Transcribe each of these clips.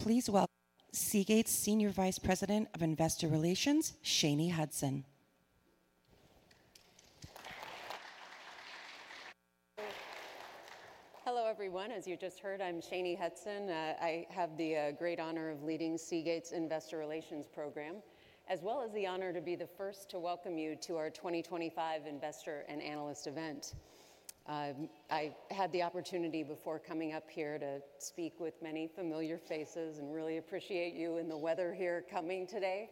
Please welcome Seagate's Senior Vice President of Investor Relations, Shanye Hudson. Hello everyone. As you just heard, I'm Shanye Hudson. I have the great honor of leading Seagate's Investor Relations program, as well as the honor to be the first to welcome you to our 2025 Investor and Analyst event. I had the opportunity before coming up here to speak with many familiar faces and really appreciate you and the weather here coming today.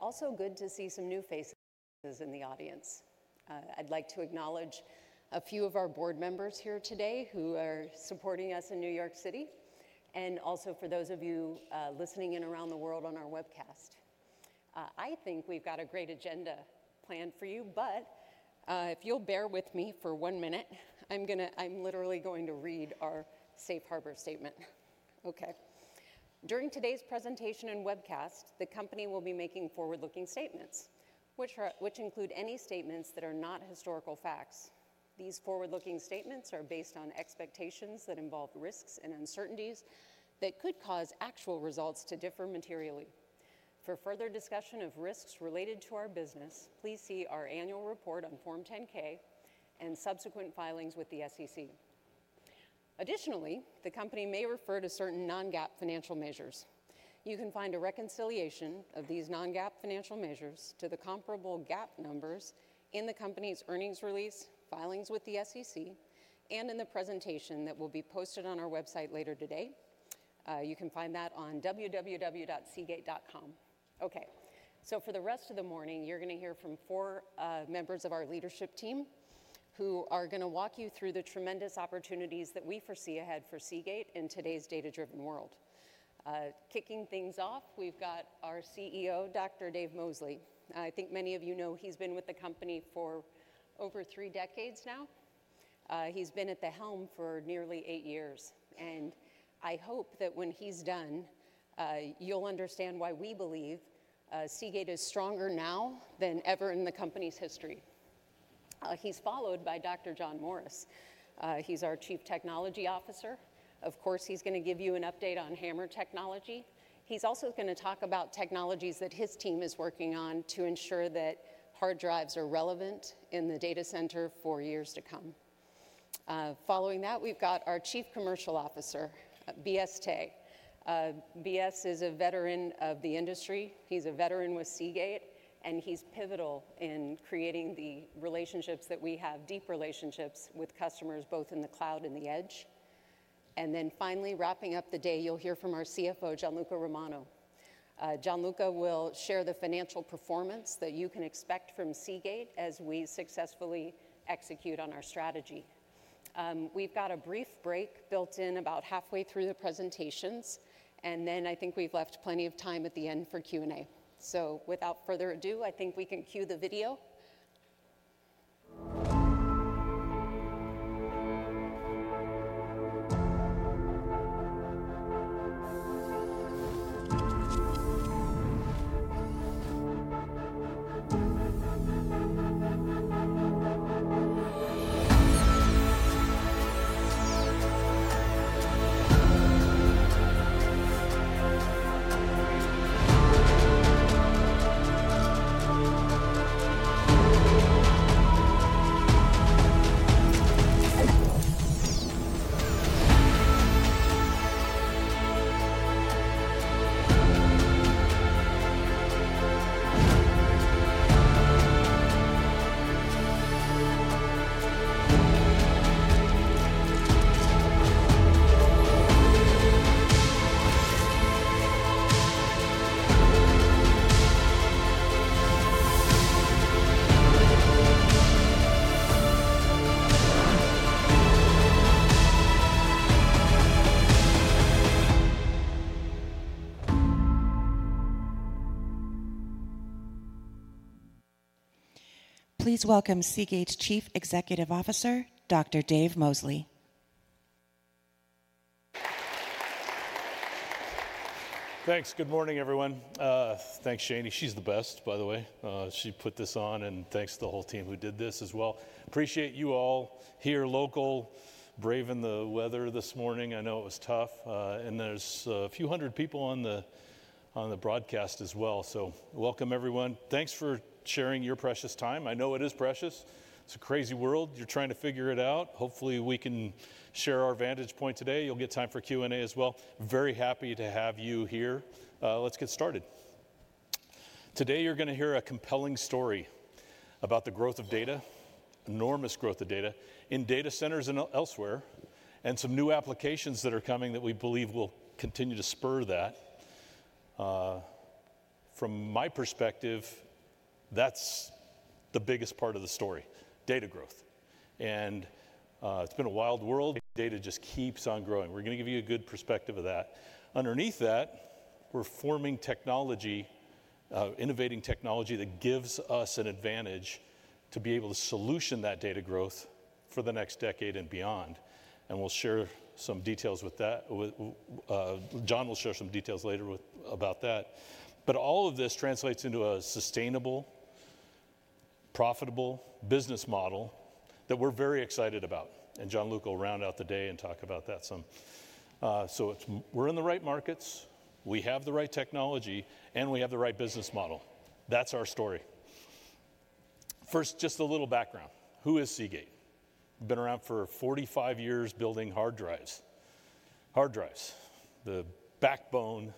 Also, good to see some new faces in the audience. I'd like to acknowledge a few of our board members here today who are supporting us in New York City, and also for those of you listening in around the world on our webcast. I think we've got a great agenda planned for you, but if you'll bear with me for one minute, I'm literally going to read our Safe Harbor Statement. Okay. During today's presentation and webcast, the company will be making forward-looking statements, which include any statements that are not historical facts. These forward-looking statements are based on expectations that involve risks and uncertainties that could cause actual results to differ materially. For further discussion of risks related to our business, please see our annual report on Form 10-K and subsequent filings with the SEC. Additionally, the company may refer to certain non-GAAP financial measures. You can find a reconciliation of these non-GAAP financial measures to the comparable GAAP numbers in the company's earnings release, filings with the SEC, and in the presentation that will be posted on our website later today. You can find that on www.seagate.com. Okay. For the rest of the morning, you're going to hear from four members of our leadership team who are going to walk you through the tremendous opportunities that we foresee ahead for Seagate in today's data-driven world. Kicking things off, we've got our CEO, Dr. Dave Mosley. I think many of you know he's been with the company for over three decades now. He's been at the helm for nearly eight years, and I hope that when he's done, you'll understand why we believe Seagate is stronger now than ever in the company's history. He's followed by Dr. John Morris. He's our Chief Technology Officer. Of course, he's going to give you an update on HAMR technology. He's also going to talk about technologies that his team is working on to ensure that hard drives are relevant in the data center for years to come. Following that, we've got our Chief Commercial Officer, B.S. Teh. B.S. is a veteran of the industry. He's a veteran with Seagate, and he's pivotal in creating the relationships that we have, deep relationships with customers both in the cloud and the edge. Finally, wrapping up the day, you'll hear from our CFO, Gianluca Romano. Gianluca will share the financial performance that you can expect from Seagate as we successfully execute on our strategy. We've got a brief break built in about halfway through the presentations, and I think we've left plenty of time at the end for Q&A. Without further ado, I think we can cue the video. Please welcome Seagate's Chief Executive Officer, Dr. Dave Mosley. Thanks. Good morning, everyone. Thanks, Shanye. She's the best, by the way. She put this on, and thanks to the whole team who did this as well. Appreciate you all here, local, brave in the weather this morning. I know it was tough. There are a few hundred people on the broadcast as well. Welcome, everyone. Thanks for sharing your precious time. I know it is precious. It's a crazy world. You're trying to figure it out. Hopefully, we can share our vantage point today. You'll get time for Q&A as well. Very happy to have you here. Let's get started. Today, you're going to hear a compelling story about the growth of data, enormous growth of data in data centers and elsewhere, and some new applications that are coming that we believe will continue to spur that. From my perspective, that's the biggest part of the story, data growth. It's been a wild world. Data just keeps on growing. We're going to give you a good perspective of that. Underneath that, we're forming technology, innovating technology that gives us an advantage to be able to solution that data growth for the next decade and beyond. We'll share some details with that. John will share some details later about that. All of this translates into a sustainable, profitable business model that we're very excited about. Gianluca will round out the day and talk about that some. We're in the right markets, we have the right technology, and we have the right business model. That's our story. First, just a little background. Who is Seagate? We've been around for 45 years building hard drives. Hard drives, the backbone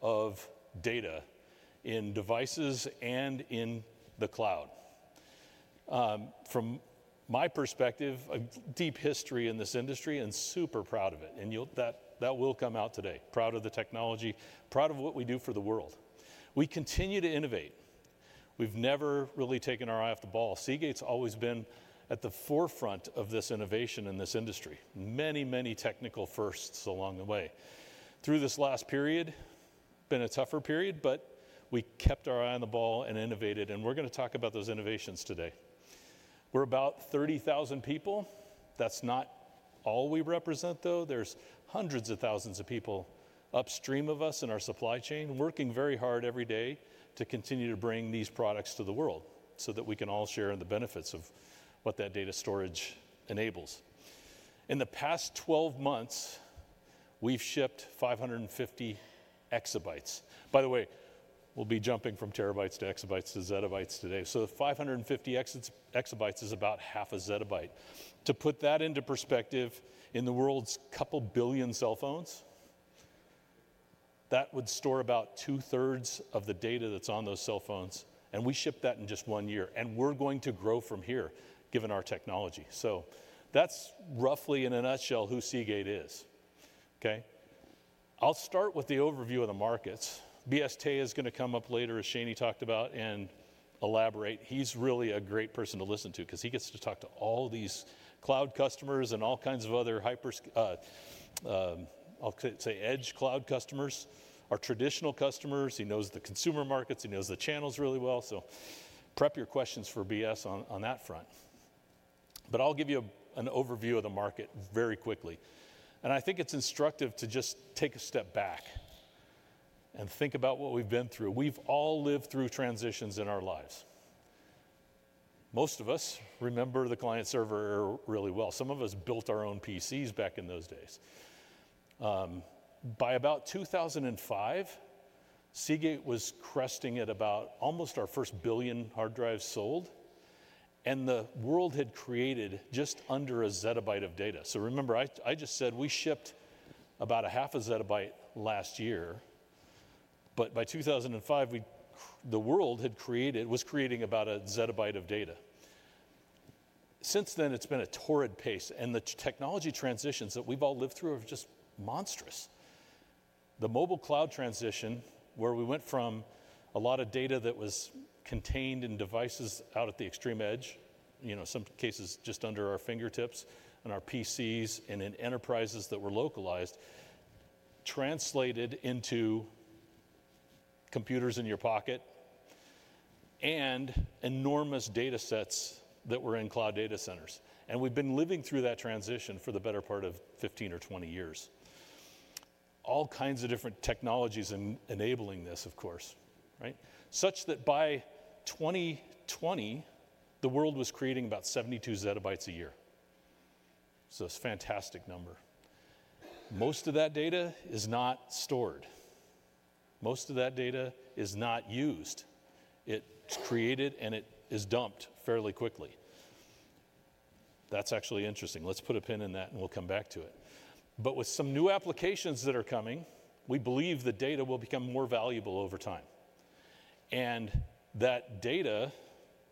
of data in devices and in the cloud. From my perspective, a deep history in this industry and super proud of it. That will come out today. Proud of the technology, proud of what we do for the world. We continue to innovate. We've never really taken our eye off the ball. Seagate's always been at the forefront of this innovation in this industry. Many, many technical firsts along the way. Through this last period, it's been a tougher period, but we kept our eye on the ball and innovated, and we're going to talk about those innovations today. We're about 30,000 people. That's not all we represent, though. There's hundreds of thousands of people upstream of us in our supply chain working very hard every day to continue to bring these products to the world so that we can all share in the benefits of what that data storage enables. In the past 12 months, we have shipped 550 EB. By the way, we will be jumping from terabytes to exabytes to zettabytes today. So 550 EB is about half a zettabyte. To put that into perspective, in the world's couple billion cell phones, that would store about two-thirds of the data that is on those cell phones. We shipped that in just one year. We are going to grow from here, given our technology. That is roughly, in a nutshell, who Seagate is. Okay. I will start with the overview of the markets. B.S. Teh is going to come up later, as Shanye talked about, and elaborate. He's really a great person to listen to because he gets to talk to all these cloud customers and all kinds of other hyper, I'll say, edge cloud customers, our traditional customers. He knows the consumer markets. He knows the channels really well. Prep your questions for B.S. on that front. I will give you an overview of the market very quickly. I think it's instructive to just take a step back and think about what we've been through. We've all lived through transitions in our lives. Most of us remember the client server really well. Some of us built our own PCs back in those days. By about 2005, Seagate was cresting at about almost our first billion hard drives sold. The world had created just under a zettabyte of data. Remember, I just said we shipped about a half a zettabyte last year. By 2005, the world was creating about a zettabyte of data. Since then, it's been a torrid pace. The technology transitions that we've all lived through are just monstrous. The mobile cloud transition, where we went from a lot of data that was contained in devices out at the extreme edge, in some cases just under our fingertips, on our PCs and in enterprises that were localized, translated into computers in your pocket and enormous data sets that were in cloud data centers. We've been living through that transition for the better part of 15 or 20 years. All kinds of different technologies enabling this, of course, right? Such that by 2020, the world was creating about 72 ZB a year. It's a fantastic number. Most of that data is not stored. Most of that data is not used. It's created and it is dumped fairly quickly. That's actually interesting. Let's put a pin in that and we'll come back to it. With some new applications that are coming, we believe the data will become more valuable over time. That data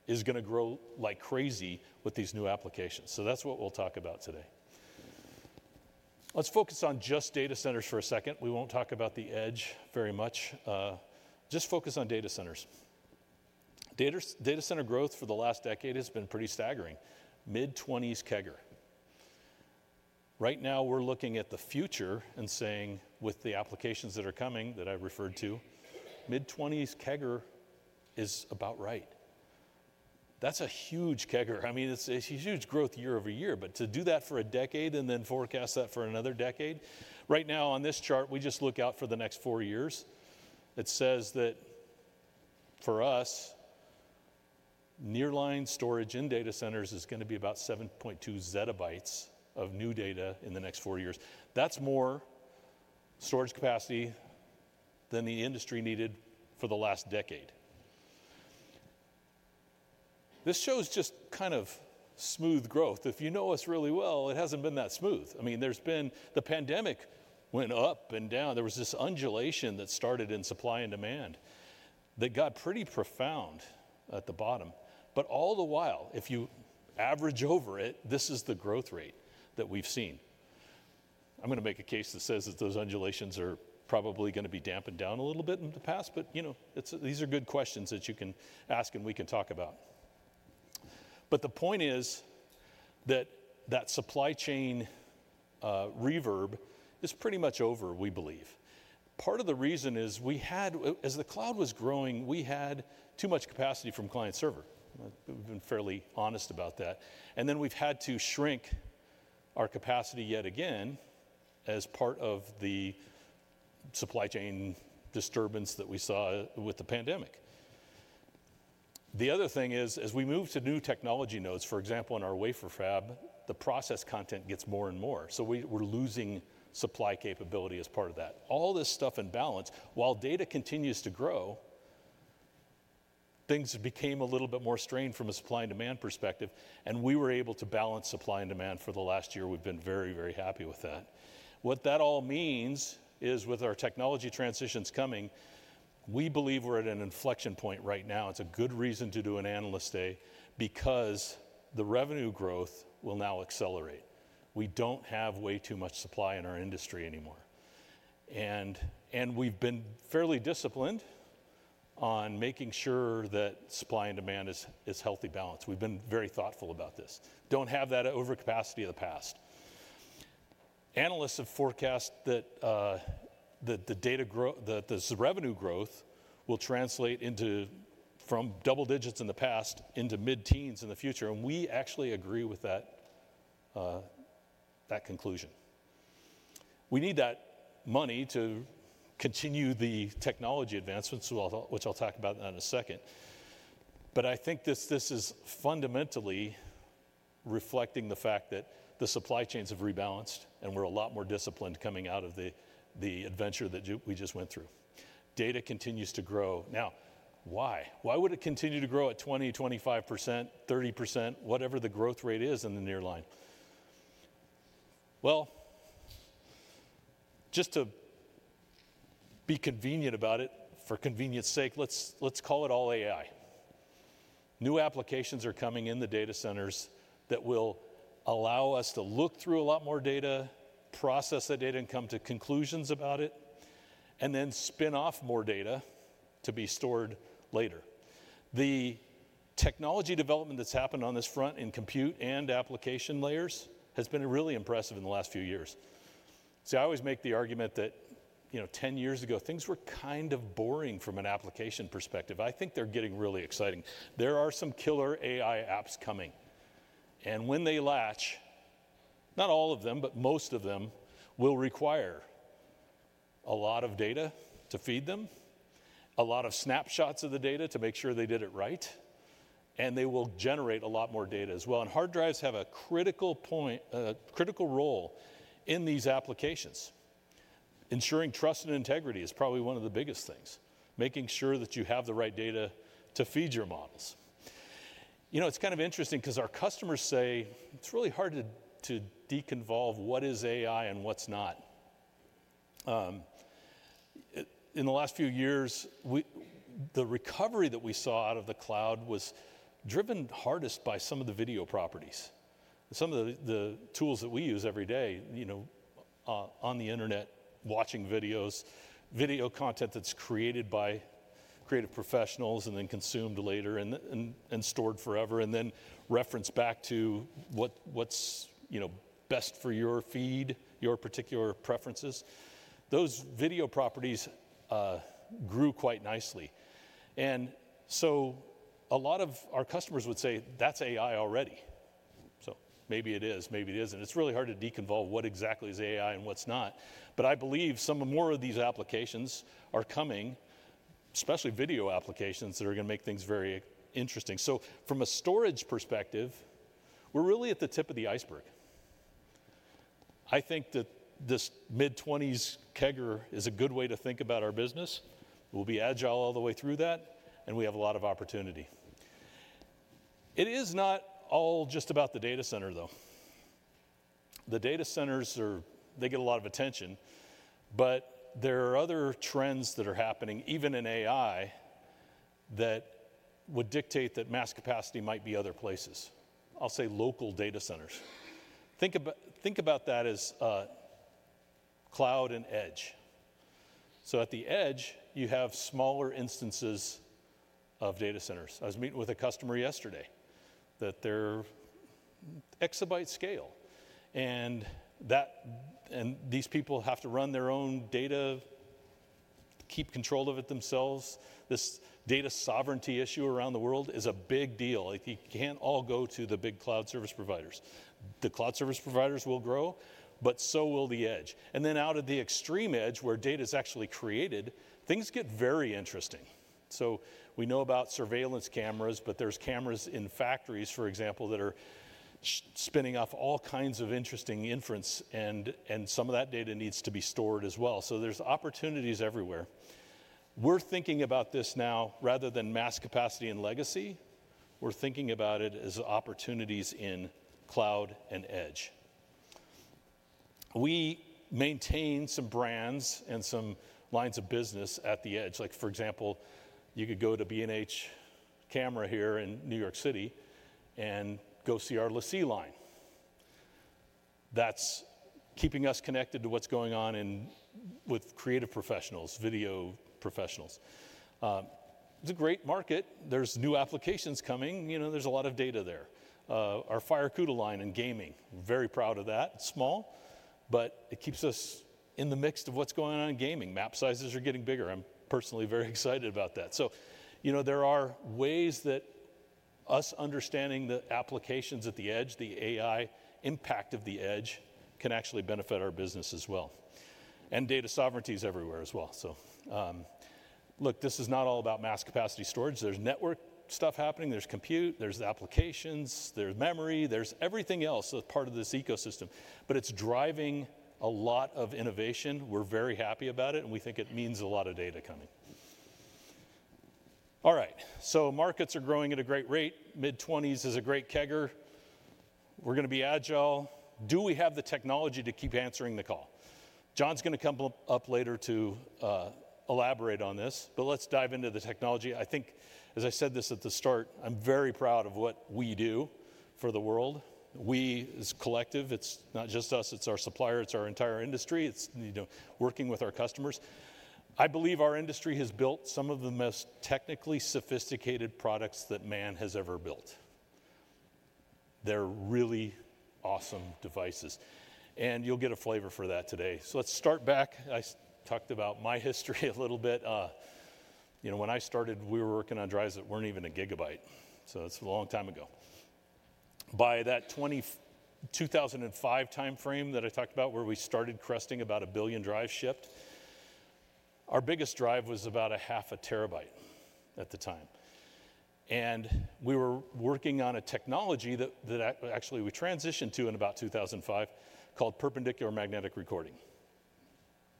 is going to grow like crazy with these new applications. That's what we'll talk about today. Let's focus on just data centers for a second. We won't talk about the edge very much. Just focus on data centers. Data center growth for the last decade has been pretty staggering. Mid-20s CAGR. Right now, we're looking at the future and saying, with the applications that are coming that I referred to, mid-20s CAGR is about right. That's a huge CAGR. I mean, it's a huge growth year over year. To do that for a decade and then forecast that for another decade? Right now, on this chart, we just look out for the next four years. It says that for us, nearline storage in data centers is going to be about 7.2 ZB of new data in the next four years. That's more storage capacity than the industry needed for the last decade. This shows just kind of smooth growth. If you know us really well, it hasn't been that smooth. I mean, there's been the pandemic went up and down. There was this undulation that started in supply and demand that got pretty profound at the bottom. All the while, if you average over it, this is the growth rate that we've seen. I'm going to make a case that says that those undulations are probably going to be dampened down a little bit in the past. These are good questions that you can ask and we can talk about. The point is that that supply chain reverb is pretty much over, we believe. Part of the reason is we had, as the cloud was growing, too much capacity from client server. We have been fairly honest about that. Then we had to shrink our capacity yet again as part of the supply chain disturbance that we saw with the pandemic. The other thing is, as we move to new technology nodes, for example, in our wafer fab, the process content gets more and more. We are losing supply capability as part of that. All this stuff in balance, while data continues to grow, things became a little bit more strained from a supply and demand perspective. We were able to balance supply and demand for the last year. We've been very, very happy with that. What that all means is, with our technology transitions coming, we believe we're at an inflection point right now. It's a good reason to do an analyst day because the revenue growth will now accelerate. We don't have way too much supply in our industry anymore. We've been fairly disciplined on making sure that supply and demand is healthy balance. We've been very thoughtful about this. Don't have that overcapacity of the past. Analysts have forecast that the revenue growth will translate from double digits in the past into mid-teens in the future. We actually agree with that conclusion. We need that money to continue the technology advancements, which I'll talk about in a second. I think this is fundamentally reflecting the fact that the supply chains have rebalanced and we're a lot more disciplined coming out of the adventure that we just went through. Data continues to grow. Now, why? Why would it continue to grow at 20%, 25%, 30%, whatever the growth rate is in the nearline? Just to be convenient about it, for convenience's sake, let's call it all AI. New applications are coming in the data centers that will allow us to look through a lot more data, process that data, and come to conclusions about it, and then spin off more data to be stored later. The technology development that's happened on this front in compute and application layers has been really impressive in the last few years. See, I always make the argument that 10 years ago, things were kind of boring from an application perspective. I think they're getting really exciting. There are some killer AI apps coming. When they latch, not all of them, but most of them will require a lot of data to feed them, a lot of snapshots of the data to make sure they did it right. They will generate a lot more data as well. Hard drives have a critical role in these applications. Ensuring trust and integrity is probably one of the biggest things, making sure that you have the right data to feed your models. It's kind of interesting because our customers say it's really hard to deconvolve what is AI and what's not. In the last few years, the recovery that we saw out of the cloud was driven hardest by some of the video properties, some of the tools that we use every day on the internet, watching videos, video content that's created by creative professionals and then consumed later and stored forever, and then referenced back to what's best for your feed, your particular preferences. Those video properties grew quite nicely. A lot of our customers would say, "That's AI already." Maybe it is, maybe it isn't. It's really hard to deconvolve what exactly is AI and what's not. I believe some more of these applications are coming, especially video applications that are going to make things very interesting. From a storage perspective, we're really at the tip of the iceberg. I think that this mid-2020s CAGR is a good way to think about our business. We'll be agile all the way through that, and we have a lot of opportunity. It is not all just about the data center, though. The data centers, they get a lot of attention. There are other trends that are happening, even in AI, that would dictate that mass capacity might be other places. I'll say local data centers. Think about that as cloud and edge. At the edge, you have smaller instances of data centers. I was meeting with a customer yesterday that they're exabyte scale. These people have to run their own data, keep control of it themselves. This data sovereignty issue around the world is a big deal. You can't all go to the big cloud service providers. The cloud service providers will grow, but so will the edge. Out at the extreme edge, where data is actually created, things get very interesting. We know about surveillance cameras, but there are cameras in factories, for example, that are spinning off all kinds of interesting inference. Some of that data needs to be stored as well. There are opportunities everywhere. We are thinking about this now, rather than mass capacity and legacy, as opportunities in cloud and edge. We maintain some brands and some lines of business at the edge. For example, you could go to B&H Camera here in New York City and go see our LaCie line. That is keeping us connected to what is going on with creative professionals, video professionals. It is a great market. There are new applications coming. There is a lot of data there. Our FireCuda line in gaming, very proud of that. It's small, but it keeps us in the mix of what's going on in gaming. Map sizes are getting bigger. I'm personally very excited about that. There are ways that us understanding the applications at the edge, the AI impact of the edge can actually benefit our business as well. Data sovereignty is everywhere as well. Look, this is not all about mass capacity storage. There's network stuff happening. There's compute. There's applications. There's memory. There's everything else as part of this ecosystem. It's driving a lot of innovation. We're very happy about it. We think it means a lot of data coming. All right. Markets are growing at a great rate. Mid-2020s is a great CAGR. We're going to be agile. Do we have the technology to keep answering the call? John's going to come up later to elaborate on this. Let's dive into the technology. I think, as I said this at the start, I'm very proud of what we do for the world. We as a collective, it's not just us. It's our supplier. It's our entire industry. It's working with our customers. I believe our industry has built some of the most technically sophisticated products that man has ever built. They're really awesome devices. You'll get a flavor for that today. Let's start back. I talked about my history a little bit. When I started, we were working on drives that weren't even a gigabyte. That's a long time ago. By that 2005 timeframe that I talked about, where we started cresting about a billion drives shipped, our biggest drive was about a half a terabyte at the time. We were working on a technology that actually we transitioned to in about 2005 called perpendicular magnetic recording.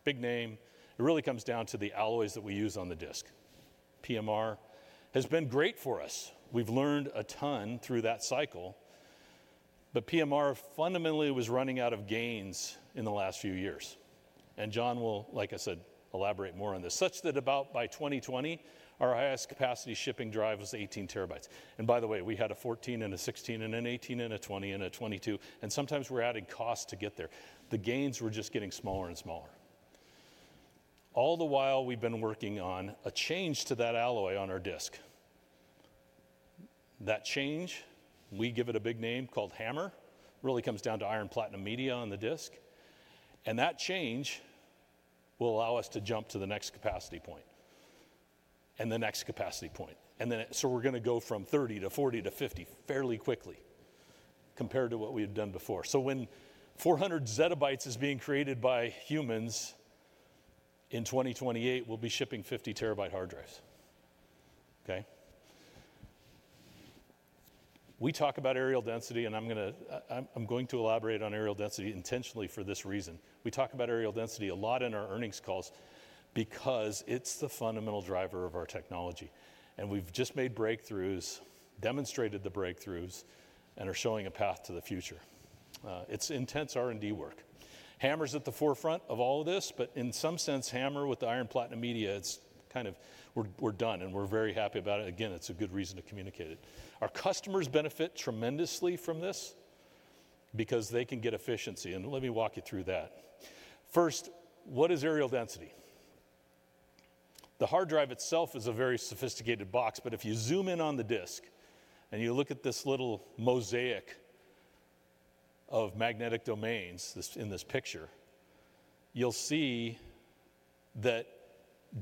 Big name. It really comes down to the alloys that we use on the disk. PMR has been great for us. We've learned a ton through that cycle. PMR fundamentally was running out of gains in the last few years. John will, like I said, elaborate more on this, such that about by 2020, our highest capacity shipping drive was 18 TB. By the way, we had a 14 and a 16 and an 18 and a 20 and a 22. Sometimes we're adding cost to get there. The gains were just getting smaller and smaller. All the while, we've been working on a change to that alloy on our disk. That change, we give it a big name called HAMR. It really comes down to iron-platinum media on the disk. That change will allow us to jump to the next capacity point and the next capacity point. We are going to go from 30 to 40 to 50 fairly quickly compared to what we have done before. When 400 ZB is being created by humans in 2028, we will be shipping 50 TB hard drives. Okay? We talk about aerial density, and I am going to elaborate on aerial density intentionally for this reason. We talk about aerial density a lot in our earnings calls because it is the fundamental driver of our technology. We have just made breakthroughs, demonstrated the breakthroughs, and are showing a path to the future. It is intense R&D work. HAMR's at the forefront of all of this, but in some sense, HAMR with the iron platinum media, it's kind of we're done, and we're very happy about it. Again, it's a good reason to communicate it. Our customers benefit tremendously from this because they can get efficiency. Let me walk you through that. First, what is aerial density? The hard drive itself is a very sophisticated box. If you zoom in on the disk and you look at this little mosaic of magnetic domains in this picture, you'll see that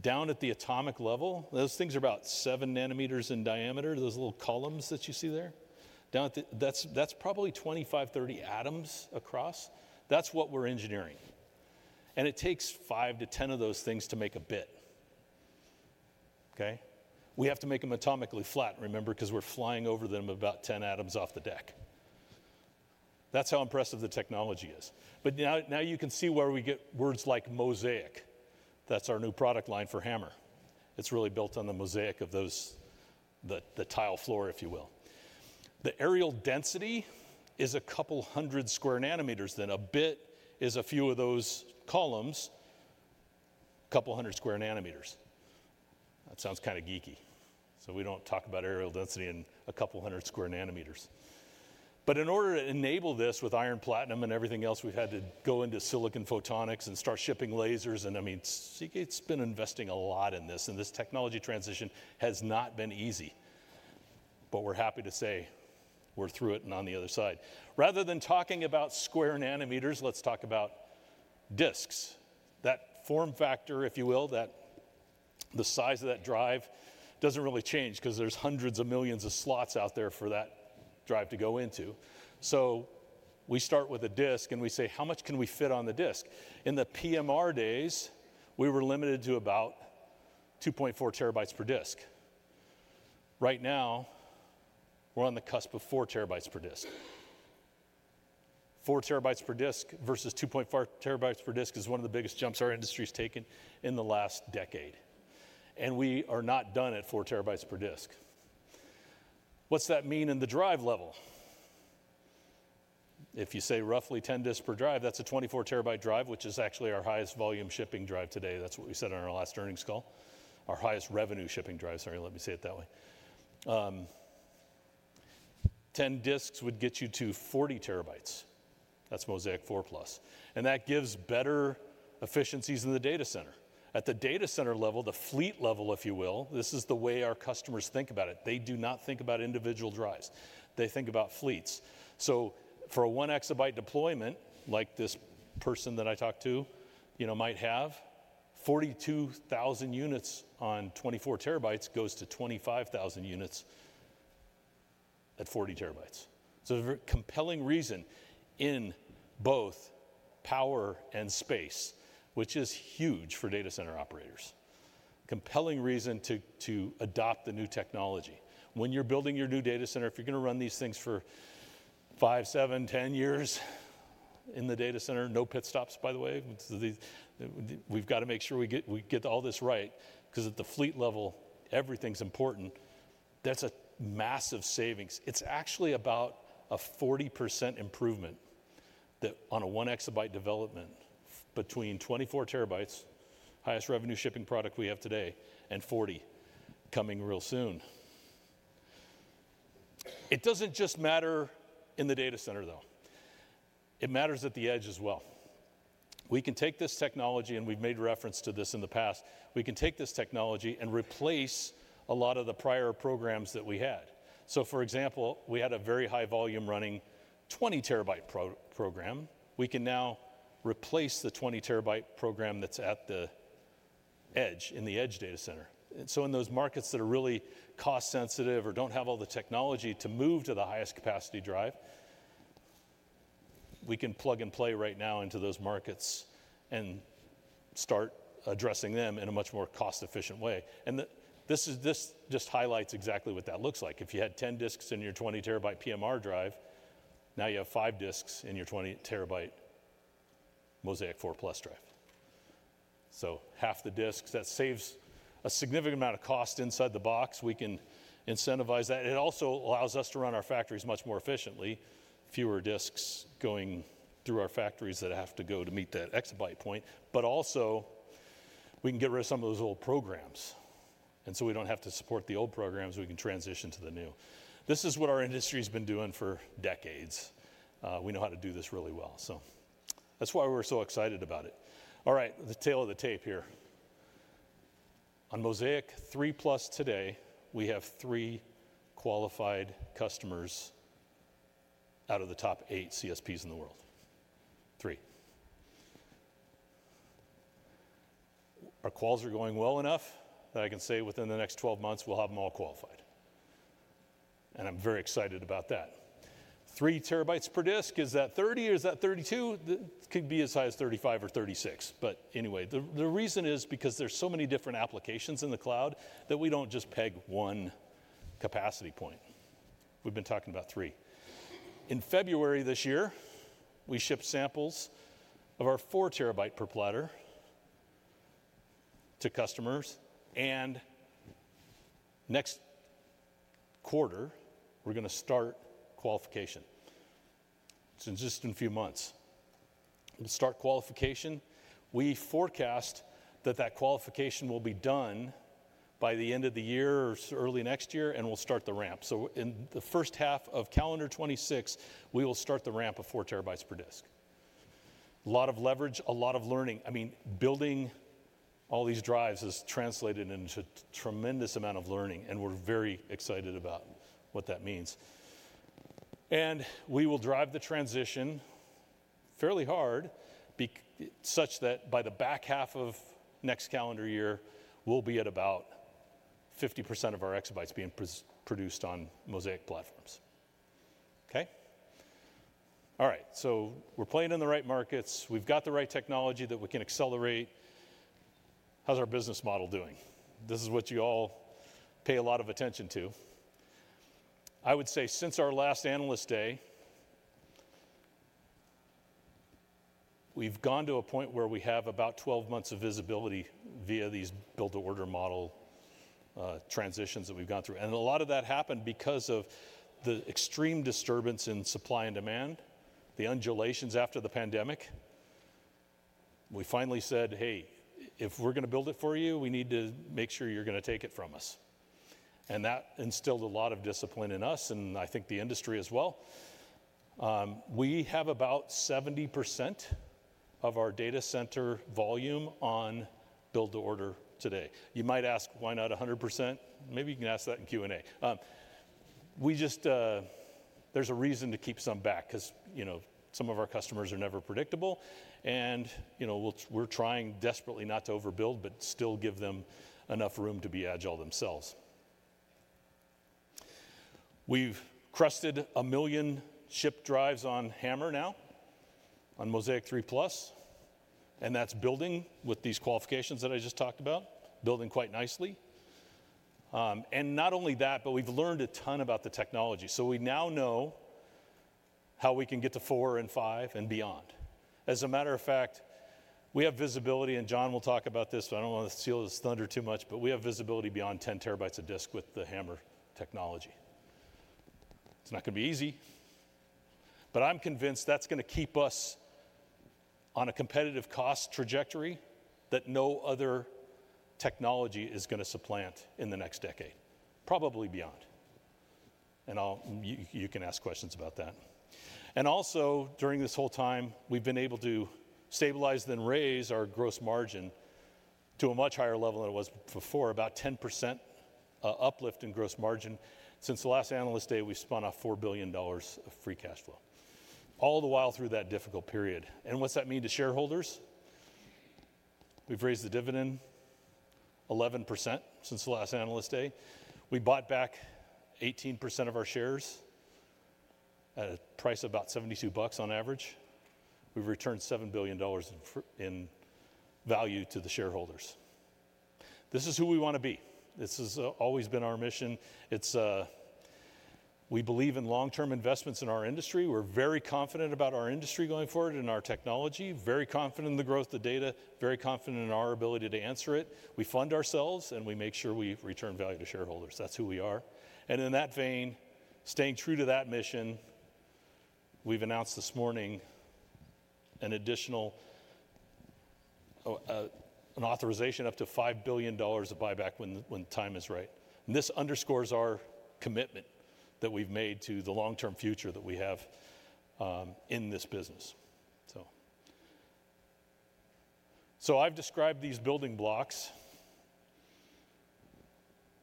down at the atomic level, those things are about 7 nm in diameter. Those little columns that you see there, that's probably 25-30 atoms across. That's what we're engineering. It takes five to 10 of those things to make a bit. Okay? We have to make them atomically flat, remember, because we're flying over them about 10 atoms off the deck. That is how impressive the technology is. Now you can see where we get words like Mozaic. That is our new product line for HAMR. It is really built on the mosaic of the tile floor, if you will. The aerial density is a couple hundred square nanometers then. A bit is a few of those columns, a couple hundred sq nm. That sounds kind of geeky. We do not talk about aerial density in a couple hundred sq nm. In order to enable this with iron platinum and everything else, we have had to go into silicon photonics and start shipping lasers. I mean, Seagate's been investing a lot in this. This technology transition has not been easy. We're happy to say we're through it and on the other side. Rather than talking about square nanometers, let's talk about disks. That form factor, if you will, the size of that drive does not really change because there are hundreds of millions of slots out there for that drive to go into. We start with a disk, and we say, "How much can we fit on the disk?" In the PMR days, we were limited to about 2.4 TB per disk. Right now, we're on the cusp of 4 TB per disk. 4 TB per disk versus 2.4 TB per disk is one of the biggest jumps our industry's taken in the last decade. We are not done at 4 TB per disk. What's that mean in the drive level? If you say roughly 10 disks per drive, that's a 24 TB drive, which is actually our highest volume shipping drive today. That's what we said on our last earnings call. Our highest revenue shipping drive, sorry, let me say it that way. 10 disks would get you to 40 TB. That's Mozaic 4+. That gives better efficiencies in the data center. At the data center level, the fleet level, if you will, this is the way our customers think about it. They do not think about individual drives. They think about fleets. For a 1 EB deployment, like this person that I talked to might have, 42,000 units on 24 TB goes to 25,000 units at 40 TB. There is a very compelling reason in both power and space, which is huge for data center operators. Compelling reason to adopt the new technology. When you're building your new data center, if you're going to run these things for five, seven, ten years in the data center, no pit stops, by the way. We've got to make sure we get all this right because at the fleet level, everything's important. That's a massive savings. It's actually about a 40% improvement on a 1 EB development between 24 TB, highest revenue shipping product we have today, and 40 coming real soon. It doesn't just matter in the data center, though. It matters at the edge as well. We can take this technology, and we've made reference to this in the past. We can take this technology and replace a lot of the prior programs that we had. For example, we had a very high volume running 20 TB program. We can now replace the 20 TB program that's at the edge in the edge data center. In those markets that are really cost-sensitive or do not have all the technology to move to the highest capacity drive, we can plug and play right now into those markets and start addressing them in a much more cost-efficient way. This just highlights exactly what that looks like. If you had 10 disks in your 20 TB PMR drive, now you have 5 disks in your 20 TB Mozaic 4+ drive. Half the disks. That saves a significant amount of cost inside the box. We can incentivize that. It also allows us to run our factories much more efficiently, fewer disks going through our factories that have to go to meet that exabyte point. We can get rid of some of those old programs. We do not have to support the old programs. We can transition to the new. This is what our industry has been doing for decades. We know how to do this really well. That is why we are so excited about it. All right, the tail of the tape here. On Mozaic 3+ today, we have three qualified customers out of the top eight CSPs in the world. Three. Our calls are going well enough that I can say within the next 12 months, we will have them all qualified. I am very excited about that. 3 TB per disk, is that 30 or is that 32? It could be as high as 35 or 36. Anyway, the reason is because there are so many different applications in the cloud that we do not just peg one capacity point. We have been talking about three. In February this year, we shipped samples of our 4 TB per platter to customers. Next quarter, we're going to start qualification. It's in just a few months. We'll start qualification. We forecast that that qualification will be done by the end of the year or early next year, and we'll start the ramp. In the first half of calendar 2026, we will start the ramp of 4 TB per disk. A lot of leverage, a lot of learning. I mean, building all these drives has translated into a tremendous amount of learning, and we're very excited about what that means. We will drive the transition fairly hard such that by the back half of next calendar year, we'll be at about 50% of our exabyte being produced on Mozaic platforms. Okay? All right. We're playing in the right markets. We've got the right technology that we can accelerate. How's our business model doing? This is what you all pay a lot of attention to. I would say since our last analyst day, we've gone to a point where we have about 12 months of visibility via these build-to-order model transitions that we've gone through. A lot of that happened because of the extreme disturbance in supply and demand, the undulations after the pandemic. We finally said, "Hey, if we're going to build it for you, we need to make sure you're going to take it from us." That instilled a lot of discipline in us and I think the industry as well. We have about 70% of our data center volume on build-to-order today. You might ask, "Why not 100%?" Maybe you can ask that in Q&A. There's a reason to keep some back because some of our customers are never predictable. We're trying desperately not to overbuild, but still give them enough room to be agile themselves. We've crested a million shipped drives on HAMR now, on Mozaic 3+. That's building with these qualifications that I just talked about, building quite nicely. Not only that, but we've learned a ton about the technology. We now know how we can get to 4 and 5 and beyond. As a matter of fact, we have visibility, and John will talk about this, but I don't want to steal his thunder too much, but we have visibility beyond 10 TB of disk with the HAMR technology. It's not going to be easy, but I'm convinced that's going to keep us on a competitive cost trajectory that no other technology is going to supplant in the next decade, probably beyond. You can ask questions about that. Also, during this whole time, we've been able to stabilize and raise our gross margin to a much higher level than it was before, about 10% uplift in gross margin. Since the last analyst day, we spun off $4 billion of free cash flow all the while through that difficult period. What's that mean to shareholders? We've raised the dividend 11% since the last analyst day. We bought back 18% of our shares at a price of about $72 on average. We've returned $7 billion in value to the shareholders. This is who we want to be. This has always been our mission. We believe in long-term investments in our industry. We're very confident about our industry going forward and our technology, very confident in the growth of the data, very confident in our ability to answer it. We fund ourselves, and we make sure we return value to shareholders. That's who we are. In that vein, staying true to that mission, we've announced this morning an additional authorization up to $5 billion of buyback when the time is right. This underscores our commitment that we've made to the long-term future that we have in this business. I've described these building blocks.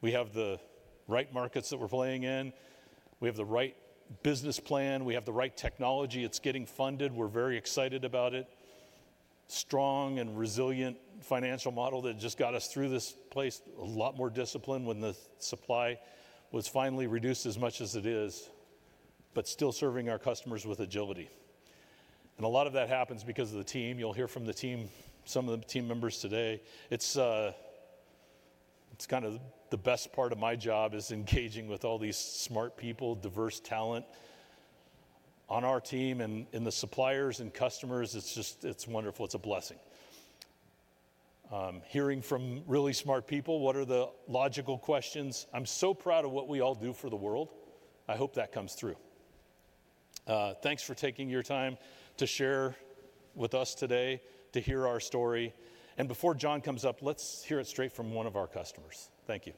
We have the right markets that we're playing in. We have the right business plan. We have the right technology. It's getting funded. We're very excited about it. Strong and resilient financial model that just got us through this place, a lot more discipline when the supply was finally reduced as much as it is, but still serving our customers with agility. A lot of that happens because of the team. You'll hear from some of the team members today. It's kind of the best part of my job is engaging with all these smart people, diverse talent on our team and in the suppliers and customers. It's wonderful. It's a blessing. Hearing from really smart people, what are the logical questions? I'm so proud of what we all do for the world. I hope that comes through. Thanks for taking your time to share with us today, to hear our story. Before John comes up, let's hear it straight from one of our customers. Thank you.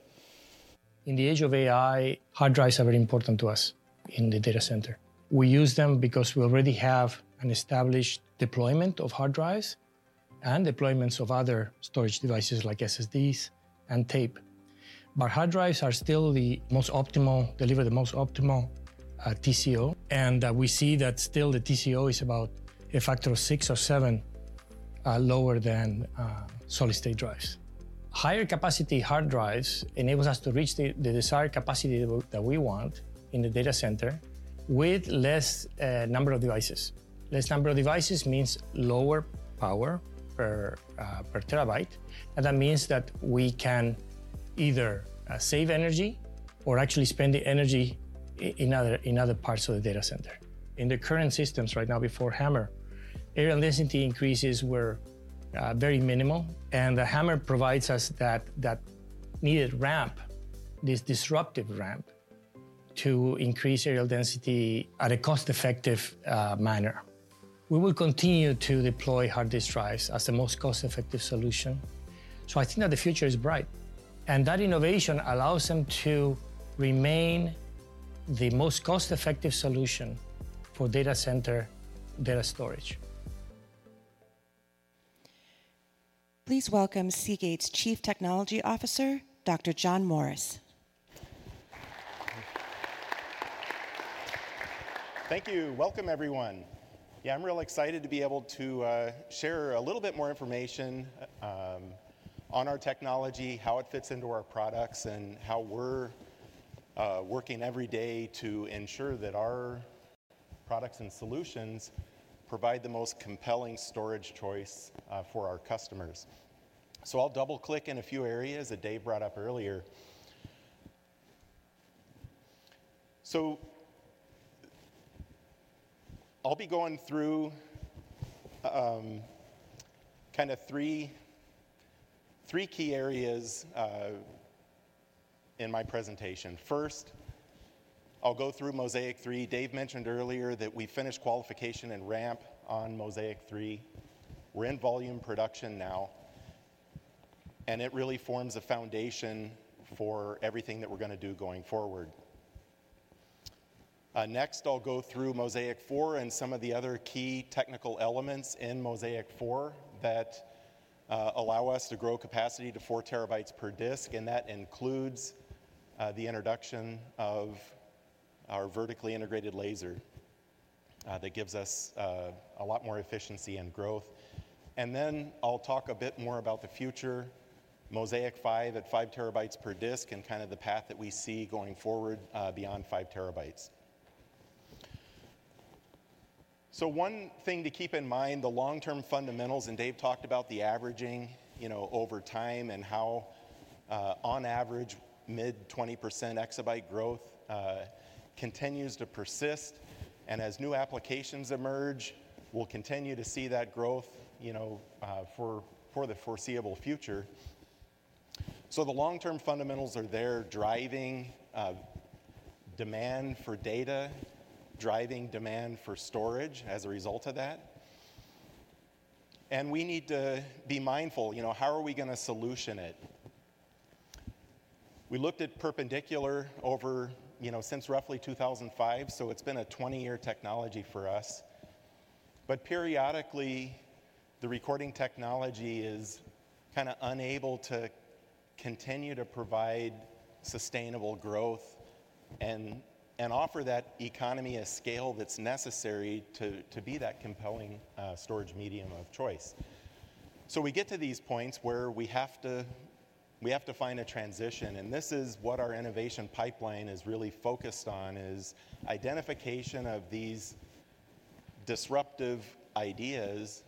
In the age of AI, hard drives are very important to us in the data center. We use them because we already have an established deployment of hard drives and deployments of other storage devices like SSDs and tape. Hard drives are still the most optimal, deliver the most optimal TCO. We see that still the TCO is about a factor of six or seven lower than solid-state drives. Higher capacity hard drives enables us to reach the desired capacity that we want in the data center with fewer devices. Fewer devices means lower power per TB. That means that we can either save energy or actually spend the energy in other parts of the data center. In the current systems right now before HAMR, aerial density increases were very minimal. The HAMR provides us that needed ramp, this disruptive ramp to increase aerial density in a cost-effective manner. We will continue to deploy hard disk drives as the most cost-effective solution. I think that the future is bright. That innovation allows them to remain the most cost-effective solution for data center data storage. Please welcome Seagate's Chief Technology Officer, Dr. John Morris. Thank you. Welcome, everyone. Yeah, I'm real excited to be able to share a little bit more information on our technology, how it fits into our products, and how we're working every day to ensure that our products and solutions provide the most compelling storage choice for our customers. I'll double-click in a few areas that Dave brought up earlier. I'll be going through kind of three key areas in my presentation. First, I'll go through Mozaic 3. Dave mentioned earlier that we finished qualification and ramp on Mozaic 3. We are in volume production now. It really forms a foundation for everything that we are going to do going forward. Next, I will go through Mozaic 4 and some of the other key technical elements in Mozaic 4 that allow us to grow capacity to 4 TB per disk. That includes the introduction of our vertically integrated laser that gives us a lot more efficiency and growth. I will talk a bit more about the future, Mozaic 5 at 5 TB per disk and kind of the path that we see going forward beyond 5 TB. One thing to keep in mind, the long-term fundamentals, and Dave talked about the averaging over time and how on average, mid-20% exabyte growth continues to persist. As new applications emerge, we'll continue to see that growth for the foreseeable future. The long-term fundamentals are there driving demand for data, driving demand for storage as a result of that. We need to be mindful. How are we going to solution it? We looked at perpendicular over since roughly 2005, so it's been a 20-year technology for us. Periodically, the recording technology is kind of unable to continue to provide sustainable growth and offer that economy of scale that's necessary to be that compelling storage medium of choice. We get to these points where we have to find a transition. This is what our innovation pipeline is really focused on, is identification of these disruptive ideas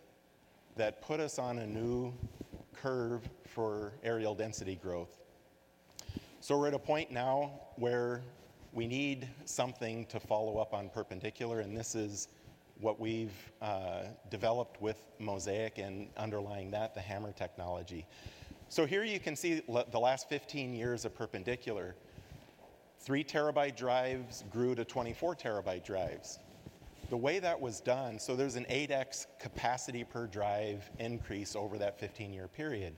that put us on a new curve for aerial density growth. We're at a point now where we need something to follow up on perpendicular, and this is what we've developed with Mozaic and underlying that, the HAMR technology. Here you can see the last 15 years of perpendicular. 3 TB drives grew to 24 TB drives. The way that was done, there's an 8x capacity per drive increase over that 15-year period.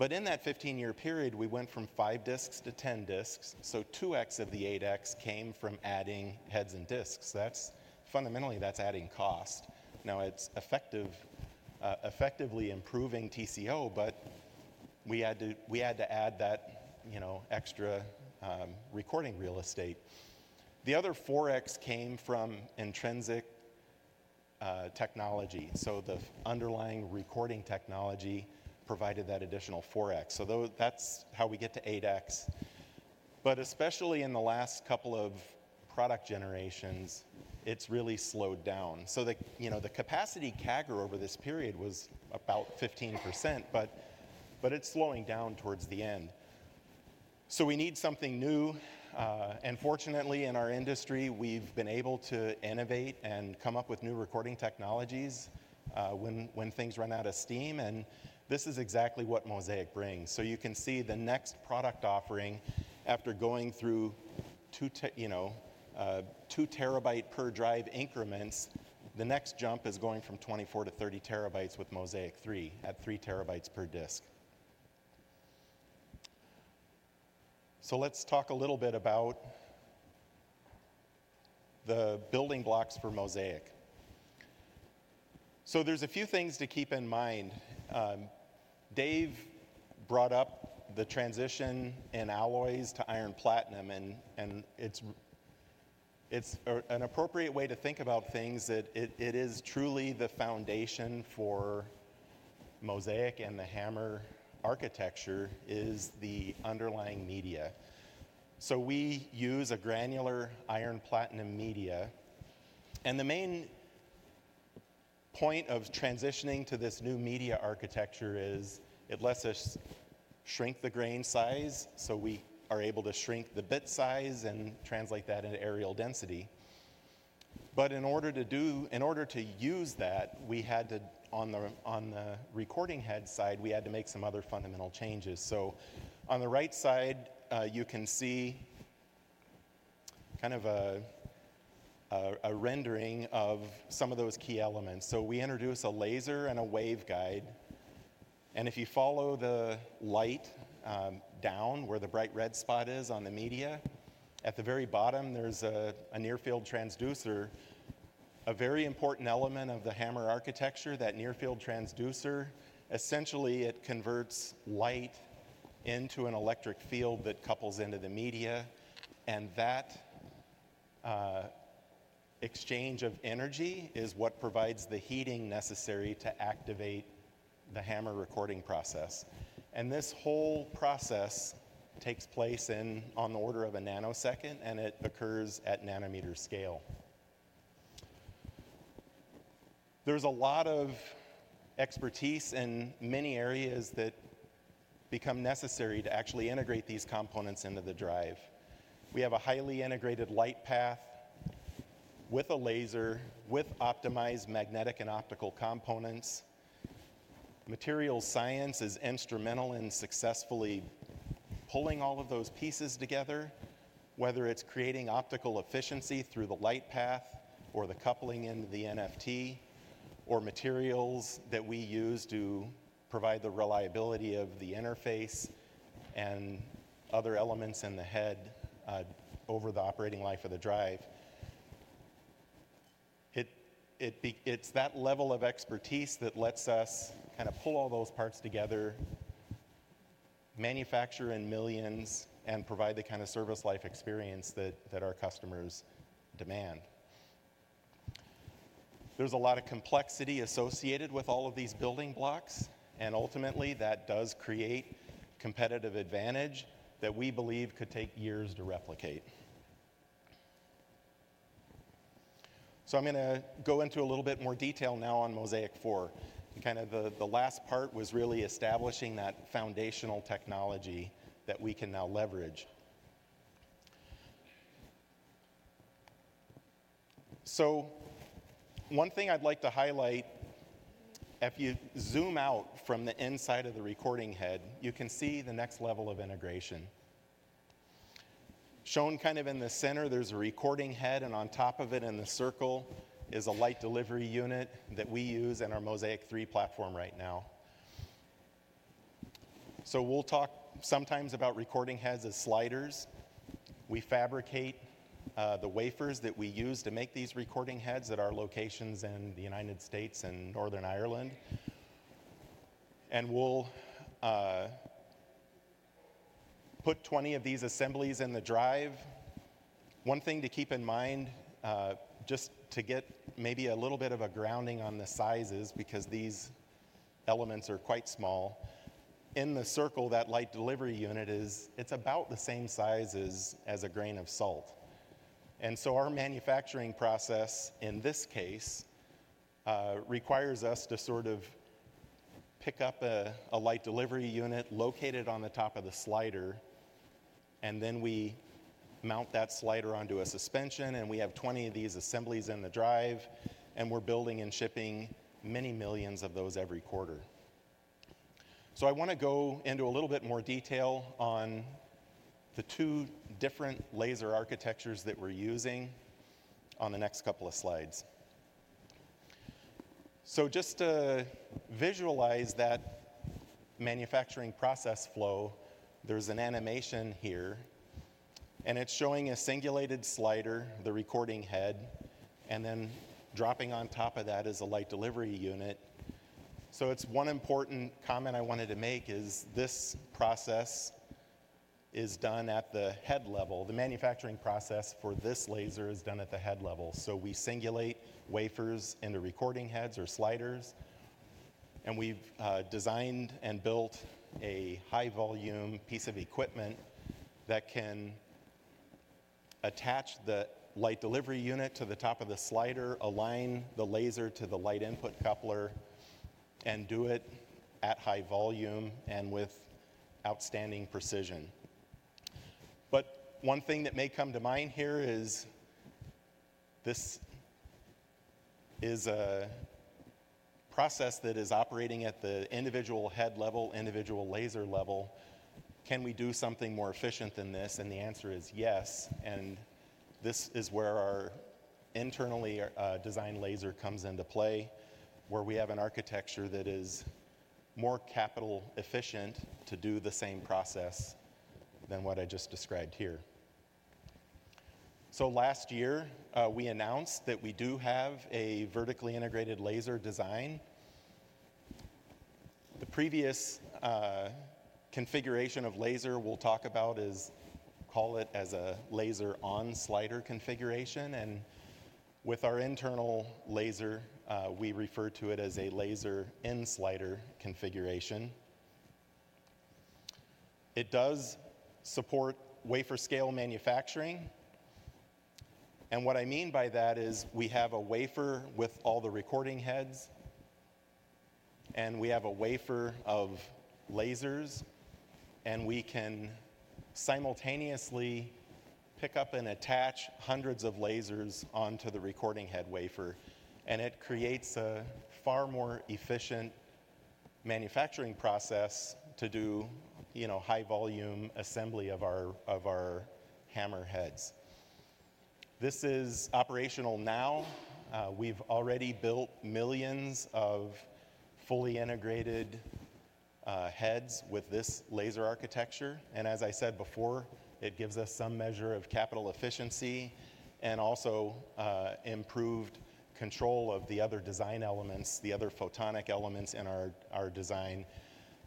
In that 15-year period, we went from 5 disks to 10 disks. 2x of the 8x came from adding heads and disks. Fundamentally, that's adding cost. Now, it's effectively improving TCO, but we had to add that extra recording real estate. The other 4x came from intrinsic technology. The underlying recording technology provided that additional 4x. That's how we get to 8x. Especially in the last couple of product generations, it's really slowed down. The capacity CAGR over this period was about 15%, but it's slowing down towards the end. We need something new. Fortunately, in our industry, we've been able to innovate and come up with new recording technologies when things run out of steam. This is exactly what Mozaic brings. You can see the next product offering after going through 2 TB per drive increments, the next jump is going from 24 TB to 30 TB with Mozaic 3 at 3 TB per disk. Let's talk a little bit about the building blocks for Mozaic. There are a few things to keep in mind. Dave brought up the transition in alloys to iron platinum, and it's an appropriate way to think about things that it is truly the foundation for Mozaic and the HAMR architecture is the underlying media. We use a granular iron platinum media. The main point of transitioning to this new media architecture is it lets us shrink the grain size. We are able to shrink the bit size and translate that into aerial density. In order to use that, on the recording head side, we had to make some other fundamental changes. On the right side, you can see kind of a rendering of some of those key elements. We introduced a laser and a wave guide. If you follow the light down where the bright red spot is on the media, at the very bottom, there is a nearfield transducer, a very important element of the HAMR architecture. That nearfield transducer, essentially, converts light into an electric field that couples into the media. That exchange of energy is what provides the heating necessary to activate the HAMR recording process. This whole process takes place on the order of a nanosecond, and it occurs at nanometer scale. There is a lot of expertise in many areas that become necessary to actually integrate these components into the drive. We have a highly integrated light path with a laser with optimized magnetic and optical components. Material science is instrumental in successfully pulling all of those pieces together, whether it is creating optical efficiency through the light path or the coupling into the NFT or materials that we use to provide the reliability of the interface and other elements in the head over the operating life of the drive. It is that level of expertise that lets us kind of pull all those parts together, manufacture in millions, and provide the kind of service life experience that our customers demand. There is a lot of complexity associated with all of these building blocks. Ultimately, that does create competitive advantage that we believe could take years to replicate. I'm going to go into a little bit more detail now on Mozaic 4. Kind of the last part was really establishing that foundational technology that we can now leverage. One thing I'd like to highlight, if you zoom out from the inside of the recording head, you can see the next level of integration. Shown kind of in the center, there's a recording head, and on top of it in the circle is a light delivery unit that we use in our Mozaic 3 platform right now. We talk sometimes about recording heads as sliders. We fabricate the wafers that we use to make these recording heads at our locations in the United States and Northern Ireland. We put 20 of these assemblies in the drive. One thing to keep in mind, just to get maybe a little bit of a grounding on the sizes, because these elements are quite small, in the circle, that light delivery unit is about the same size as a grain of salt. Our manufacturing process, in this case, requires us to sort of pick up a light delivery unit located on the top of the slider, and then we mount that slider onto a suspension. We have 20 of these assemblies in the drive, and we're building and shipping many millions of those every quarter. I want to go into a little bit more detail on the two different laser architectures that we're using on the next couple of slides. Just to visualize that manufacturing process flow, there's an animation here, and it's showing a singulated slider, the recording head, and then dropping on top of that is a light delivery unit. One important comment I wanted to make is this process is done at the head level. The manufacturing process for this laser is done at the head level. We singulate wafers into recording heads or sliders. We have designed and built a high-volume piece of equipment that can attach the light delivery unit to the top of the slider, align the laser to the light input coupler, and do it at high volume and with outstanding precision. One thing that may come to mind here is this is a process that is operating at the individual head level, individual laser level. Can we do something more efficient than this? The answer is yes. This is where our internally designed laser comes into play, where we have an architecture that is more capital efficient to do the same process than what I just described here. Last year, we announced that we do have a vertically integrated laser design. The previous configuration of laser we'll talk about is called a laser on slider configuration. With our internal laser, we refer to it as a laser in slider configuration. It does support wafer scale manufacturing. What I mean by that is we have a wafer with all the recording heads, and we have a wafer of lasers, and we can simultaneously pick up and attach hundreds of lasers onto the recording head wafer. It creates a far more efficient manufacturing process to do high-volume assembly of our HAMR heads. This is operational now. We've already built millions of fully integrated heads with this laser architecture. As I said before, it gives us some measure of capital efficiency and also improved control of the other design elements, the other photonic elements in our design.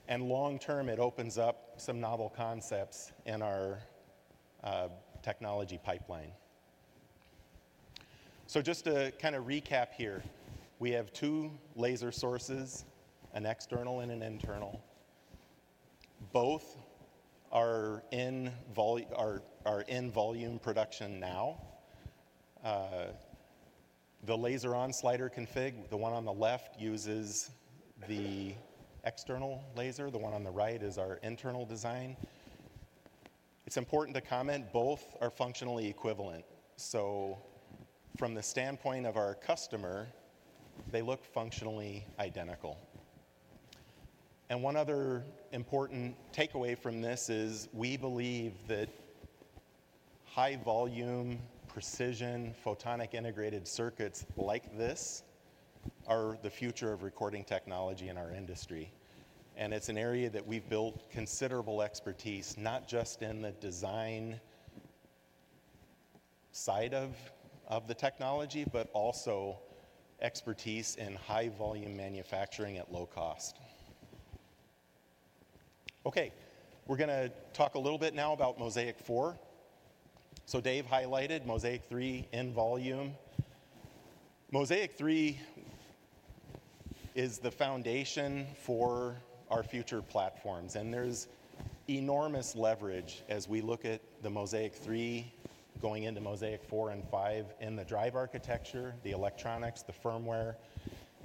Long term, it opens up some novel concepts in our technology pipeline. Just to kind of recap here, we have two laser sources, an external and an internal. Both are in volume production now. The laser on slider config, the one on the left, uses the external laser. The one on the right is our internal design. It is important to comment both are functionally equivalent. From the standpoint of our customer, they look functionally identical. One other important takeaway from this is we believe that high-volume precision photonic integrated circuits like this are the future of recording technology in our industry. It is an area that we have built considerable expertise, not just in the design side of the technology, but also expertise in high-volume manufacturing at low cost. Okay. We are going to talk a little bit now about Mozaic 4. Dave highlighted Mozaic 3 in volume. Mozaic 3 is the foundation for our future platforms. There is enormous leverage as we look at the Mozaic 3 going into Mozaic 4 and 5 in the drive architecture, the electronics, the firmware,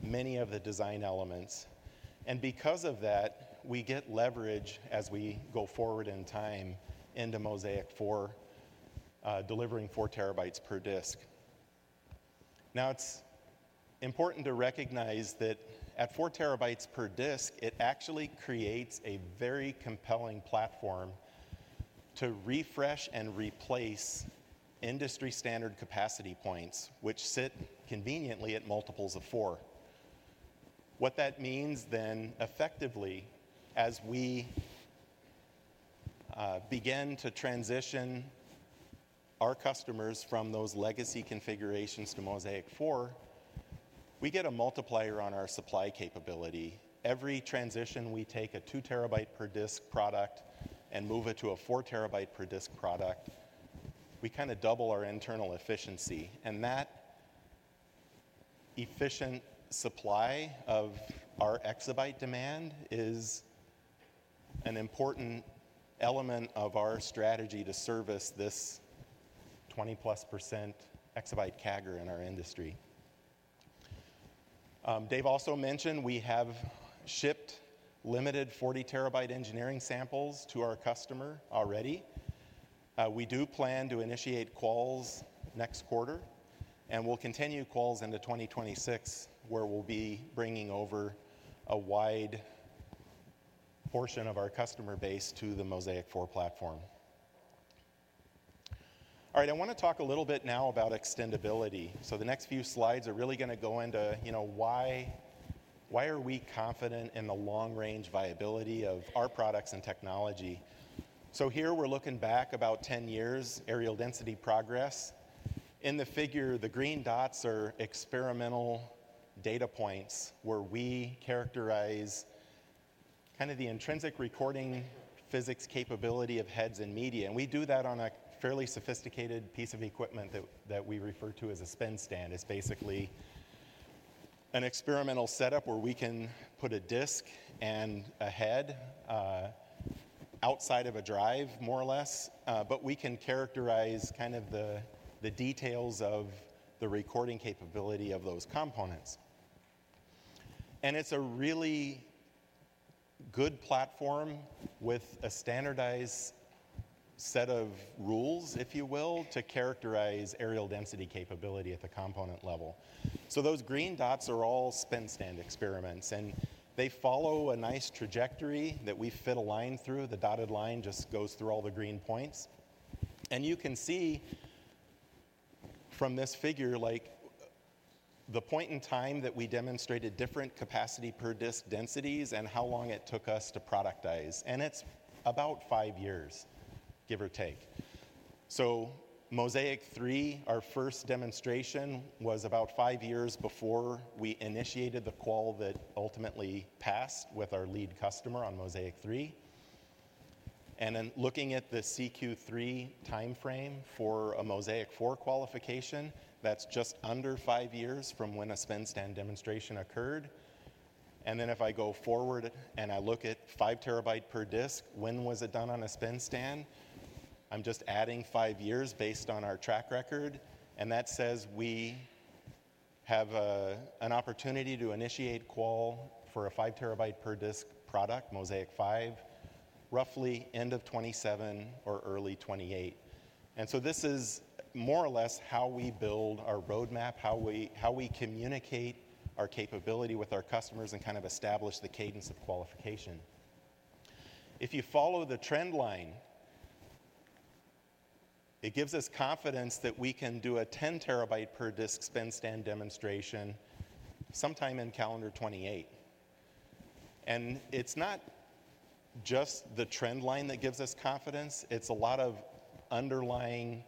many of the design elements. Because of that, we get leverage as we go forward in time into Mozaic 4, delivering 4 TB per disc. Now, it is important to recognize that at 4 TB per disc, it actually creates a very compelling platform to refresh and replace industry standard capacity points, which sit conveniently at multiples of 4. What that means then, effectively, as we begin to transition our customers from those legacy configurations to Mozaic 4, we get a multiplier on our supply capability. Every transition we take a 2 TB per disk product and move it to a 4 TB per disk product, we kind of double our internal efficiency. And that efficient supply of our exabyte demand is an important element of our strategy to service this 20+% EB CAGR in our industry. Dave also mentioned we have shipped limited 40 TB engineering samples to our customer already. We do plan to initiate calls next quarter, and we'll continue calls into 2026, where we'll be bringing over a wide portion of our customer base to the Mozaic 4 platform. All right. I want to talk a little bit now about extendability. The next few slides are really going to go into why are we confident in the long-range viability of our products and technology. Here we are looking back about 10 years aerial density progress. In the figure, the green dots are experimental data points where we characterize kind of the intrinsic recording physics capability of heads and media. We do that on a fairly sophisticated piece of equipment that we refer to as a spin stand. It is basically an experimental setup where we can put a disc and a head outside of a drive, more or less, but we can characterize kind of the details of the recording capability of those components. It is a really good platform with a standardized set of rules, if you will, to characterize aerial density capability at the component level. Those green dots are all spin stand experiments, and they follow a nice trajectory that we fit a line through. The dotted line just goes through all the green points. You can see from this figure the point in time that we demonstrated different capacity per disc densities and how long it took us to productize. It is about five years, give or take. Mozaic 3, our first demonstration, was about five years before we initiated the call that ultimately passed with our lead customer on Mozaic 3. Looking at the CQ3 timeframe for a Mozaic 4 qualification, that is just under five years from when a spin stand demonstration occurred. If I go forward and I look at 5 TB per disc, when was it done on a spin stand? I am just adding five years based on our track record. That says we have an opportunity to initiate call for a 5 TB per disk product, Mozaic 5, roughly end of 2027 or early 2028. This is more or less how we build our roadmap, how we communicate our capability with our customers and kind of establish the cadence of qualification. If you follow the trend line, it gives us confidence that we can do a 10 TB per disk spin stand demonstration sometime in calendar 2028. It is not just the trend line that gives us confidence. It is a lot of underlying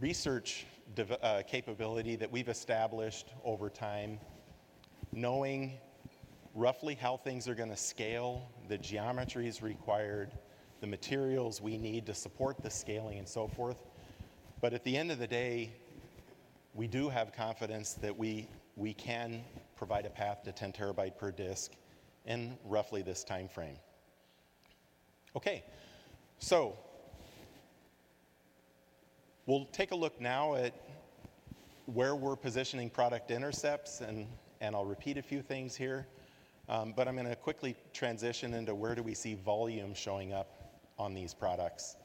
research capability that we have established over time, knowing roughly how things are going to scale, the geometries required, the materials we need to support the scaling, and so forth. At the end of the day, we do have confidence that we can provide a path to 10 TB per disk in roughly this timeframe. Okay. We will take a look now at where we are positioning product intercepts, and I will repeat a few things here. I am going to quickly transition into where we see volume showing up on these products.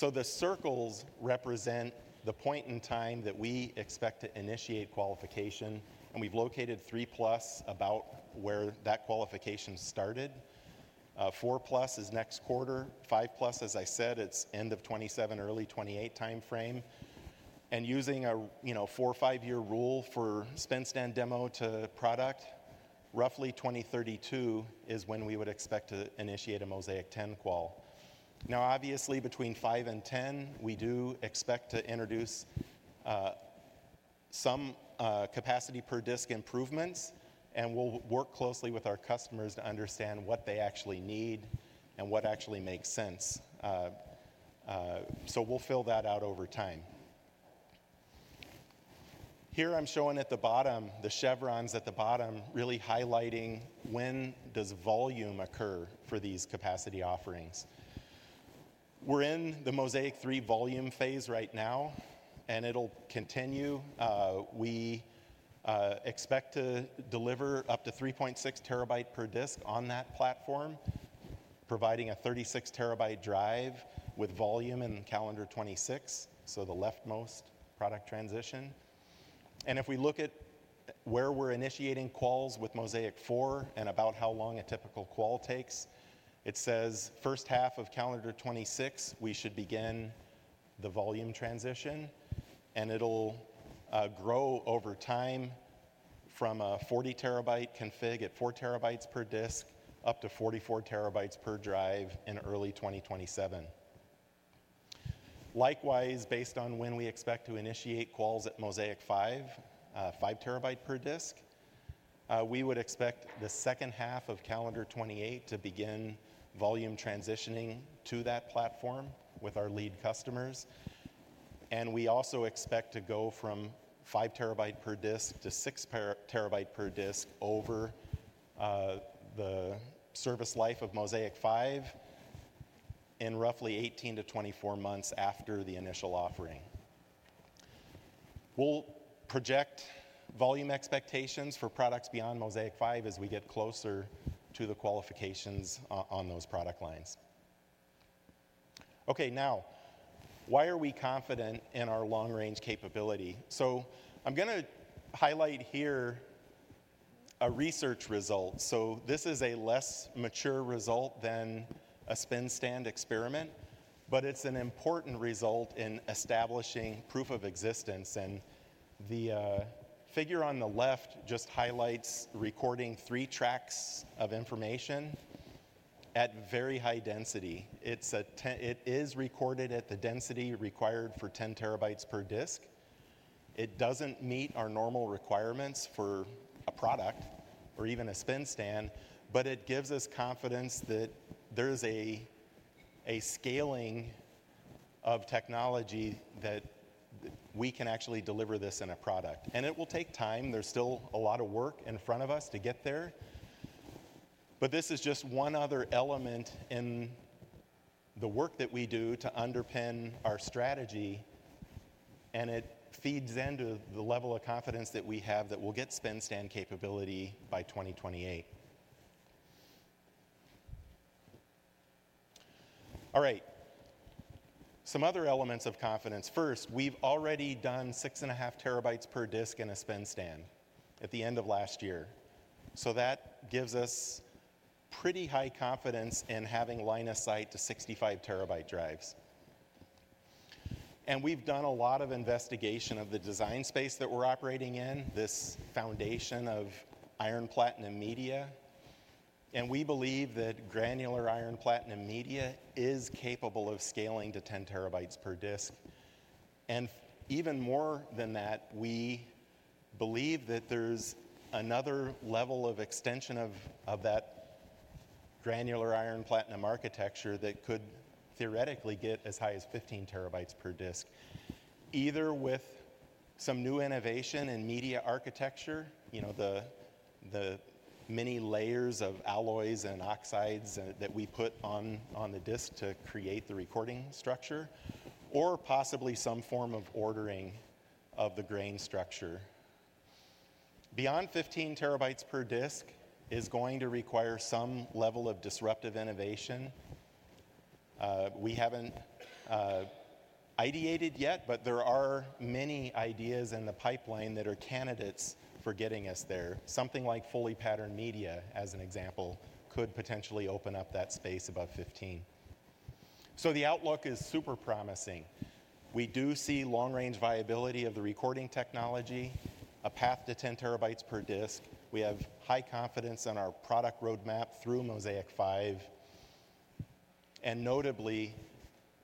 The circles represent the point in time that we expect to initiate qualification. We have located 3+ about where that qualification started. 4+ is next quarter. 5+, as I said, is end of 2027, early 2028 timeframe. Using a four or five-year rule for spin stand demo to product, roughly 2032 is when we would expect to initiate a Mozaic 10 qual. Now, obviously, between 5 and 10, we do expect to introduce some capacity per disc improvements, and we'll work closely with our customers to understand what they actually need and what actually makes sense. We'll fill that out over time. Here I'm showing at the bottom, the chevrons at the bottom really highlighting when does volume occur for these capacity offerings. We're in the Mozaic 3 volume phase right now, and it'll continue. We expect to deliver up to 3.6 TB per disc on that platform, providing a 36 TB drive with volume in calendar 2026, so the leftmost product transition. If we look at where we're initiating quals with Mozaic 4 and about how long a typical qual takes, it says first half of calendar 2026, we should begin the volume transition. It'll grow over time from a 40 TB config at 4 TB per disc up to 44 TB per drive in early 2027. Likewise, based on when we expect to initiate quals at Mozaic 5, 5 TB per disc, we would expect the second half of calendar 2028 to begin volume transitioning to that platform with our lead customers. We also expect to go from 5 TB per disc to 6 TB per disc over the service life of Mozaic 5 in roughly 18-24 months after the initial offering. We'll project volume expectations for products beyond Mozaic 5 as we get closer to the qualifications on those product lines. Okay. Now, why are we confident in our long-range capability? I'm going to highlight here a research result. This is a less mature result than a spin stand experiment, but it is an important result in establishing proof of existence. The figure on the left just highlights recording three tracks of information at very high density. It is recorded at the density required for 10 TB per disc. It does not meet our normal requirements for a product or even a spin stand, but it gives us confidence that there is a scaling of technology that we can actually deliver this in a product. It will take time. There is still a lot of work in front of us to get there. This is just one other element in the work that we do to underpin our strategy. It feeds into the level of confidence that we have that we will get spin stand capability by 2028. All right. Some other elements of confidence. First, we've already done 6.5 TB per disc in a spin stand at the end of last year. That gives us pretty high confidence in having line of sight to 65 TB drives. We've done a lot of investigation of the design space that we're operating in, this foundation of iron platinum media. We believe that granular iron platinum media is capable of scaling to 10 TB per disc. Even more than that, we believe that there's another level of extension of that granular iron platinum architecture that could theoretically get as high as 15 TB per disc, either with some new innovation in media architecture, the many layers of alloys and oxides that we put on the disc to create the recording structure, or possibly some form of ordering of the grain structure. Beyond 15 TB per disc is going to require some level of disruptive innovation. We haven't ideated yet, but there are many ideas in the pipeline that are candidates for getting us there. Something like fully patterned media, as an example, could potentially open up that space above 15. The outlook is super promising. We do see long-range viability of the recording technology, a path to 10 TB per disc. We have high confidence in our product roadmap through Mozaic 5. Notably,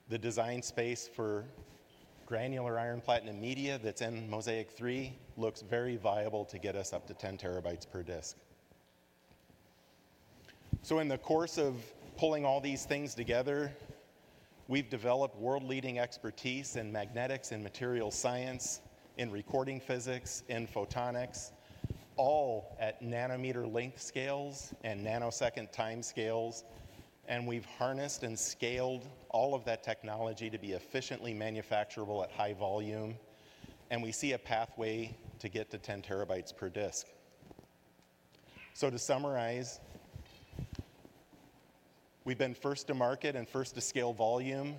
the design space for granular iron platinum media that's in Mozaic 3 looks very viable to get us up to 10 TB per disc. In the course of pulling all these things together, we've developed world-leading expertise in magnetics, in material science, in recording physics, in photonics, all at nanometer length scales and nanosecond time scales. We have harnessed and scaled all of that technology to be efficiently manufacturable at high volume. We see a pathway to get to 10 TB per disc. To summarize, we have been first to market and first to scale volume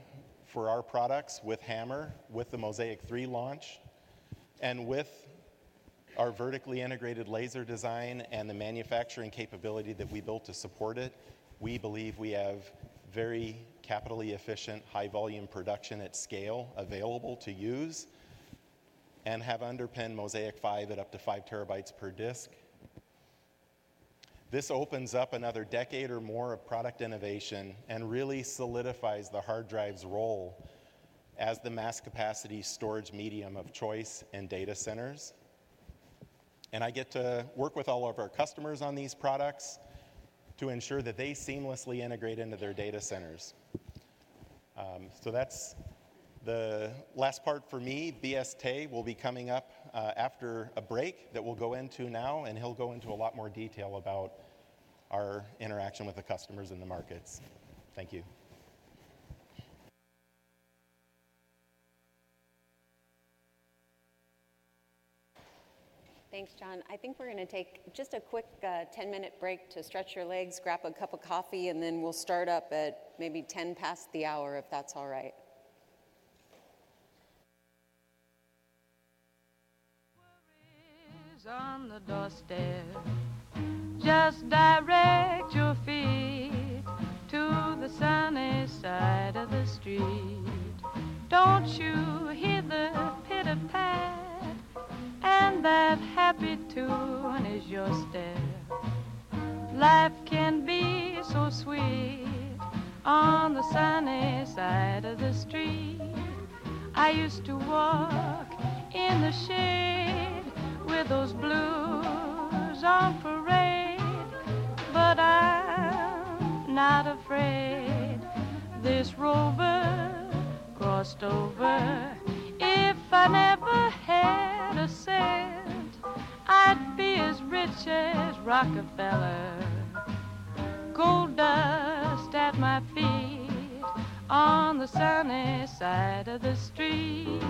for our products with HAMR, with the Mozaic 3 launch. With our vertically integrated laser design and the manufacturing capability that we built to support it, we believe we have very capitally efficient, high-volume production at scale available to use and have underpinned Mozaic 5 at up to 5 TB per disc. This opens up another decade or more of product innovation and really solidifies the hard drive's role as the mass capacity storage medium of choice in data centers. I get to work with all of our customers on these products to ensure that they seamlessly integrate into their data centers. That's the last part for me. B.S. Teh will be coming up after a break that we'll go into now, and he'll go into a lot more detail about our interaction with the customers and the markets. Thank you. Thanks, John. I think we're going to take just a quick 10-minute break to stretch your legs, grab a cup of coffee, and then we'll start up at maybe 10 past the hour, if that's all right. Just direct your feet to the sunny side of the street. Don't you hear the pitter-pat? And that happy tune is your stair. Life can be so sweet on the sunny side of the street. I used to walk in the shade with those blues on parade. But I'm not afraid. This rover crossed over. If I never had a cent, I'd be as rich as Rockefeller. Gold dust at my feet on the sunny side of the street.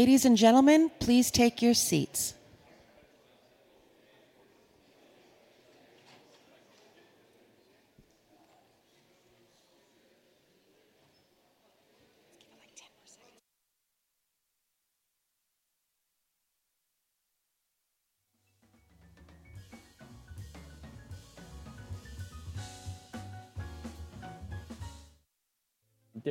Ladies and gentlemen, please take your seats.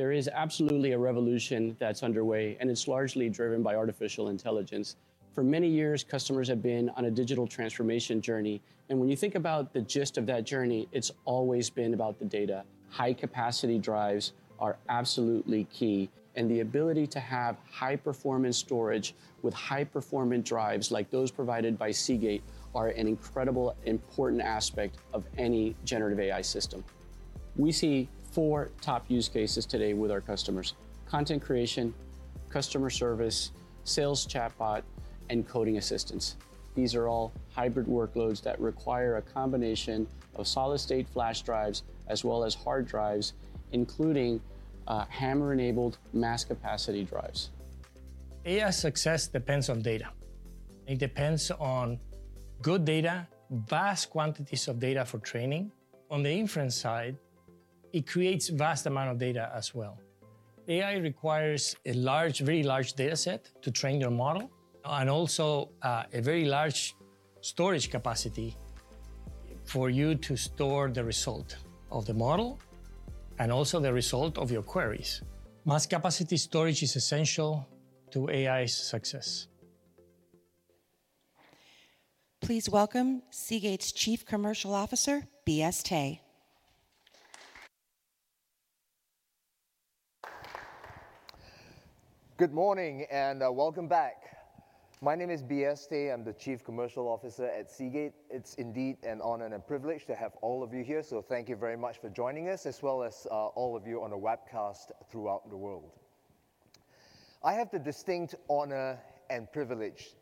Give me like 10 more seconds. There is absolutely a revolution that's underway, and it's largely driven by artificial intelligence. For many years, customers have been on a digital transformation journey. When you think about the gist of that journey, it's always been about the data. High-capacity drives are absolutely key. The ability to have high-performance storage with high-performance drives like those provided by Seagate are an incredibly important aspect of any generative AI system. We see four top use cases today with our customers: content creation, customer service, sales chatbot, and coding assistance. These are all hybrid workloads that require a combination of solid-state flash drives as well as hard drives, including HAMR-enabled mass-capacity drives. AI success depends on data. It depends on good data, vast quantities of data for training. On the inference side, it creates a vast amount of data as well. AI requires a large, very large dataset to train your model and also a very large storage capacity for you to store the result of the model and also the result of your queries. Mass-capacity storage is essential to AI's success. Please welcome Seagate's Chief Commercial Officer, B.S. Teh. Good morning and welcome back. My name is B.S. Teh. I'm the Chief Commercial Officer at Seagate. It's indeed an honor and a privilege to have all of you here. Thank you very much for joining us, as well as all of you on a webcast throughout the world. I have the distinct honor and privilege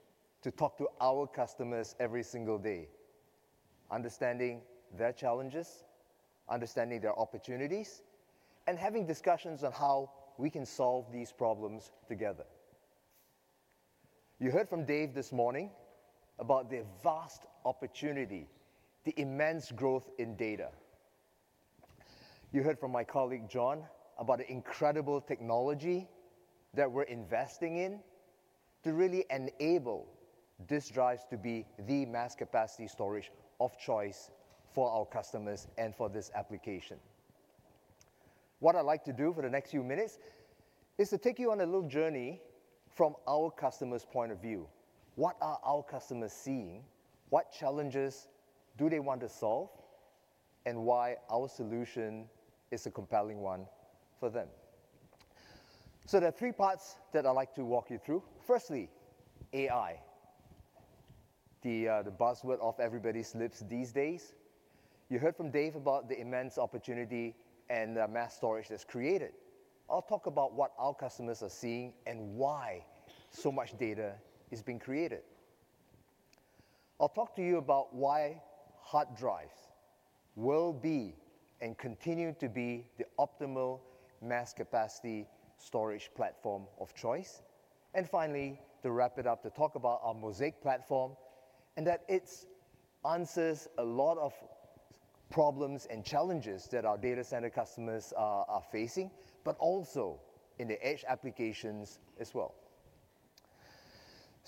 to talk to our customers every single day, understanding their challenges, understanding their opportunities, and having discussions on how we can solve these problems together. You heard from Dave this morning about the vast opportunity, the immense growth in data. You heard from my colleague, John, about the incredible technology that we're investing in to really enable disk drives to be the mass-capacity storage of choice for our customers and for this application. What I'd like to do for the next few minutes is to take you on a little journey from our customers' point of view. What are our customers seeing? What challenges do they want to solve? Why our solution is a compelling one for them? There are three parts that I'd like to walk you through. Firstly, AI, the buzzword off everybody's lips these days. You heard from Dave about the immense opportunity and the mass storage that's created. I'll talk about what our customers are seeing and why so much data is being created. I'll talk to you about why hard drives will be and continue to be the optimal mass-capacity storage platform of choice. Finally, to wrap it up, to talk about our Mozaic platform and that it answers a lot of problems and challenges that our data center customers are facing, but also in the edge applications as well.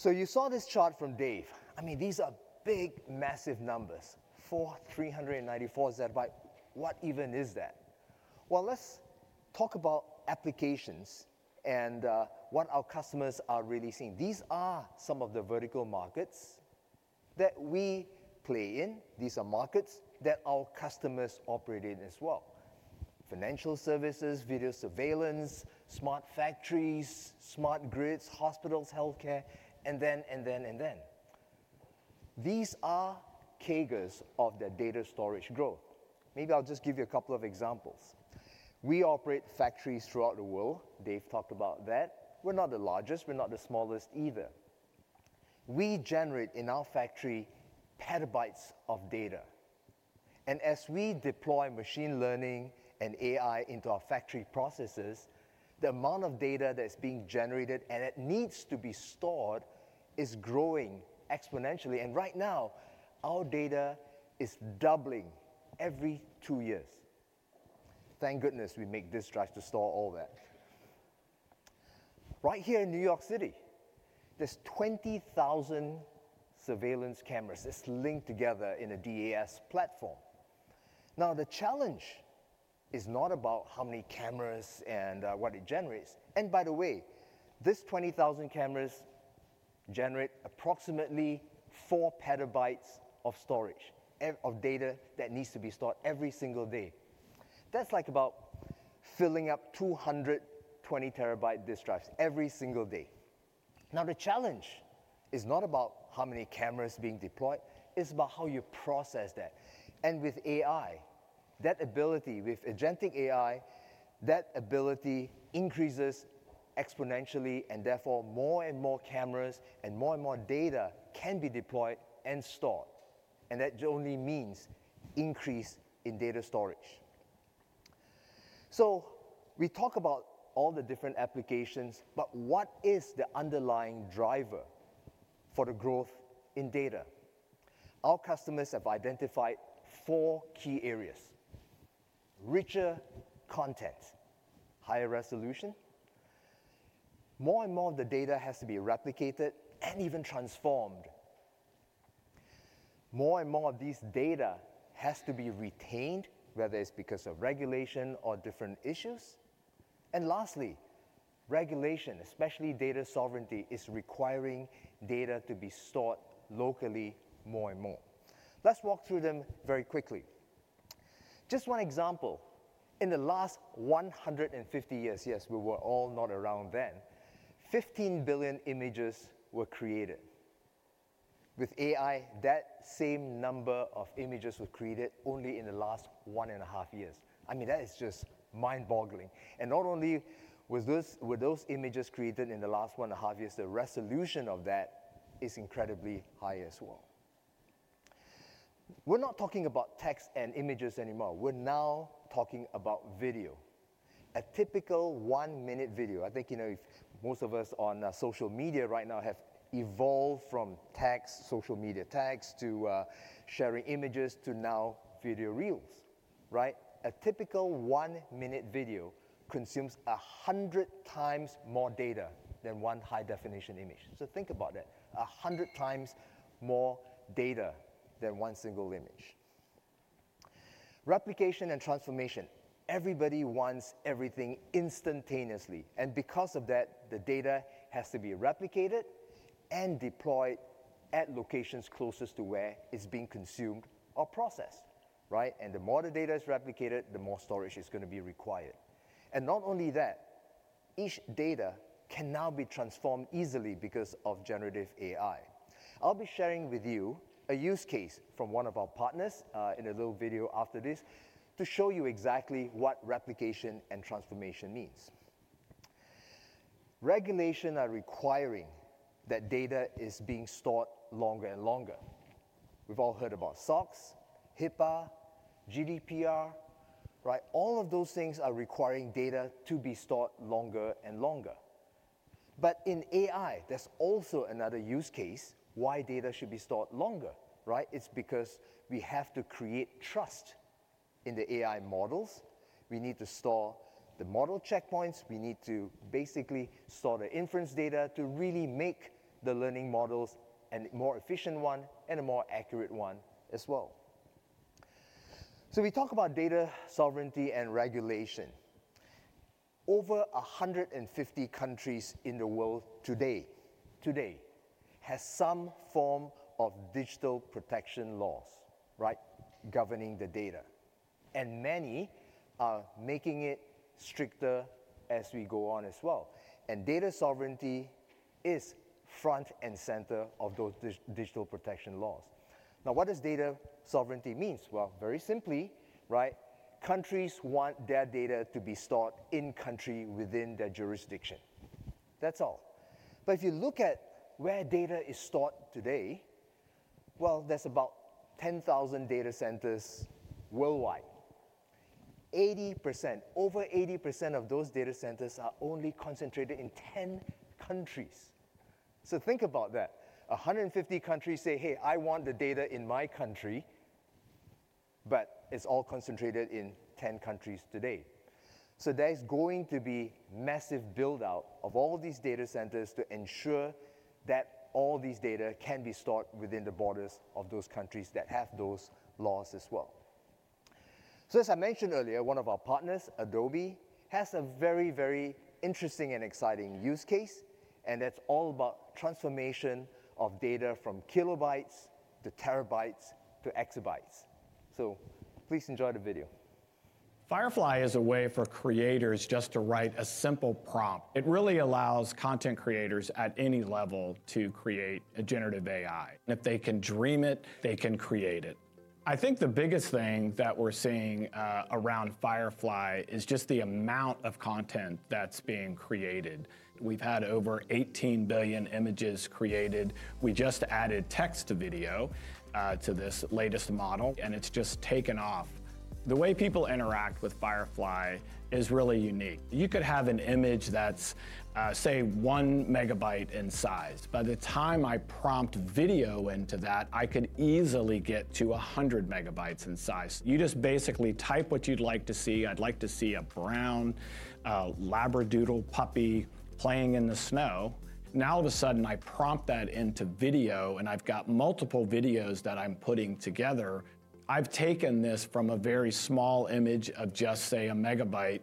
You saw this chart from Dave. I mean, these are big, massive numbers. For 394 ZB. What even is that? Let's talk about applications and what our customers are really seeing. These are some of the vertical markets that we play in. These are markets that our customers operate in as well: financial services, video surveillance, smart factories, smart grids, hospitals, healthcare, and then, and then, and then. These are kegers of the data storage growth. Maybe I'll just give you a couple of examples. We operate factories throughout the world. Dave talked about that. We're not the largest. We're not the smallest either. We generate in our factory petabyte of data. As we deploy machine learning and AI into our factory processes, the amount of data that's being generated and that needs to be stored is growing exponentially. Right now, our data is doubling every two years. Thank goodness we make disk drives to store all that. Right here in New York City, there are 20,000 surveillance cameras that are linked together in a DAS platform. The challenge is not about how many cameras and what it generates. By the way, these 20,000 cameras generate approximately 4 PB of storage of data that needs to be stored every single day. That's like about filling up 220 TB disk drives every single day. The challenge is not about how many cameras are being deployed. It's about how you process that. With AI, that ability with agentic AI, that ability increases exponentially. Therefore, more and more cameras and more and more data can be deployed and stored. That only means an increase in data storage. We talk about all the different applications, but what is the underlying driver for the growth in data? Our customers have identified four key areas: richer content, higher resolution. More and more of the data has to be replicated and even transformed. More and more of this data has to be retained, whether it is because of regulation or different issues. Lastly, regulation, especially data sovereignty, is requiring data to be stored locally more and more. Let's walk through them very quickly. Just one example. In the last 150 years—yes, we were all not around then—fifteen billion images were created. With AI, that same number of images was created only in the last one and a half years. I mean, that is just mind-boggling. Not only were those images created in the last one and a half years, the resolution of that is incredibly high as well. We're not talking about text and images anymore. We're now talking about video. A typical one-minute video—I think most of us on social media right now have evolved from social media tags to sharing images to now video reels, right? A typical one-minute video consumes 100 times more data than one high-definition image. Think about that: 100 times more data than one single image. Replication and transformation. Everybody wants everything instantaneously. Because of that, the data has to be replicated and deployed at locations closest to where it's being consumed or processed, right? The more the data is replicated, the more storage is going to be required. Not only that, each data can now be transformed easily because of generative AI. I'll be sharing with you a use case from one of our partners in a little video after this to show you exactly what replication and transformation means. Regulations are requiring that data is being stored longer and longer. We've all heard about SOX, HIPAA, GDPR, right? All of those things are requiring data to be stored longer and longer. In AI, there's also another use case why data should be stored longer, right? It's because we have to create trust in the AI models. We need to store the model checkpoints. We need to basically store the inference data to really make the learning models a more efficient one and a more accurate one as well. We talk about data sovereignty and regulation. Over 150 countries in the world today have some form of digital protection laws governing the data. Many are making it stricter as we go on as well. Data sovereignty is front and center of those digital protection laws. Now, what does data sovereignty mean? Very simply, right? Countries want their data to be stored in-country within their jurisdiction. That is all. If you look at where data is stored today, there are about 10,000 data centers worldwide. Over 80% of those data centers are only concentrated in 10 countries. Think about that. One hundred fifty countries say, "Hey, I want the data in my country," but it is all concentrated in 10 countries today. There is going to be a massive build-out of all these data centers to ensure that all this data can be stored within the borders of those countries that have those laws as well. As I mentioned earlier, one of our partners, Adobe, has a very, very interesting and exciting use case. That is all about transformation of data from kilobytes to terabytes to exabytes. Please enjoy the video. Firefly is a way for creators just to write a simple prompt. It really allows content creators at any level to create a generative AI. If they can dream it, they can create it. I think the biggest thing that we're seeing around Firefly is just the amount of content that's being created. We've had over 18 billion images created. We just added text to video to this latest model, and it's just taken off. The way people interact with Firefly is really unique. You could have an image that's, say, 1 MB in size. By the time I prompt video into that, I could easily get to 100 MB in size. You just basically type what you'd like to see. I'd like to see a brown labradoodle puppy playing in the snow. Now, all of a sudden, I prompt that into video, and I've got multiple videos that I'm putting together. I've taken this from a very small image of just, say, a megabyte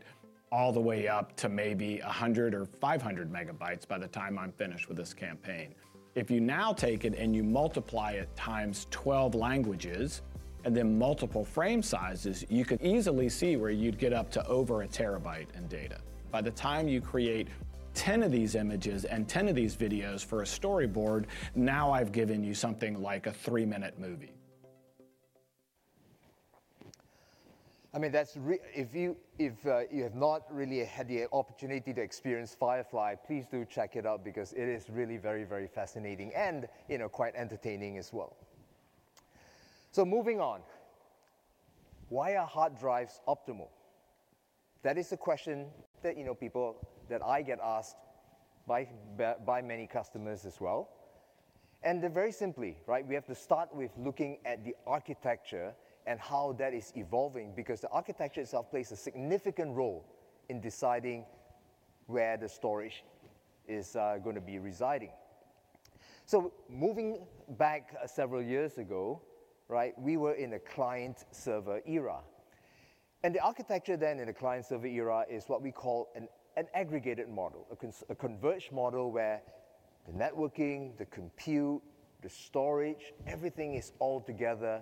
all the way up to maybe 100 MB or 500 MB by the time I'm finished with this campaign. If you now take it and you multiply it times 12 languages and then multiple frame sizes, you could easily see where you'd get up to over a terabyte in data. By the time you create 10 of these images and 10 of these videos for a storyboard, now I've given you something like a three-minute movie. I mean, if you have not really had the opportunity to experience Firefly, please do check it out because it is really very, very fascinating and quite entertaining as well. Moving on, why are hard drives optimal? That is the question that people, that I get asked by many customers as well. Very simply, we have to start with looking at the architecture and how that is evolving because the architecture itself plays a significant role in deciding where the storage is going to be residing. Moving back several years ago, we were in a client-server era. The architecture then in the client-server era is what we call an aggregated model, a converged model where the networking, the compute, the storage, everything is all together.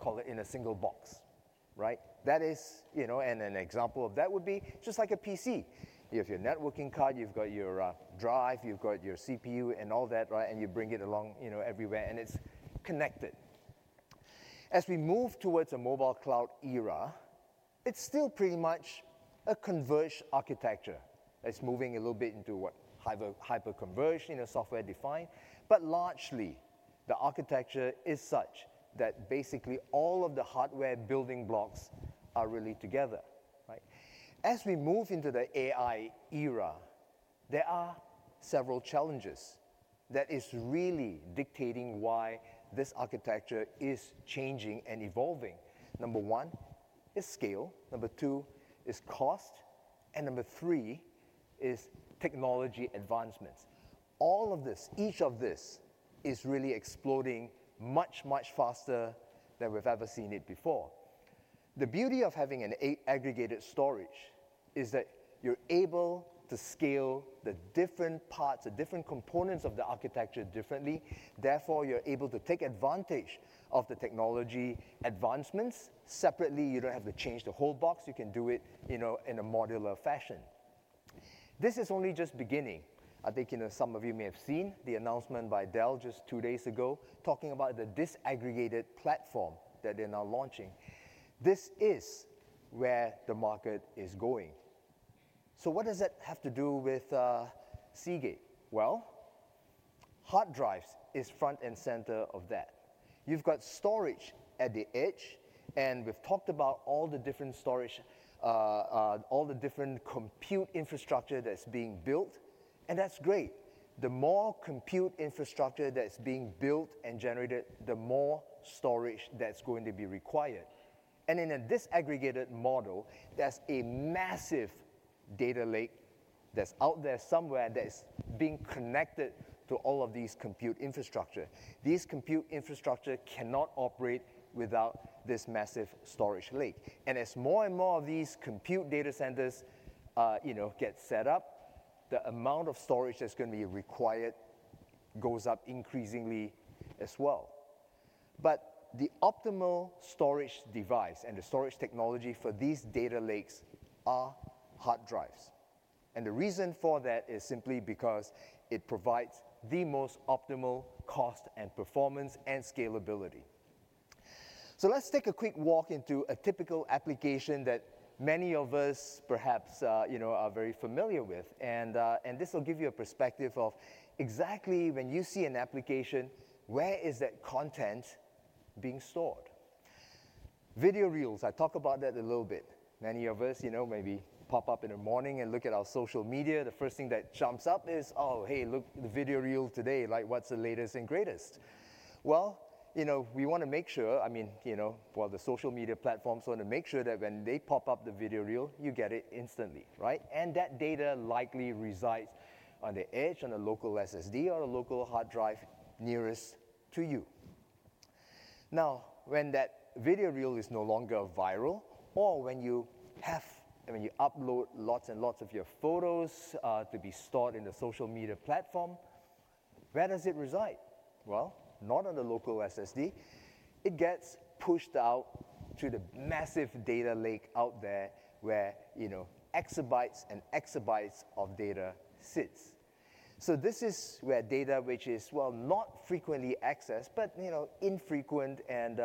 Call it in a single box, right? An example of that would be just like a PC. You have your networking card. You've got your drive. You've got your CPU and all that, right? You bring it along everywhere. It's connected. As we move towards a mobile cloud era, it's still pretty much a converged architecture that's moving a little bit into what hyper-converged software defines. Largely, the architecture is such that basically all of the hardware building blocks are really together, right? As we move into the AI era, there are several challenges that are really dictating why this architecture is changing and evolving. Number one is scale. Number two is cost. Number three is technology advancements. All of this, each of this is really exploding much, much faster than we've ever seen it before. The beauty of having an aggregated storage is that you're able to scale the different parts, the different components of the architecture differently. Therefore, you're able to take advantage of the technology advancements. Separately, you don't have to change the whole box. You can do it in a modular fashion. This is only just beginning. I think some of you may have seen the announcement by Dell just two days ago talking about the disaggregated platform that they're now launching. This is where the market is going. What does that have to do with Seagate? Hard drives are front and center of that. You've got storage at the edge. We've talked about all the different storage, all the different compute infrastructure that's being built. That's great. The more compute infrastructure that's being built and generated, the more storage that's going to be required. In a disaggregated model, there's a massive data lake that's out there somewhere that is being connected to all of these compute infrastructures. These compute infrastructures cannot operate without this massive storage lake. As more and more of these compute data centers get set up, the amount of storage that's going to be required goes up increasingly as well. The optimal storage device and the storage technology for these data lakes are hard drives. The reason for that is simply because it provides the most optimal cost and performance and scalability. Let's take a quick walk into a typical application that many of us perhaps are very familiar with. This will give you a perspective of exactly when you see an application, where is that content being stored? Video reels. I talk about that a little bit. Many of us maybe pop up in the morning and look at our social media. The first thing that jumps up is, oh, hey, look, the video reel today. What's the latest and greatest? I mean, the social media platforms want to make sure that when they pop up the video reel, you get it instantly, right? That data likely resides on the edge, on a local SSD, or a local hard drive nearest to you. Now, when that video reel is no longer viral, or when you upload lots and lots of your photos to be stored in the social media platform, where does it reside? Not on the local SSD. It gets pushed out to the massive data lake out there where exabytes and exabytes of data sit. This is where data which is, well, not frequently accessed, but infrequent and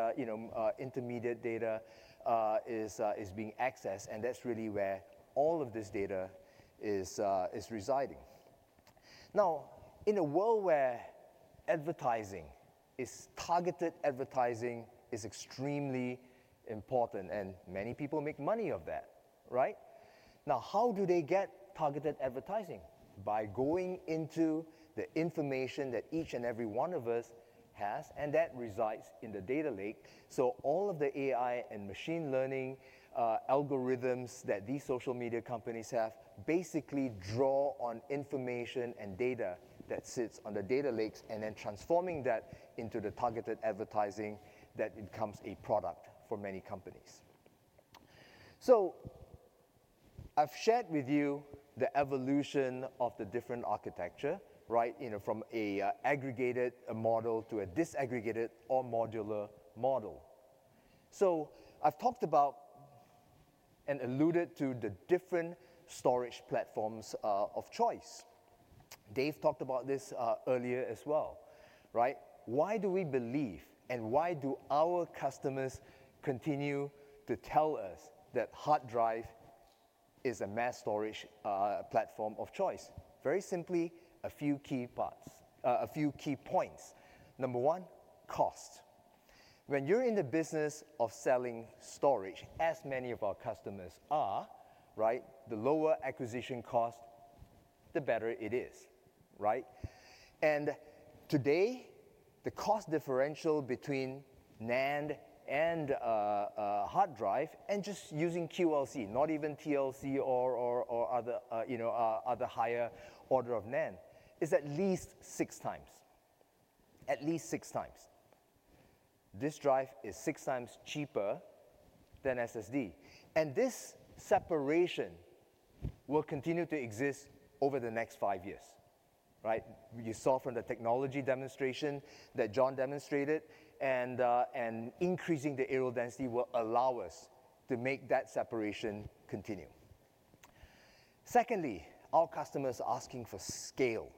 intermediate data is being accessed. That's really where all of this data is residing. Now, in a world where advertising, targeted advertising, is extremely important, and many people make money off that, right? How do they get targeted advertising? By going into the information that each and every one of us has. That resides in the data lake. All of the AI and machine learning algorithms that these social media companies have basically draw on information and data that sits on the data lakes and then transforming that into the targeted advertising that becomes a product for many companies. I've shared with you the evolution of the different architecture, right, from an aggregated model to a disaggregated or modular model. I've talked about and alluded to the different storage platforms of choice. Dave talked about this earlier as well, right? Why do we believe, and why do our customers continue to tell us that hard drive is a mass storage platform of choice? Very simply, a few key points. Number one, cost. When you're in the business of selling storage, as many of our customers are, right, the lower acquisition cost, the better it is, right? Today, the cost differential between NAND and hard drive, and just using QLC, not even TLC or other higher order of NAND, is at least six times. At least six times. This drive is six times cheaper than SSD. This separation will continue to exist over the next five years, right? You saw from the technology demonstration that John demonstrated. Increasing the aerial density will allow us to make that separation continue. Secondly, our customers are asking for scale,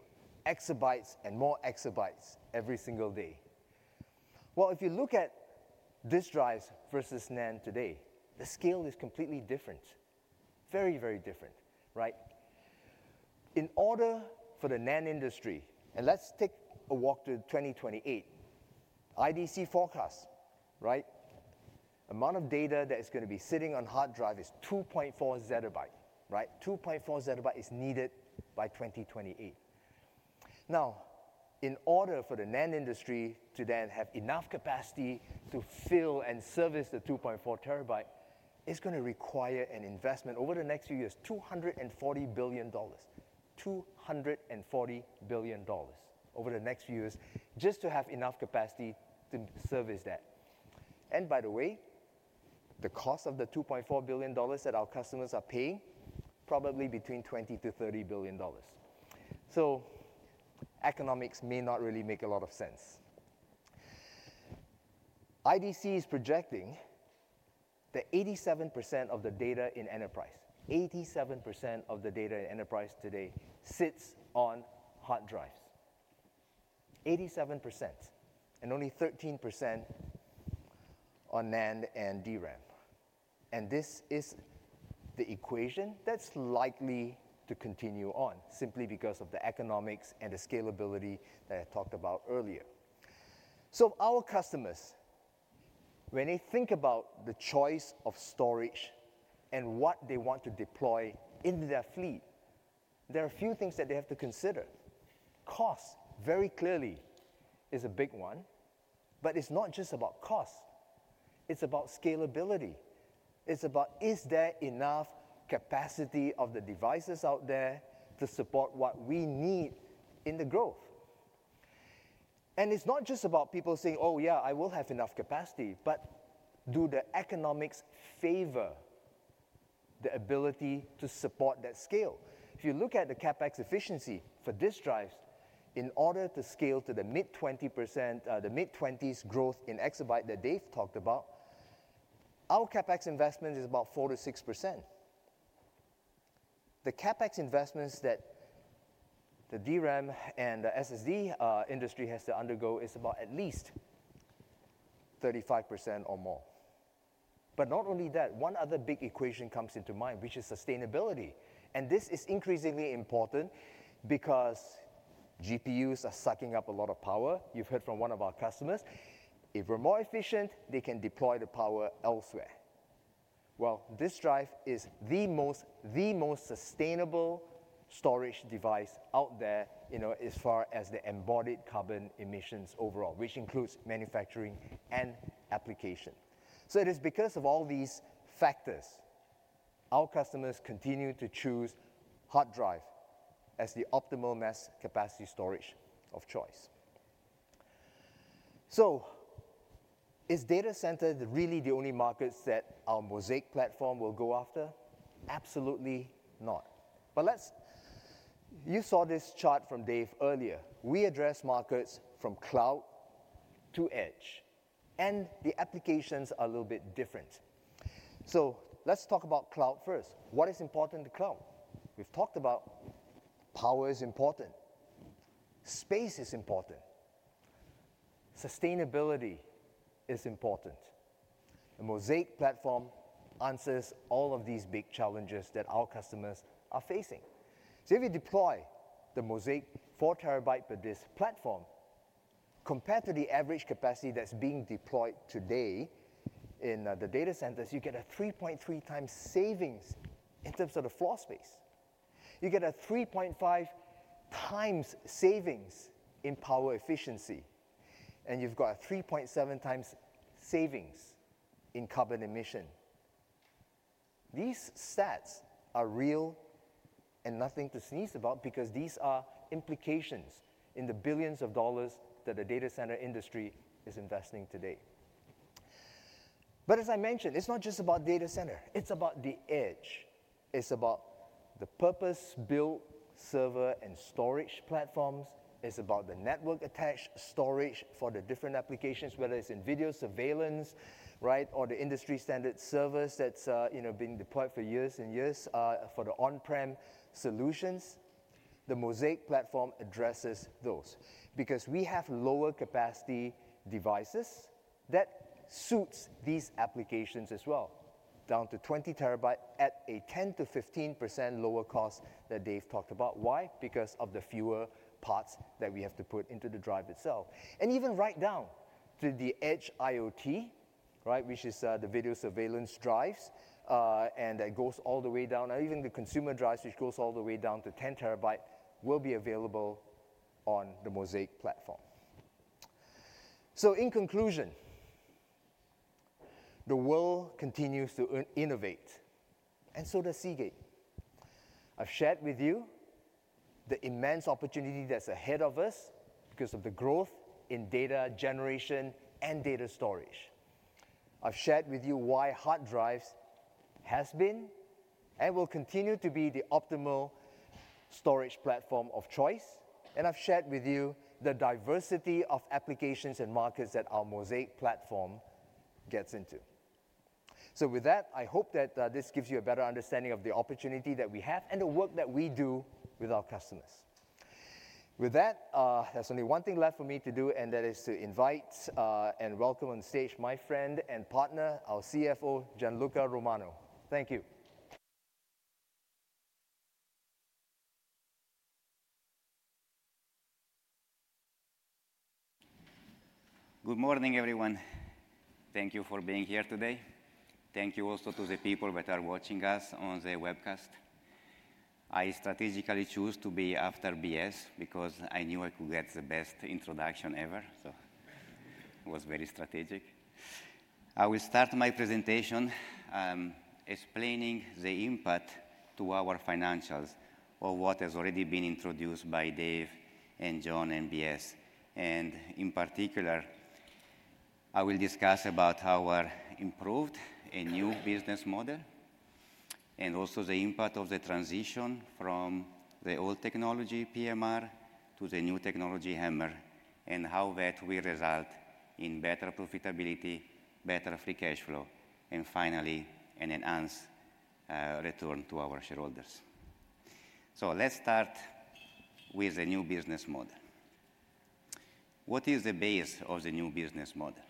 exabytes and more exabytes every single day. If you look at disk drives versus NAND today, the scale is completely different, very, very different, right? In order for the NAND industry, and let's take a walk to 2028, IDC forecast, right? The amount of data that is going to be sitting on hard drive is 2.4 ZB, right? 2.4 ZB is needed by 2028. Now, in order for the NAND industry to then have enough capacity to fill and service the 2.4 ZB, it's going to require an investment over the next few years, $240 billion, $240 billion over the next few years just to have enough capacity to service that. By the way, the cost of the $2.4 billion that our customers are paying is probably between $20 billion-$30 billion. So economics may not really make a lot of sense. IDC is projecting that 87% of the data in enterprise, 87% of the data in enterprise today sits on hard drives, 87%, and only 13% on NAND and DRAM. This is the equation that's likely to continue on simply because of the economics and the scalability that I talked about earlier. Our customers, when they think about the choice of storage and what they want to deploy in their fleet, there are a few things that they have to consider. Cost, very clearly, is a big one. It's not just about cost. It's about scalability. It's about, is there enough capacity of the devices out there to support what we need in the growth? It's not just about people saying, oh, yeah, I will have enough capacity. Do the economics favor the ability to support that scale? If you look at the CapEx efficiency for disk drives, in order to scale to the mid-20%, the mid-20s growth in exabyte that Dave talked about, our CapEx investment is about 4%-6%. The CapEx investments that the DRAM and the SSD industry has to undergo is about at least 35% or more. Not only that, one other big equation comes into mind, which is sustainability. This is increasingly important because GPUs are sucking up a lot of power. You've heard from one of our customers, if we're more efficient, they can deploy the power elsewhere. Disk drive is the most sustainable storage device out there as far as the embodied carbon emissions overall, which includes manufacturing and application. It is because of all these factors that our customers continue to choose hard drive as the optimal mass capacity storage of choice. Is data center really the only market that our Mozaic platform will go after? Absolutely not. You saw this chart from Dave earlier. We address markets from cloud to edge. The applications are a little bit different. Let's talk about cloud first. What is important to cloud? We've talked about power is important. Space is important. Sustainability is important. The Mozaic platform answers all of these big challenges that our customers are facing. If you deploy the Mozaic 4 TB per disk platform, compared to the average capacity that's being deployed today in the data centers, you get a 3.3 times savings in terms of the floor space. You get a 3.5 times savings in power efficiency. You get a 3.7 times savings in carbon emission. These stats are real and nothing to sneeze at because these are implications in the billions of dollars that the data center industry is investing today. As I mentioned, it's not just about data center. It's about the edge. It's about the purpose-built server and storage platforms. It's about the network-attached storage for the different applications, whether it's in video surveillance, right, or the industry-standard servers that are being deployed for years and years for the on-prem solutions. The Mozaic platform addresses those because we have lower capacity devices that suit these applications as well, down to 20 TB at a 10%-15% lower cost that Dave talked about. Why? Because of the fewer parts that we have to put into the drive itself. Even right down to the Edge IoT, right, which is the video surveillance drives, and that goes all the way down, or even the consumer drives, which goes all the way down to 10 TB, will be available on the Mozaic platform. In conclusion, the world continues to innovate. And so does Seagate. I've shared with you the immense opportunity that's ahead of us because of the growth in data generation and data storage. I've shared with you why hard drives have been and will continue to be the optimal storage platform of choice. I've shared with you the diversity of applications and markets that our Mozaic platform gets into. With that, I hope that this gives you a better understanding of the opportunity that we have and the work that we do with our customers. With that, there's only one thing left for me to do, and that is to invite and welcome on stage my friend and partner, our CFO, Gianluca Romano. Thank you. Good morning, everyone. Thank you for being here today. Thank you also to the people that are watching us on the webcast. I strategically chose to be after B.S. because I knew I could get the best introduction ever. It was very strategic. I will start my presentation explaining the impact to our financials of what has already been introduced by Dave and John and B.S. In particular, I will discuss our improved and new business model, and also the impact of the transition from the old technology PMR to the new technology HAMR, and how that will result in better profitability, better free cash flow, and finally, an enhanced return to our shareholders. Let's start with the new business model. What is the base of the new business model?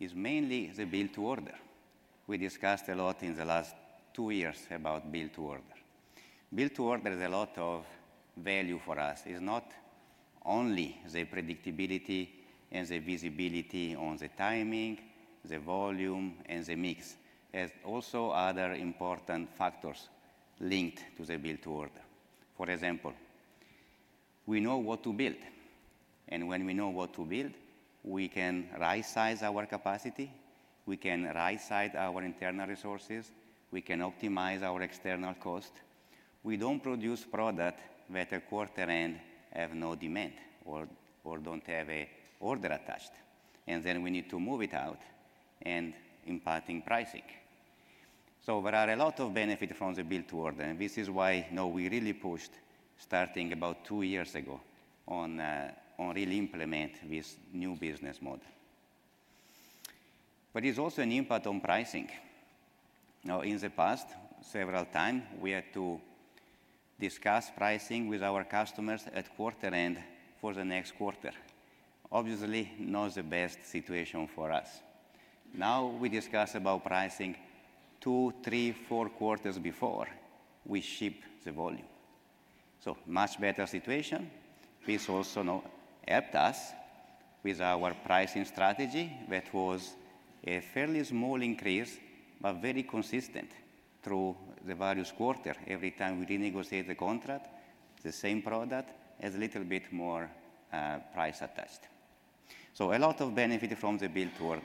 It's mainly the build-to-order. We discussed a lot in the last two years about build-to-order. Build-to-order has a lot of value for us. It's not only the predictability and the visibility on the timing, the volume, and the mix. There are also other important factors linked to the build-to-order. For example, we know what to build. And when we know what to build, we can right-size our capacity. We can right-size our internal resources. We can optimize our external cost. We do not produce product that at quarter-end has no demand or does not have an order attached. Then we need to move it out and impact pricing. There are a lot of benefits from the build-to-order. This is why we really pushed, starting about two years ago, on really implementing this new business model. There is also an impact on pricing. In the past, several times, we had to discuss pricing with our customers at quarter-end for the next quarter. Obviously, not the best situation for us. Now we discuss pricing two, three, four quarters before we ship the volume. Much better situation. This also helped us with our pricing strategy that was a fairly small increase but very consistent through the various quarters. Every time we renegotiate the contract, the same product has a little bit more price attached. A lot of benefit from the build-to-order.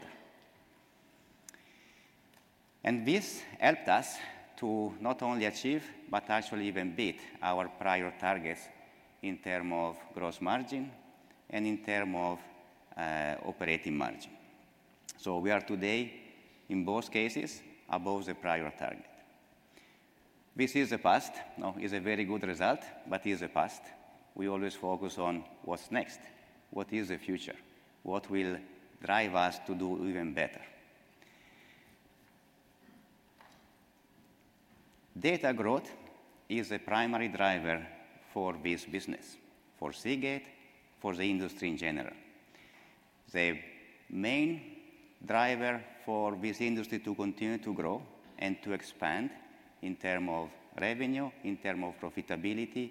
This helped us to not only achieve but actually even beat our prior targets in terms of gross margin and in terms of operating margin. We are today, in both cases, above the prior target. This is the past. It's a very good result, but it's the past. We always focus on what's next, what is the future, what will drive us to do even better. Data growth is a primary driver for this business, for Seagate, for the industry in general. The main driver for this industry to continue to grow and to expand in terms of revenue, in terms of profitability,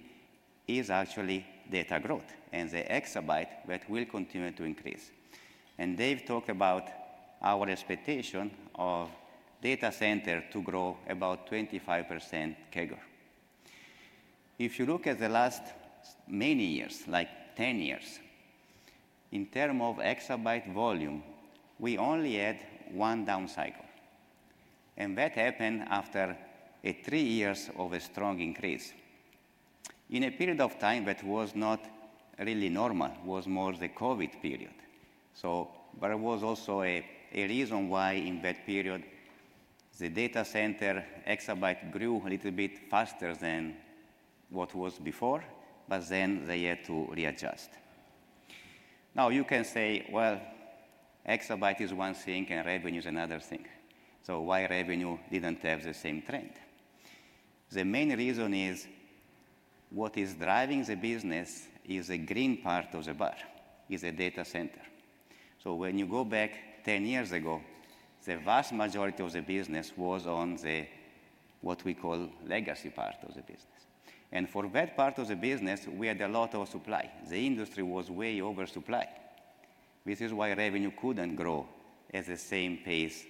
is actually data growth and the exabyte that will continue to increase. Dave talked about our expectation of data center to grow about 25% CAGR. If you look at the last many years, like 10 years, in terms of exabyte volume, we only had one down cycle. That happened after three years of a strong increase in a period of time that was not really normal. It was more the COVID period. There was also a reason why in that period the data center exabyte grew a little bit faster than what was before. They had to readjust. You can say, exabyte is one thing and revenue is another thing. Why revenue didn't have the same trend? The main reason is what is driving the business is the green part of the bar is the data center. When you go back 10 years ago, the vast majority of the business was on what we call legacy part of the business. For that part of the business, we had a lot of supply. The industry was way oversupplied. This is why revenue couldn't grow at the same pace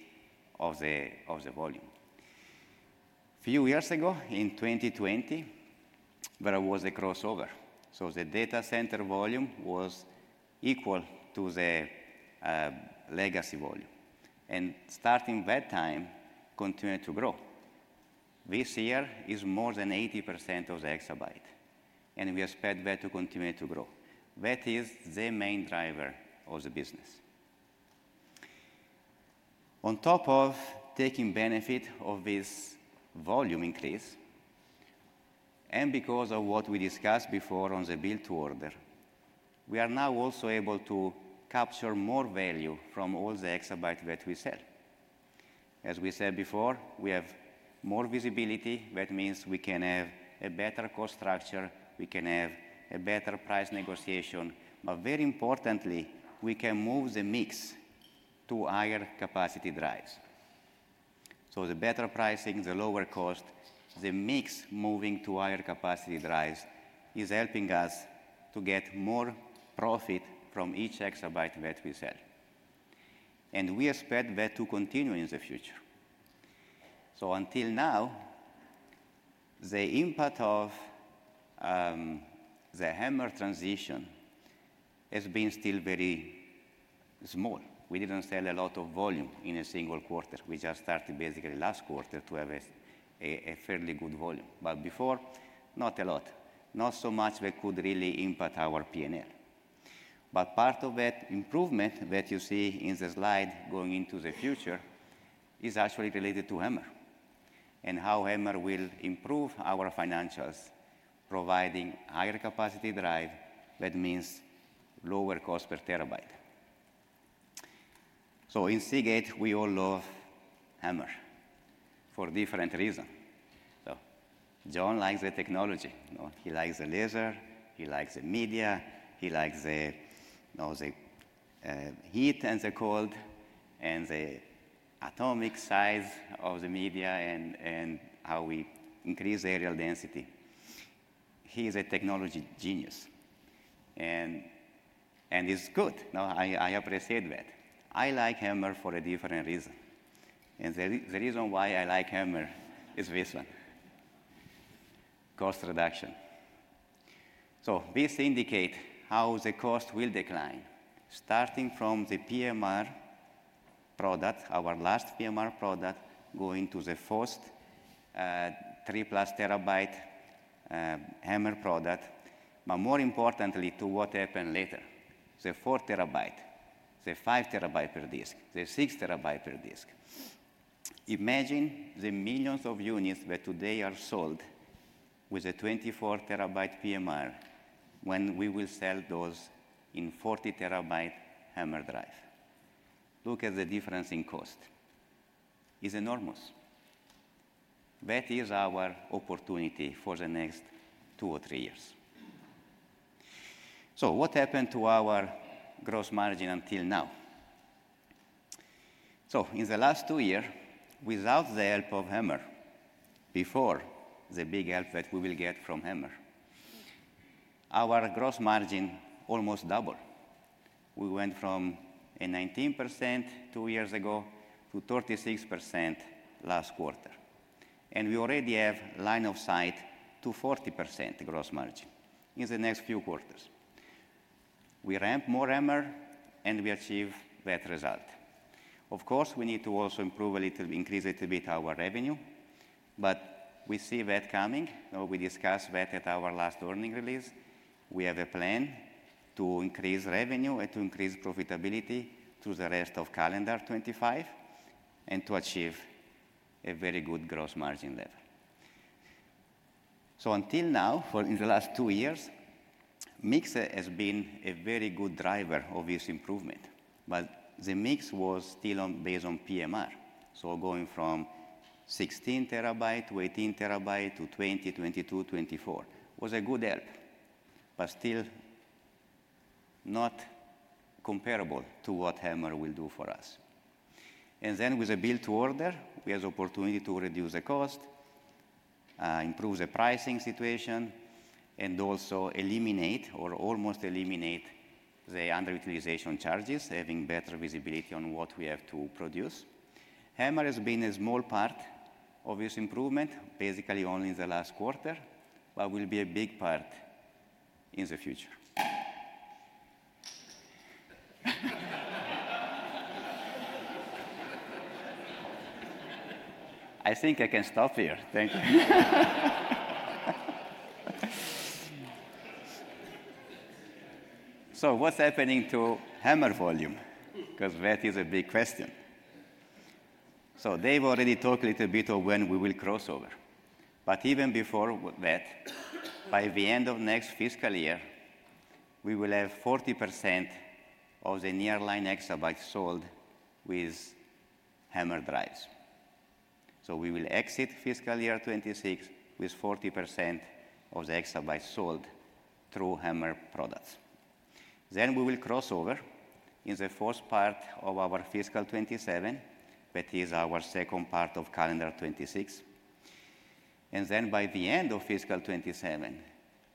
of the volume. A few years ago, in 2020, there was a crossover. The data center volume was equal to the legacy volume. Starting that time, it continued to grow. This year is more than 80% of the exabyte. We expect that to continue to grow. That is the main driver of the business. On top of taking benefit of this volume increase and because of what we discussed before on the build-to-order, we are now also able to capture more value from all the exabyte that we sell. As we said before, we have more visibility. That means we can have a better cost structure. We can have a better price negotiation. Very importantly, we can move the mix to higher capacity drives. The better pricing, the lower cost, the mix moving to higher capacity drives is helping us to get more profit from each exabyte that we sell. We expect that to continue in the future. Until now, the impact of the HAMR transition has been still very small. We did not sell a lot of volume in a single quarter. We just started basically last quarter to have a fairly good volume. Before, not a lot. Not so much that could really impact our P&L. Part of that improvement that you see in the slide going into the future is actually related to HAMR and how HAMR will improve our financials providing higher capacity drive. That means lower cost per terabyte. In Seagate, we all love HAMR for different reasons. John likes the technology. He likes the laser. He likes the media. He likes the heat and the cold and the atomic size of the media and how we increase the aerial density. He is a technology genius. It is good. I appreciate that. I like HAMR for a different reason. And the reason why I like HAMR is this one: cost reduction. This indicates how the cost will decline starting from the PMR product, our last PMR product, going to the first 3+ TB HAMR product, but more importantly to what happened later: the 4 TB, the 5 TB per disk, the 6 TB per disk. Imagine the millions of units that today are sold with a 24 TB PMR when we will sell those in 40 TB HAMR drive. Look at the difference in cost. It is enormous. That is our opportunity for the next two or three years. What happened to our gross margin until now? In the last two years, without the help of HAMR, before the big help that we will get from HAMR, our gross margin almost doubled. We went from a 19% two years ago to 36% last quarter. We already have line of sight to 40% gross margin in the next few quarters. We ramp more HAMR, and we achieve that result. Of course, we need to also improve a little, increase a little bit our revenue. We see that coming. We discussed that at our last earnings release. We have a plan to increase revenue and to increase profitability through the rest of calendar 2025 and to achieve a very good gross margin level. Until now, in the last two years, mix has been a very good driver of this improvement. The mix was still based on PMR. Going from 16 TB to 18 TB to 20, 22, 24 was a good help, but still not comparable to what HAMR will do for us. With the build-to-order, we have the opportunity to reduce the cost, improve the pricing situation, and also eliminate or almost eliminate the underutilization charges, having better visibility on what we have to produce. HAMR has been a small part of this improvement, basically only in the last quarter, but will be a big part in the future. I think I can stop here. Thank you. What is happening to HAMR volume? That is a big question. Dave already talked a little bit about when we will crossover. Even before that, by the end of next fiscal year, we will have 40% of the nearline exabytes sold with HAMR drives. We will exit fiscal year 2026 with 40% of the exabytes sold through HAMR products. We will crossover in the fourth part of our fiscal 2027, that is our second part of calendar 2026. By the end of fiscal 2027,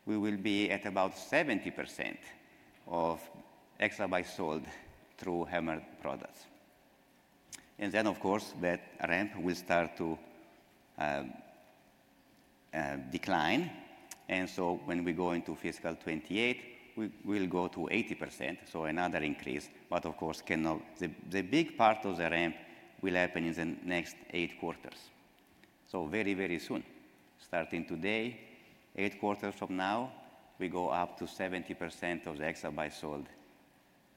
we will be at about 70% of exabytes sold through HAMR products. Of course, that ramp will start to decline. When we go into fiscal 2028, we will go to 80%, so another increase. The big part of the ramp will happen in the next eight quarters. Very, very soon, starting today, eight quarters from now, we go up to 70% of the exabytes sold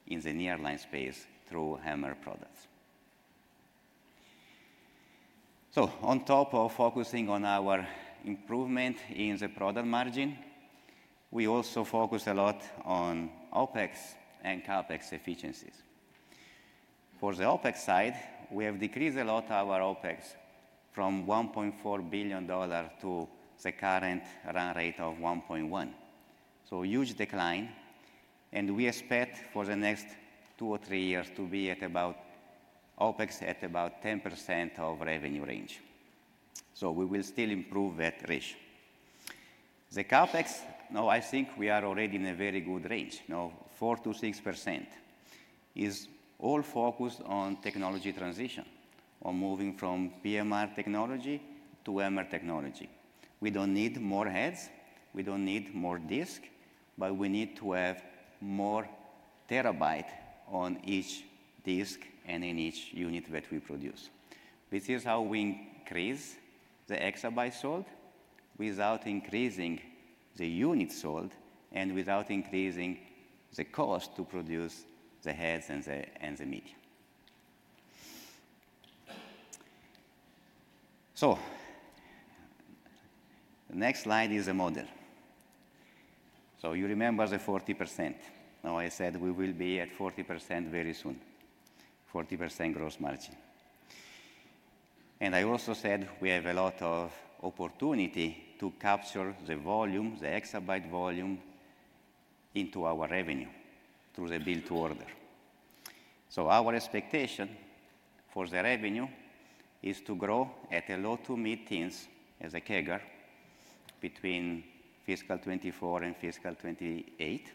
in the nearline space through HAMR products. On top of focusing on our improvement in the product margin, we also focus a lot on OpEx and CapEx efficiencies. For the OpEx side, we have decreased a lot our OpEx from $1.4 billion to the current run rate of $1.1 billion. Huge decline. We expect for the next two or three years to be at about OpEx at about 10% of revenue range. We will still improve that ratio. The CapEx, I think we are already in a very good range. Now, 4%-6% is all focused on technology transition, on moving from PMR technology to HAMR technology. We do not need more heads. We do not need more disk. We need to have more terabyte on each disk and in each unit that we produce. This is how we increase the exabyte sold without increasing the unit sold and without increasing the cost to produce the heads and the media. The next slide is the model. You remember the 40%. I said we will be at 40% very soon, 40% gross margin. I also said we have a lot of opportunity to capture the volume, the exabyte volume into our revenue through the build-to-order. Our expectation for the revenue is to grow at a low to mid teens as a CAGR between fiscal 2024 and fiscal 2028.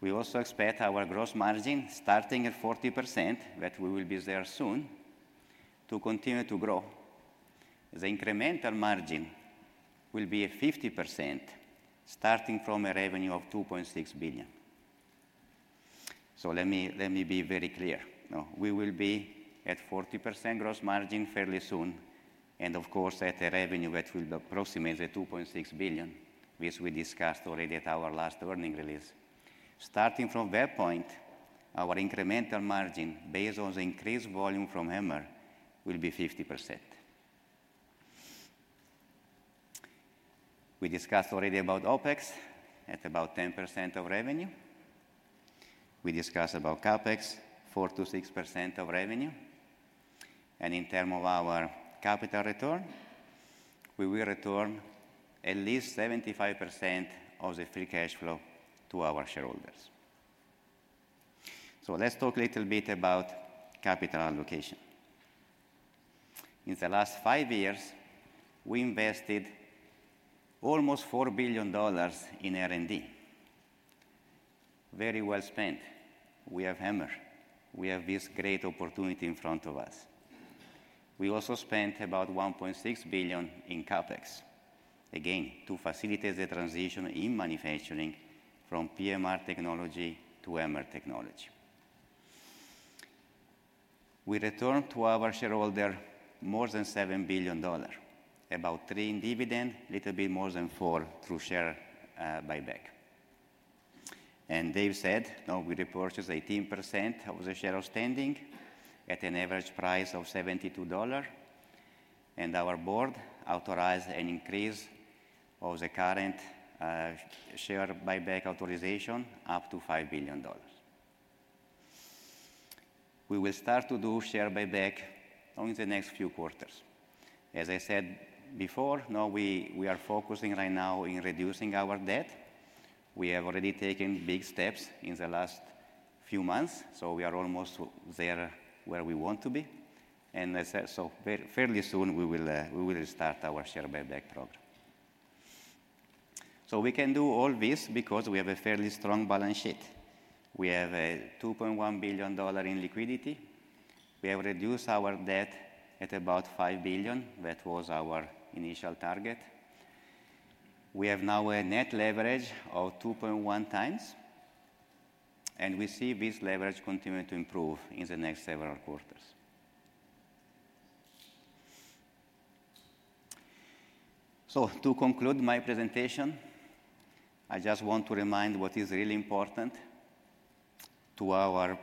We also expect our gross margin starting at 40%, that we will be there soon, to continue to grow. The incremental margin will be 50% starting from a revenue of $2.6 billion. Let me be very clear. We will be at 40% gross margin fairly soon. At a revenue that will be approximately $2.6 billion, which we discussed already at our last earning release. Starting from that point, our incremental margin based on the increased volume from HAMR will be 50%. We discussed already about OpEx at about 10% of revenue. We discussed about CapEx, 4%-6% of revenue. In terms of our capital return, we will return at least 75% of the free cash flow to our shareholders. Let's talk a little bit about capital allocation. In the last five years, we invested almost $4 billion in R&D. Very well spent. We have HAMR. We have this great opportunity in front of us. We also spent about $1.6 billion in CapEx, again, to facilitate the transition in manufacturing from PMR technology to HAMR technology. We returned to our shareholder more than $7 billion, about three in dividend, a little bit more than four through share buyback. Dave said we repurchased 18% of the shares outstanding at an average price of $72. Our board authorized an increase of the current share buyback authorization up to $5 billion. We will start to do share buyback only in the next few quarters. As I said before, we are focusing right now in reducing our debt. We have already taken big steps in the last few months. We are almost there where we want to be. Fairly soon, we will restart our share buyback program. We can do all this because we have a fairly strong balance sheet. We have $2.1 billion in liquidity. We have reduced our debt at about $5 billion. That was our initial target. We have now a net leverage of 2.1 times. We see this leverage continue to improve in the next several quarters. To conclude my presentation, I just want to remind what is really important to our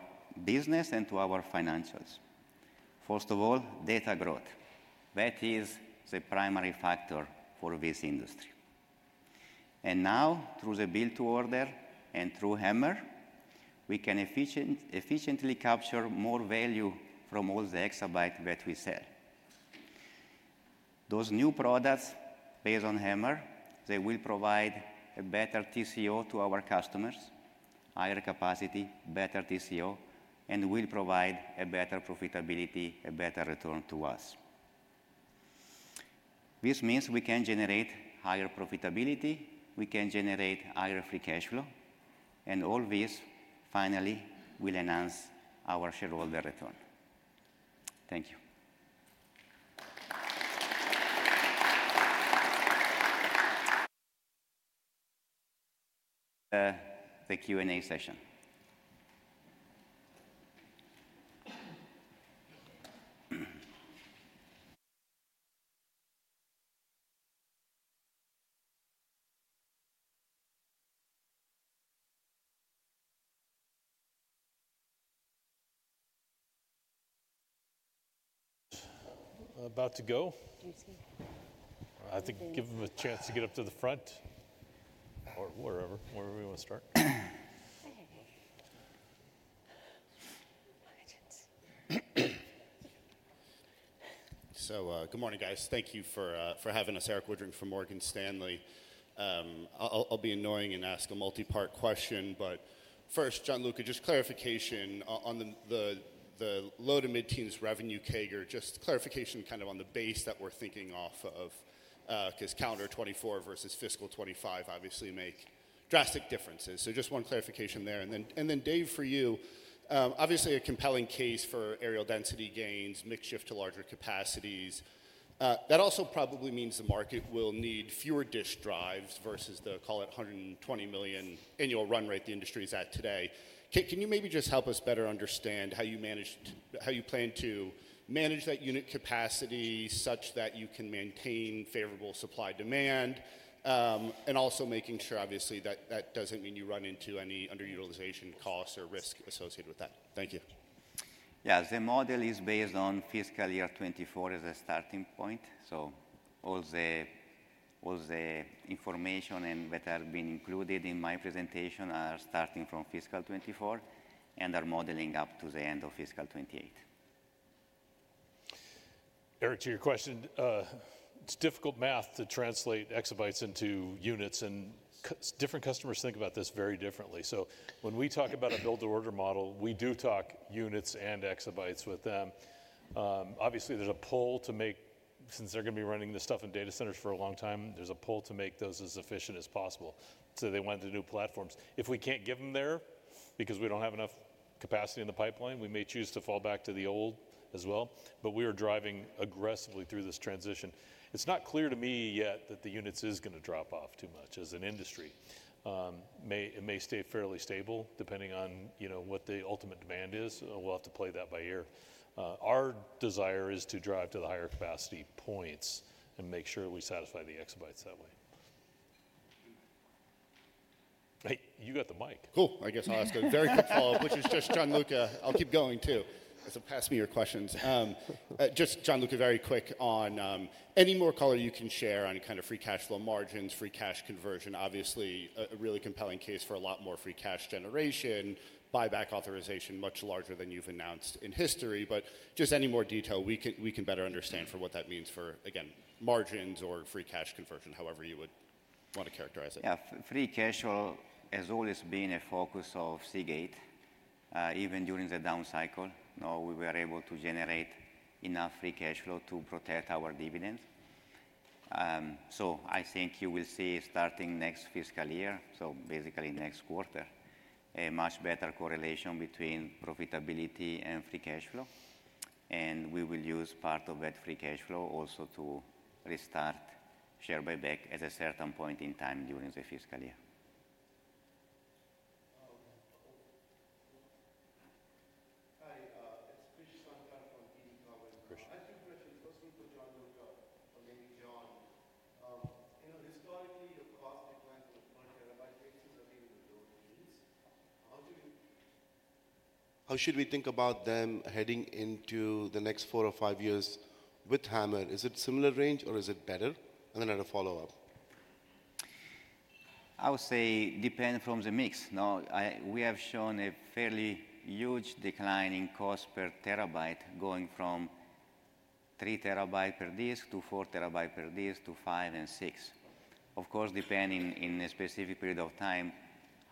business and to our financials. First of all, data growth. That is the primary factor for this industry. Now, through the build-to-order and through HAMR, we can efficiently capture more value from all the exabyte that we sell. Those new products based on HAMR, they will provide a better TCO to our customers, higher capacity, better TCO, and will provide a better profitability, a better return to us. This means we can generate higher profitability. We can generate higher free cash flow. All this, finally, will enhance our shareholder return. Thank you. The Q&A session. About to go. I think give them a chance to get up to the front or wherever, wherever you want to start. Good morning, guys. Thank you for having us. Erik Woodring from Morgan Stanley. I'll be annoying and ask a multi-part question. First, Gianluca, just clarification on the low-to-mid teens revenue CAGR. Just clarification kind of on the base that we're thinking off of because calendar 2024 versus fiscal 2025 obviously make drastic differences. So just one clarification there. And then Dave, for you, obviously a compelling case for aerial density gains, mixed shift to larger capacities. That also probably means the market will need fewer disk drives versus the, call it, $120 million annual run rate the industry is at today. Can you maybe just help us better understand how you plan to manage that unit capacity such that you can maintain favorable supply demand? And also making sure, obviously, that that doesn't mean you run into any underutilization costs or risk associated with that. Thank you. Yeah, the model is based on fiscal year 2024 as a starting point. All the information that has been included in my presentation are starting from fiscal 2024 and are modeling up to the end of fiscal 2028. Eric, to your question, it's difficult math to translate exabytes into units. And different customers think about this very differently. When we talk about a build-to-order model, we do talk units and exabytes with them. Obviously, there's a pull to make, since they're going to be running this stuff in data centers for a long time, there's a pull to make those as efficient as possible. They want the new platforms. If we can't get them there because we don't have enough capacity in the pipeline, we may choose to fall back to the old as well. We are driving aggressively through this transition. It's not clear to me yet that the units is going to drop off too much as an industry. It may stay fairly stable depending on what the ultimate demand is. We'll have to play that by ear. Our desire is to drive to the higher capacity points and make sure we satisfy the exabytes that way. You got the mic. Cool. I guess I'll ask a very quick follow-up, which is just John, Luca. I'll keep going too. Pass me your questions. Just John, Luca, very quick on any more color you can share on kind of free cash flow margins, free cash conversion. Obviously, a really compelling case for a lot more free cash generation, buyback authorization much larger than you've announced in history. Just any more detail we can better understand for what that means for, again, margins or free cash conversion, however you would want to characterize it. Yeah, free cash flow has always been a focus of Seagate even during the down cycle. Now we were able to generate enough free cash flow to protect our dividends. I think you will see starting next fiscal year, so basically next quarter, a much better correlation between profitability and free cash flow. We will use part of that free cash flow also to restart share buyback at a certain point in time during the fiscal year. Hi, it's Krish Sankar from TD Cowen. I have two questions. First one for Gianluca, or maybe John. Historically, your cost declined to the per terabyte basis at even the low teens. How should we think about them heading into the next four or five years with HAMR? Is it a similar range, or is it better? I have a follow-up. I would say it depends on the mix. We have shown a fairly huge decline in cost per terabyte, going from 3 TB per disk to 4 TB per disk to five and six. Of course, depending on a specific period of time,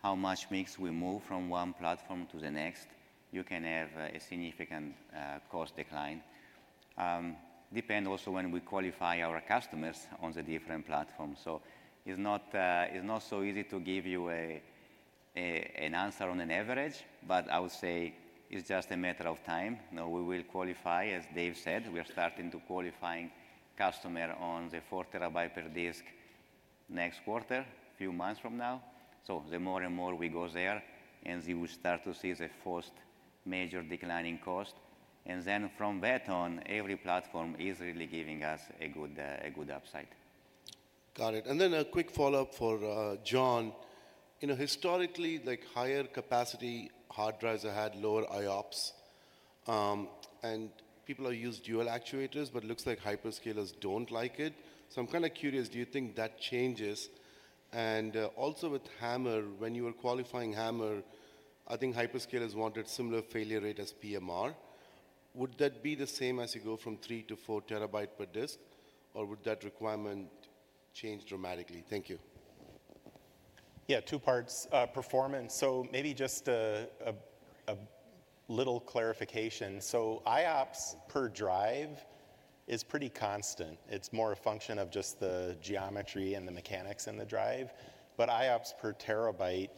how much mix we move from one platform to the next, you can have a significant cost decline. It depends also when we qualify our customers on the different platforms. It is not so easy to give you an answer on an average. I would say it is just a matter of time. We will qualify, as Dave said. We are starting to qualify customers on the 4 TB per disk next quarter, a few months from now. The more and more we go there, you will start to see the first major declining cost. From that on, every platform is really giving us a good upside. Got it. A quick follow-up for John. Historically, higher capacity hard drives have had lower IOPS. People have used dual actuators, but it looks like hyperscalers do not like it. I am kind of curious, do you think that changes? Also, with HAMR, when you were qualifying HAMR, I think hyperscalers wanted similar failure rate as PMR. Would that be the same as you go from 3 TB-4 TB per disk, or would that requirement change dramatically? Thank you. Yeah, two parts. Performance. Maybe just a little clarification. IOPS per drive is pretty constant. It is more a function of just the geometry and the mechanics in the drive. IOPS per terabyte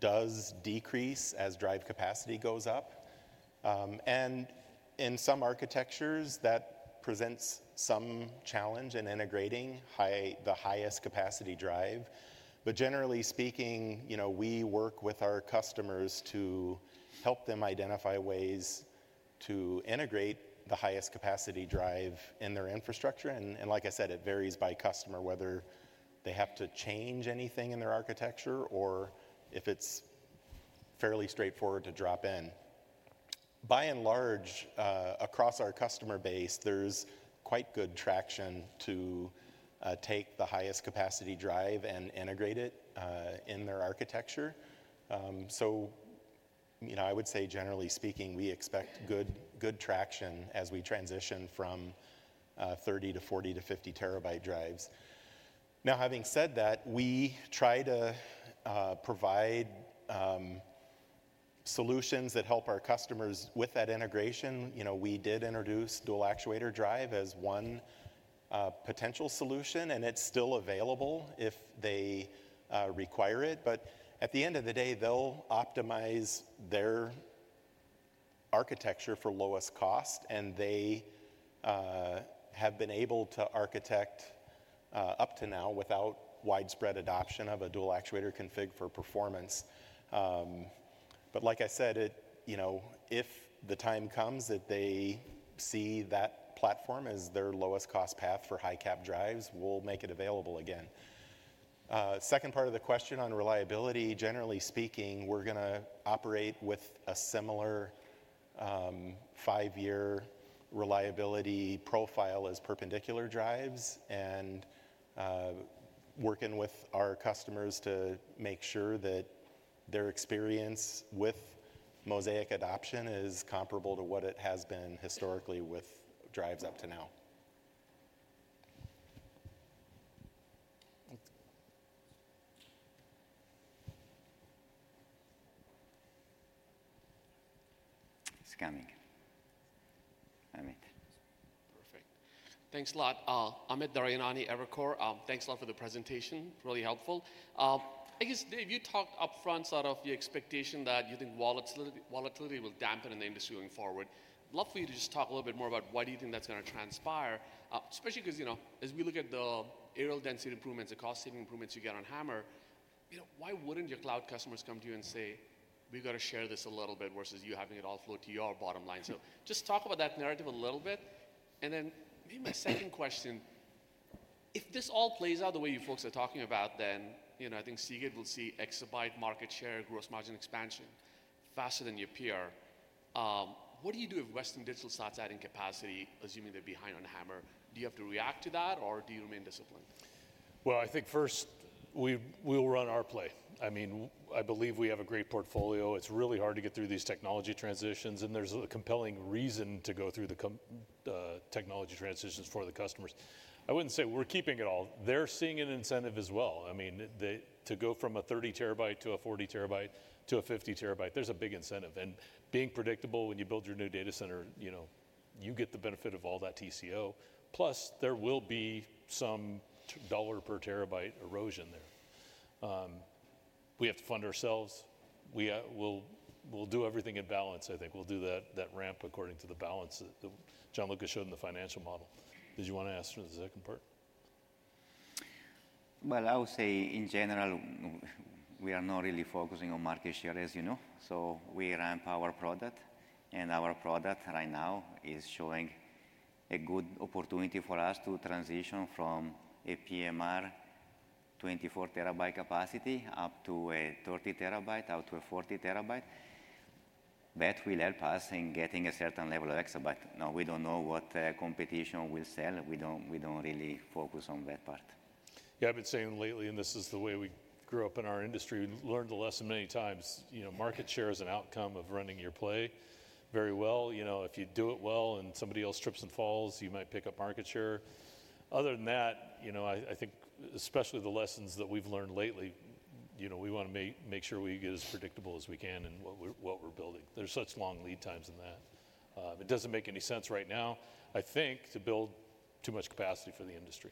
does decrease as drive capacity goes up. In some architectures, that presents some challenge in integrating the highest capacity drive. Generally speaking, we work with our customers to help them identify ways to integrate the highest capacity drive in their infrastructure. Like I said, it varies by customer, whether they have to change anything in their architecture or if it is fairly straightforward to drop in. By and large, across our customer base, there is quite good traction to take the highest capacity drive and integrate it in their architecture. I would say, generally speaking, we expect good traction as we transition from 30 to 40 to 50 TB drives. Having said that, we try to provide solutions that help our customers with that integration. We did introduce dual actuator drive as one potential solution. It is still available if they require it. At the end of the day, they'll optimize their architecture for lowest cost. They have been able to architect up to now without widespread adoption of a dual actuator config for performance. Like I said, if the time comes that they see that platform as their lowest cost path for high cap drives, we'll make it available again. Second part of the question on reliability. Generally speaking, we're going to operate with a similar five-year reliability profile as perpendicular drives and working with our customers to make sure that their experience with Mozaic adoption is comparable to what it has been historically with drives up to now. It's coming. Perfect. Thanks a lot. Amit Daryanani, Evercore, thanks a lot for the presentation. Really helpful. I guess, Dave, you talked upfront sort of the expectation that you think volatility will dampen in the industry going forward. I'd love for you to just talk a little bit more about why do you think that's going to transpire, especially because as we look at the aerial density improvements, the cost saving improvements you get on HAMR, why wouldn't your cloud customers come to you and say, "We've got to share this a little bit," versus you having it all flow to your bottom line? Just talk about that narrative a little bit. Maybe my second question, if this all plays out the way you folks are talking about, then I think Seagate will see exabyte market share, gross margin expansion faster than your peer. What do you do if Western Digital starts adding capacity, assuming they're behind on HAMR? Do you have to react to that, or do you remain disciplined? I think first we will run our play. I mean, I believe we have a great portfolio. It's really hard to get through these technology transitions. And there's a compelling reason to go through the technology transitions for the customers. I wouldn't say we're keeping it all. They're seeing an incentive as well. I mean, to go from a 30 TB to a 40 TB to a 50 TB, there's a big incentive. And being predictable, when you build your new data center, you get the benefit of all that TCO. Plus, there will be some dollar per terabyte erosion there. We have to fund ourselves. We'll do everything in balance. I think we'll do that ramp according to the balance that Gianluca showed in the financial model. Did you want to ask for the second part? I would say in general, we are not really focusing on market share, as you know. We ramp our product. Our product right now is showing a good opportunity for us to transition from a PMR 24 TB capacity up to a 30 TB, out to a 40 TB. That will help us in getting a certain level of exabyte. Now, we do not know what competition will sell. We do not really focus on that part. Yeah, I have been saying lately, and this is the way we grew up in our industry, we learned the lesson many times. Market share is an outcome of running your play very well. If you do it well and somebody else trips and falls, you might pick up market share. Other than that, I think especially the lessons that we have learned lately, we want to make sure we get as predictable as we can in what we are building. There are such long lead times in that. It doesn't make any sense right now, I think, to build too much capacity for the industry.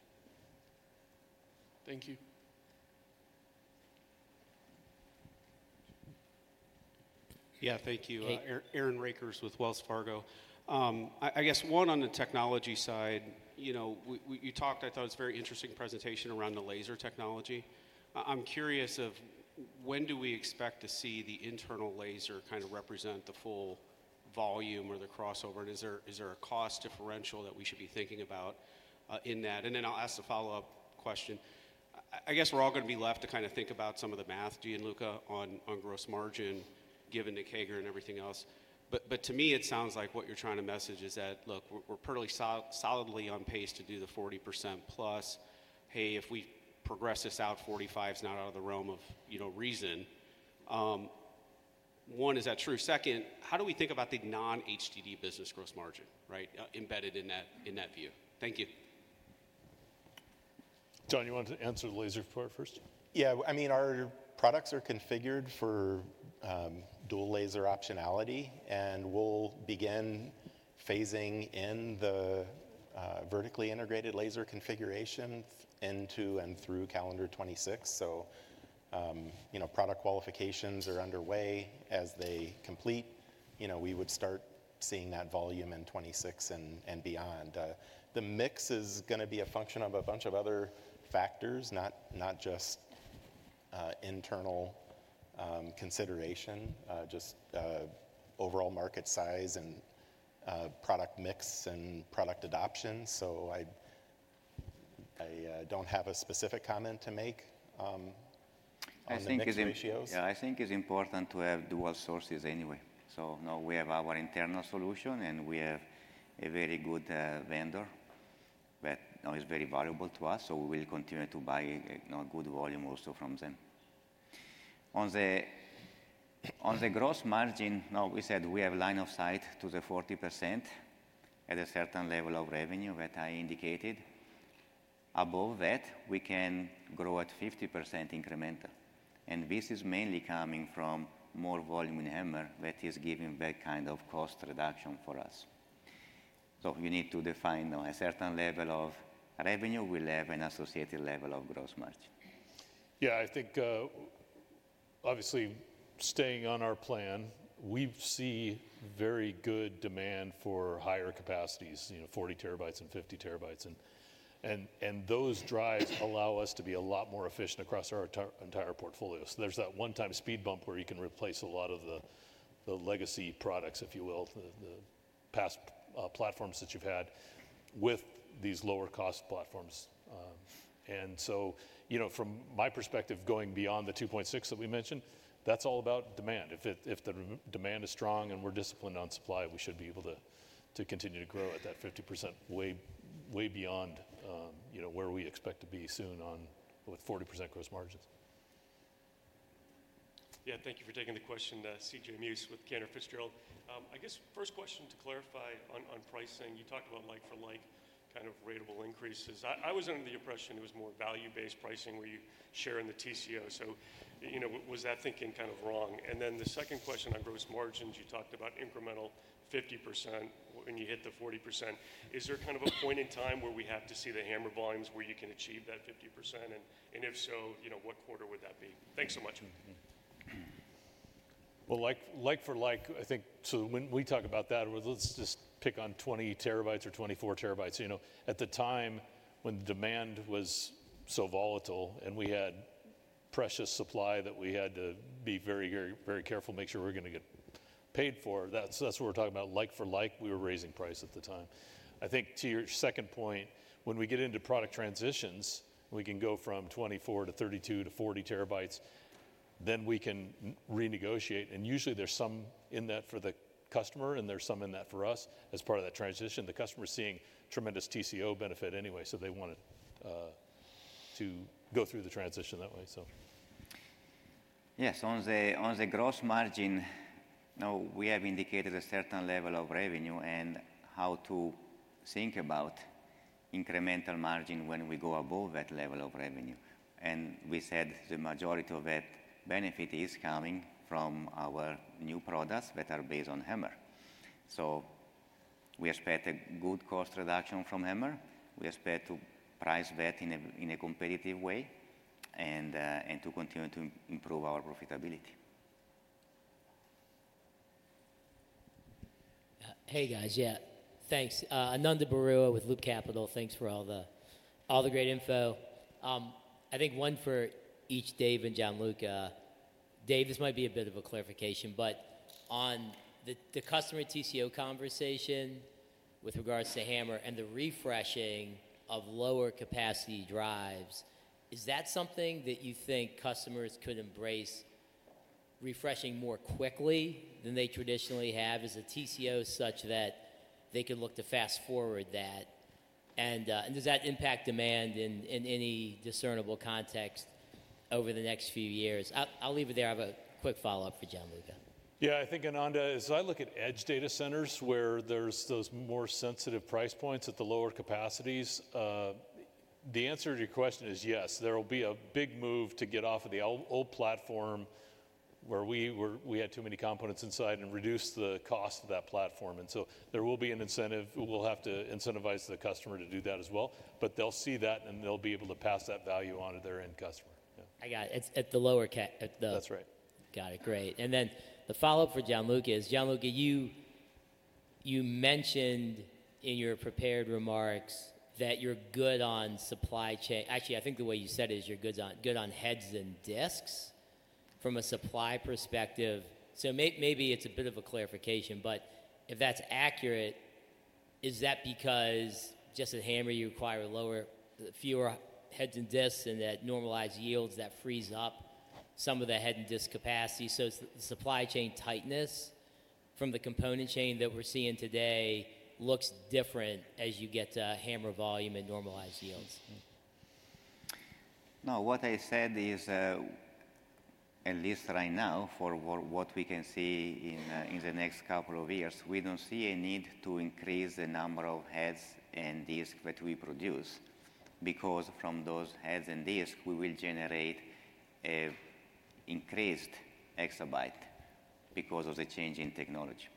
Thank you. Yeah, thank you. Aaron Rakers with Wells Fargo. I guess one on the technology side, you talked, I thought it was a very interesting presentation around the laser technology. I'm curious of when do we expect to see the internal laser kind of represent the full volume or the crossover. And is there a cost differential that we should be thinking about in that? Then I'll ask the follow-up question. I guess we're all going to be left to kind of think about some of the math, Gianluca, on gross margin given to CAGR and everything else. To me, it sounds like what you're trying to message is that, look, we're pretty solidly on pace to do the 40%+. Hey, if we progress this out, 45 is not out of the realm of reason. One, is that true? Second, how do we think about the non-HDD business gross margin embedded in that view? Thank you. John, you want to answer the laser part first? Yeah, I mean, our products are configured for dual laser optionality. We will begin phasing in the vertically integrated laser configuration into and through calendar 2026. Product qualifications are underway. As they complete, we would start seeing that volume in 2026 and beyond. The mix is going to be a function of a bunch of other factors, not just internal consideration, just overall market size and product mix and product adoption. I do not have a specific comment to make on these ratios. I think it is important to have dual sources anyway. Now we have our internal solution, and we have a very good vendor that is very valuable to us. We will continue to buy good volume also from them. On the gross margin, we said we have line of sight to the 40% at a certain level of revenue that I indicated. Above that, we can grow at 50% incremental. This is mainly coming from more volume in HAMR that is giving that kind of cost reduction for us. You need to define a certain level of revenue. We will have an associated level of gross margin. Yeah, I think obviously staying on our plan, we see very good demand for higher capacities, 40 TB and 50 TB. Those drives allow us to be a lot more efficient across our entire portfolio. There's that one-time speed bump where you can replace a lot of the legacy products, if you will, the past platforms that you've had with these lower-cost platforms. From my perspective, going beyond the 2.6 that we mentioned, that's all about demand. If the demand is strong and we're disciplined on supply, we should be able to continue to grow at that 50% way beyond where we expect to be soon with 40% gross margins. Yeah, thank you for taking the question, CJ Muse with Cantor Fitzgerald. I guess first question to clarify on pricing. You talked about like-for-like kind of ratable increases. I was under the impression it was more value-based pricing where you share in the TCO. Was that thinking kind of wrong? The second question on gross margins, you talked about incremental 50% when you hit the 40%. Is there kind of a point in time where we have to see the HAMR volumes where you can achieve that 50%? And if so, what quarter would that be? Thanks so much. Like-for-like, I think so when we talk about that, let's just pick on 20 TB or 24 TB. At the time when the demand was so volatile and we had precious supply that we had to be very, very careful, make sure we're going to get paid for, that's what we're talking about. Like-for-like, we were raising price at the time. I think to your second point, when we get into product transitions, we can go from 24 to 32 to 40 TB, then we can renegotiate. Usually there's some in that for the customer, and there's some in that for us as part of that transition. The customer is seeing tremendous TCO benefit anyway, so they want to go through the transition that way, so. Yes, on the gross margin, now we have indicated a certain level of revenue and how to think about incremental margin when we go above that level of revenue. And we said the majority of that benefit is coming from our new products that are based on HAMR. So we expect a good cost reduction from HAMR. We expect to price that in a competitive way and to continue to improve our profitability. Hey, guys. Yeah, thanks. Ananda Baruah with Loop Capital. Thanks for all the great info. I think one for each Dave and Gianluca. Dave, this might be a bit of a clarification, but on the customer TCO conversation with regards to HAMR and the refreshing of lower-capacity drives, is that something that you think customers could embrace refreshing more quickly than they traditionally have as a TCO such that they could look to fast forward that? Does that impact demand in any discernible context over the next few years? I'll leave it there. I have a quick follow-up for Gianluca. Yeah, I think, Ananda, as I look at edge data centers where there's those more sensitive price points at the lower capacities, the answer to your question is yes. There will be a big move to get off of the old platform where we had too many components inside and reduce the cost of that platform. There will be an incentive. We'll have to incentivize the customer to do that as well. They'll see that, and they'll be able to pass that value on to their end customer. Yeah. I got it. It's at the lower cap. That's right. Got it. Great. The follow-up for Gianluca is, Gianluca, you mentioned in your prepared remarks that you're good on supply chain. Actually, I think the way you said it is you're good on heads and disks from a supply perspective. Maybe it's a bit of a clarification. If that's accurate, is that because just at HAMR you require fewer heads and disks and that normalized yields free up some of the head and disk capacity? The supply chain tightness from the component chain that we're seeing today looks different as you get to HAMR volume and normalized yields. No, what I said is, at least right now, for what we can see in the next couple of years, we do not see a need to increase the number of heads and disks that we produce because from those heads and disks, we will generate an increased exabyte because of the change in technology.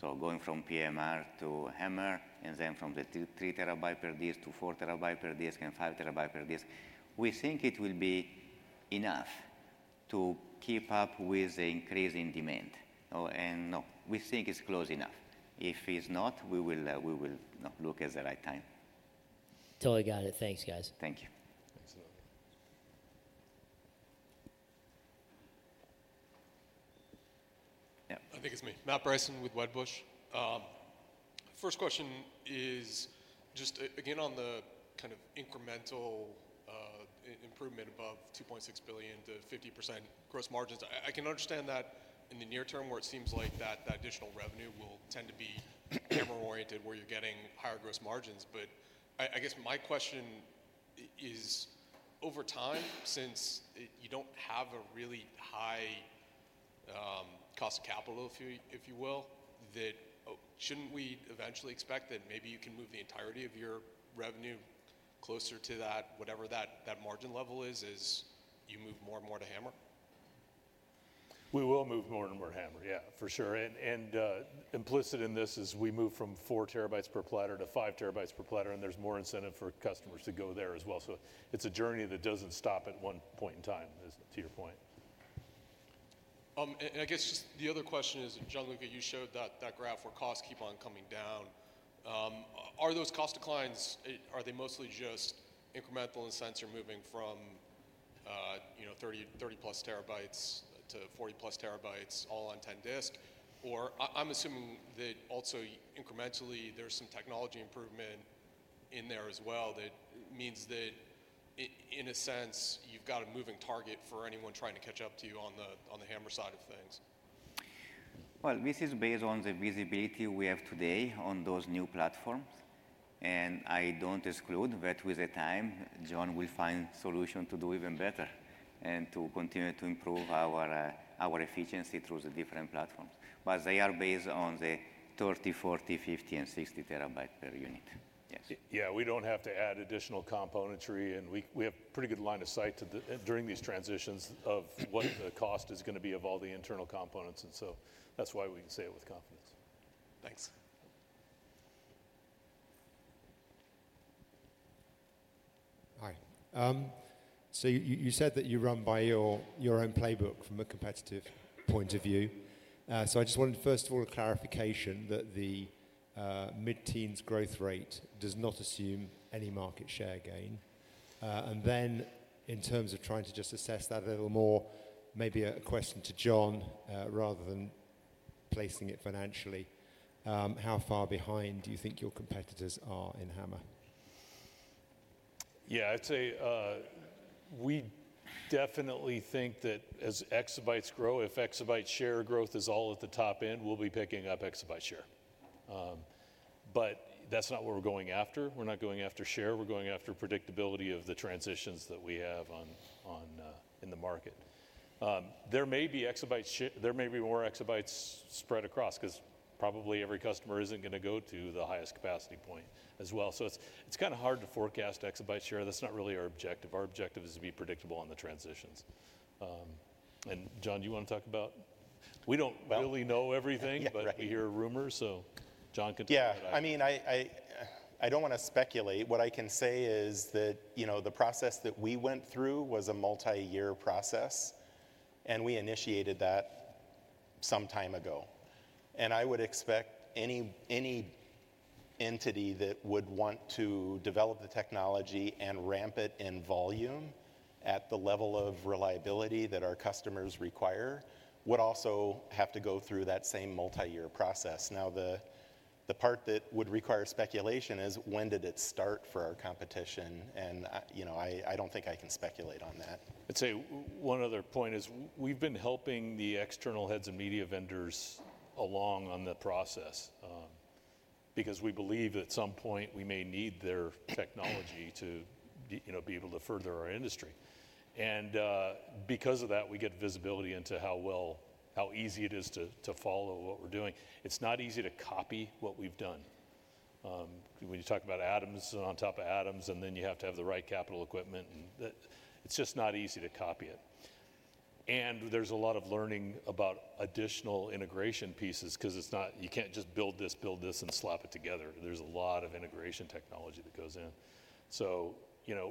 Going from PMR to HAMR and then from the 3 TB per disk to 4 TB per disk and 5 TB per disk, we think it will be enough to keep up with the increase in demand. No, we think it is close enough. If it is not, we will look at the right time. Totally got it. Thanks, guys. Thank you. Thanks, Ananda. Yeah. I think it is me. Matt Bryson with Wedbush. First question is just, again, on the kind of incremental improvement above $2.6 billion to 50% gross margins. I can understand that in the near term where it seems like that additional revenue will tend to be HAMR-oriented where you're getting higher gross margins. I guess my question is, over time, since you don't have a really high cost of capital, if you will, shouldn't we eventually expect that maybe you can move the entirety of your revenue closer to that, whatever that margin level is, as you move more and more to HAMR? We will move more and more to HAMR, yeah, for sure. Implicit in this is we move from 4 TB per platter to 5 TB per platter, and there's more incentive for customers to go there as well. It is a journey that doesn't stop at one point in time, to your point. I guess just the other question is, Gianluca, you showed that graph where costs keep on coming down. Are those cost declines, are they mostly just incremental in the sense you're moving from 30+ TB to 40+ TB all on 10 disk? Or I'm assuming that also incrementally there's some technology improvement in there as well that means that in a sense, you've got a moving target for anyone trying to catch up to you on the HAMR side of things. This is based on the visibility we have today on those new platforms. I don't exclude that with time, John will find solutions to do even better and to continue to improve our efficiency through the different platforms. They are based on the 30, 40, 50, and 60 TB per unit. Yes. Yeah, we don't have to add additional componentry. We have a pretty good line of sight during these transitions of what the cost is going to be of all the internal components. That is why we can say it with confidence. Thanks. Hi. You said that you run by your own playbook from a competitive point of view. I just wanted, first of all, a clarification that the mid-teens growth rate does not assume any market share gain. In terms of trying to just assess that a little more, maybe a question to John rather than placing it financially, how far behind do you think your competitors are in HAMR? Yeah, I'd say we definitely think that as exabytes grow, if exabyte share growth is all at the top end, we'll be picking up exabyte share. That is not what we're going after. We're not going after share. We're going after predictability of the transitions that we have in the market. There may be more exabytes spread across because probably every customer isn't going to go to the highest capacity point as well. It is kind of hard to forecast exabyte share. That's not really our objective. Our objective is to be predictable on the transitions. John, do you want to talk about it? We don't really know everything, but we hear rumors. John can talk about it. Yeah, I mean, I don't want to speculate. What I can say is that the process that we went through was a multi-year process, and we initiated that some time ago. I would expect any entity that would want to develop the technology and ramp it in volume at the level of reliability that our customers require would also have to go through that same multi-year process. Now, the part that would require speculation is when did it start for our competition? I do not think I can speculate on that. I would say one other point is we have been helping the external heads and media vendors along on the process because we believe at some point we may need their technology to be able to further our industry. Because of that, we get visibility into how easy it is to follow what we are doing. It is not easy to copy what we have done. When you talk about atoms on top of atoms, and then you have to have the right capital equipment, it is just not easy to copy it. There is a lot of learning about additional integration pieces because you cannot just build this, build this, and slap it together. There is a lot of integration technology that goes in.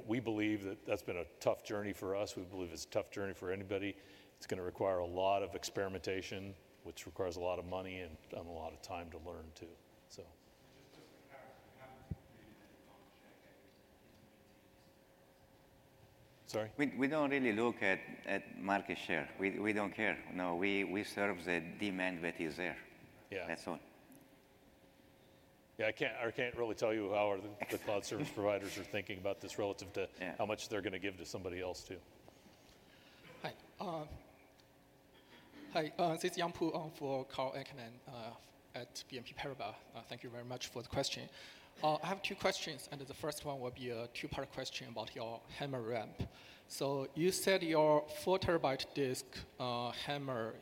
We believe that that's been a tough journey for us. We believe it's a tough journey for anybody. It's going to require a lot of experimentation, which requires a lot of money and a lot of time to learn too. Sorry? We don't really look at market share. We don't care. No, we serve the demand that is there. That's all. Yeah, I can't really tell you how the cloud service providers are thinking about this relative to how much they're going to give to somebody else too. Hi. Hi. This is Yang Pu for Karl Ackerman at BNP Paribas. Thank you very much for the question. I have two questions, and the first one will be a two-part question about your HAMR ramp. You said your 4 TB disk HAMR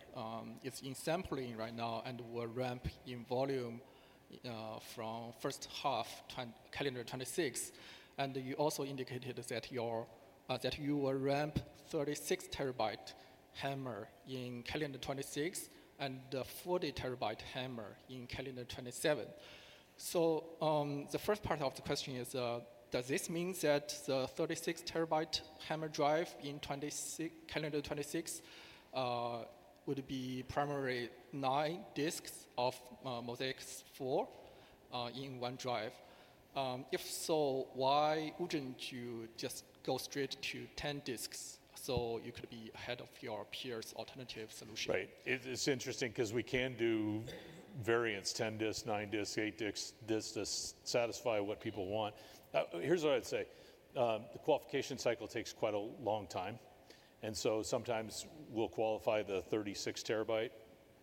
is in sampling right now and will ramp in volume from first half, calendar 2026. You also indicated that you will ramp 36 TB HAMR in calendar 2026 and 40 TB HAMR in calendar 2027. The first part of the question is, does this mean that the 36 TB HAMR drive in calendar 2026 would be primarily 9 disks of Mozaic 4 in one drive? If so, why would you not just go straight to 10 disks so you could be ahead of your peers' alternative solution? Right. It is interesting because we can do variants, 10 disks, 9 disks, 8 disks, just to satisfy what people want. Here is what I would say. The qualification cycle takes quite a long time. Sometimes we will qualify the 36 TB,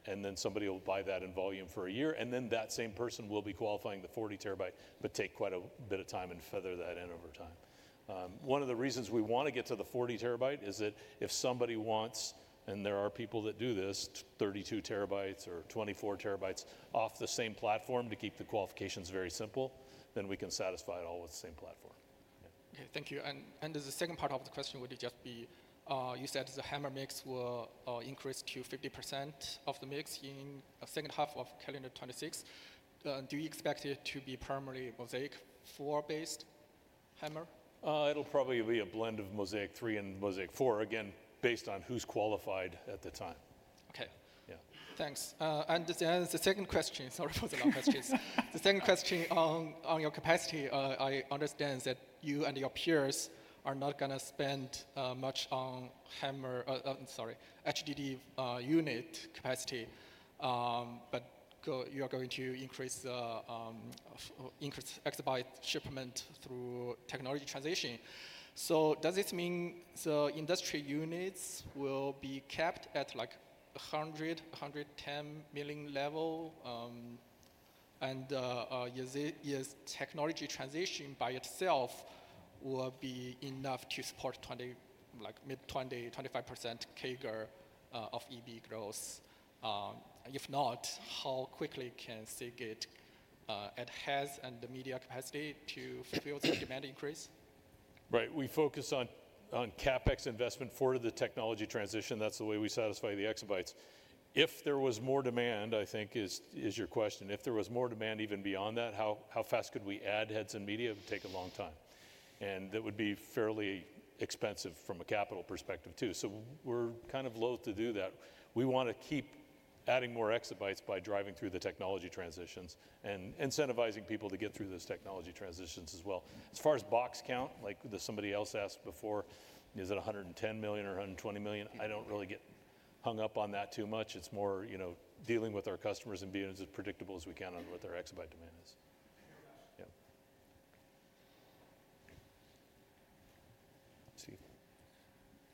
and then somebody will buy that in volume for a year. That same person will be qualifying the 40 TB, but take quite a bit of time and feather that in over time. One of the reasons we want to get to the 40 TB is that if somebody wants, and there are people that do this, 32 TB or 24 TB off the same platform to keep the qualifications very simple, then we can satisfy it all with the same platform. Yeah. Thank you. The second part of the question would just be, you said the HAMR mix will increase to 50% of the mix in the second half of calendar 2026. Do you expect it to be primarily Mozaic 4-based HAMR? It'll probably be a blend of Mozaic 3 and Mozaic 4, again, based on who's qualified at the time. Okay. Yeah. Thanks. The second question, sorry for the long questions. The second question on your capacity, I understand that you and your peers are not going to spend much on HDD unit capacity, but you are going to increase exabyte shipment through technology transition. Does this mean the industry units will be kept at like 100-110 million level? Is technology transition by itself enough to support 20-25% CAGR of EB growth? If not, how quickly can Seagate get ahead in the media capacity to fulfill the demand increase? Right. We focus on CapEx investment for the technology transition. That is the way we satisfy the exabytes. If there was more demand, I think is your question. If there was more demand even beyond that, how fast could we add heads and media? It would take a long time. That would be fairly expensive from a capital perspective too. We're kind of loathe to do that. We want to keep adding more exabytes by driving through the technology transitions and incentivizing people to get through those technology transitions as well. As far as box count, like somebody else asked before, is it 110 million or 120 million? I don't really get hung up on that too much. It's more dealing with our customers and being as predictable as we can on what their exabyte demand is. Yeah.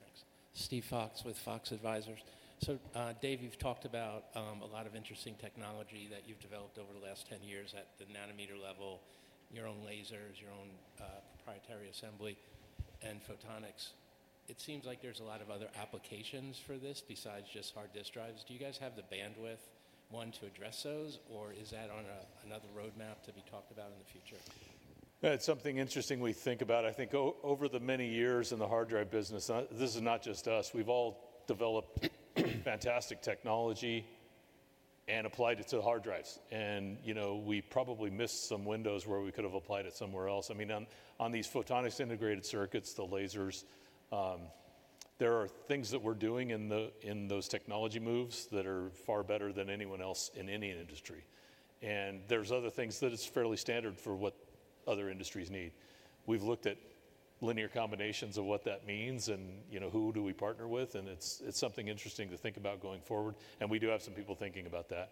Thanks. Steve Fox with Fox Advisors. Dave, you've talked about a lot of interesting technology that you've developed over the last 10 years at the nanometer level, your own lasers, your own proprietary assembly, and photonics. It seems like there's a lot of other applications for this besides just hard disk drives. Do you guys have the bandwidth, one, to address those, or is that on another roadmap to be talked about in the future? That's something interesting we think about. I think over the many years in the hard drive business, this is not just us. We've all developed fantastic technology and applied it to hard drives. We probably missed some windows where we could have applied it somewhere else. I mean, on these photonics integrated circuits, the lasers, there are things that we're doing in those technology moves that are far better than anyone else in any industry. There are other things that it's fairly standard for what other industries need. We've looked at linear combinations of what that means and who do we partner with. It's something interesting to think about going forward. We do have some people thinking about that.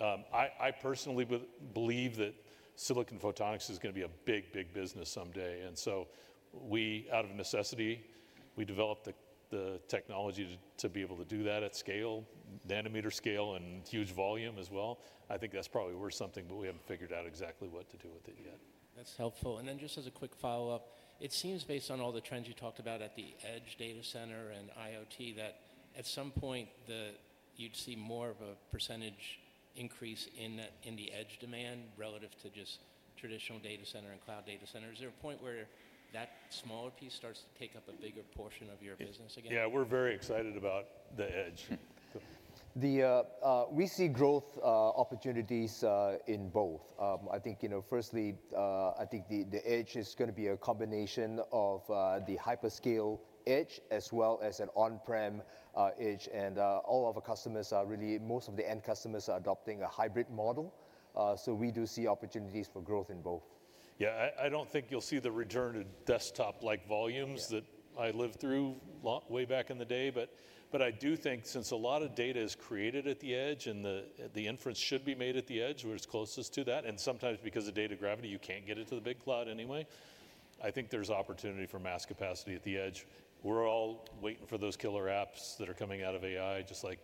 I personally believe that silicon photonics is going to be a big, big business someday. We, out of necessity, developed the technology to be able to do that at scale, nanometer scale, and huge volume as well. I think that's probably worth something, but we haven't figured out exactly what to do with it yet. That's helpful. Just as a quick follow-up, it seems based on all the trends you talked about at the edge data center and IoT that at some point you'd see more of a percentage increase in the edge demand relative to just traditional data center and cloud data center. Is there a point where that smaller piece starts to take up a bigger portion of your business again? Yeah, we're very excited about the edge. We see growth opportunities in both. I think, firstly, I think the edge is going to be a combination of the hyperscale edge as well as an on-prem edge. All of our customers are really, most of the end customers are adopting a hybrid model. We do see opportunities for growth in both. I do not think you'll see the return to desktop-like volumes that I lived through way back in the day. I do think since a lot of data is created at the edge and the inference should be made at the edge, we're as closest to that. Sometimes because of data gravity, you can't get it to the big cloud anyway. I think there's opportunity for mass capacity at the edge. We're all waiting for those killer apps that are coming out of AI, just like,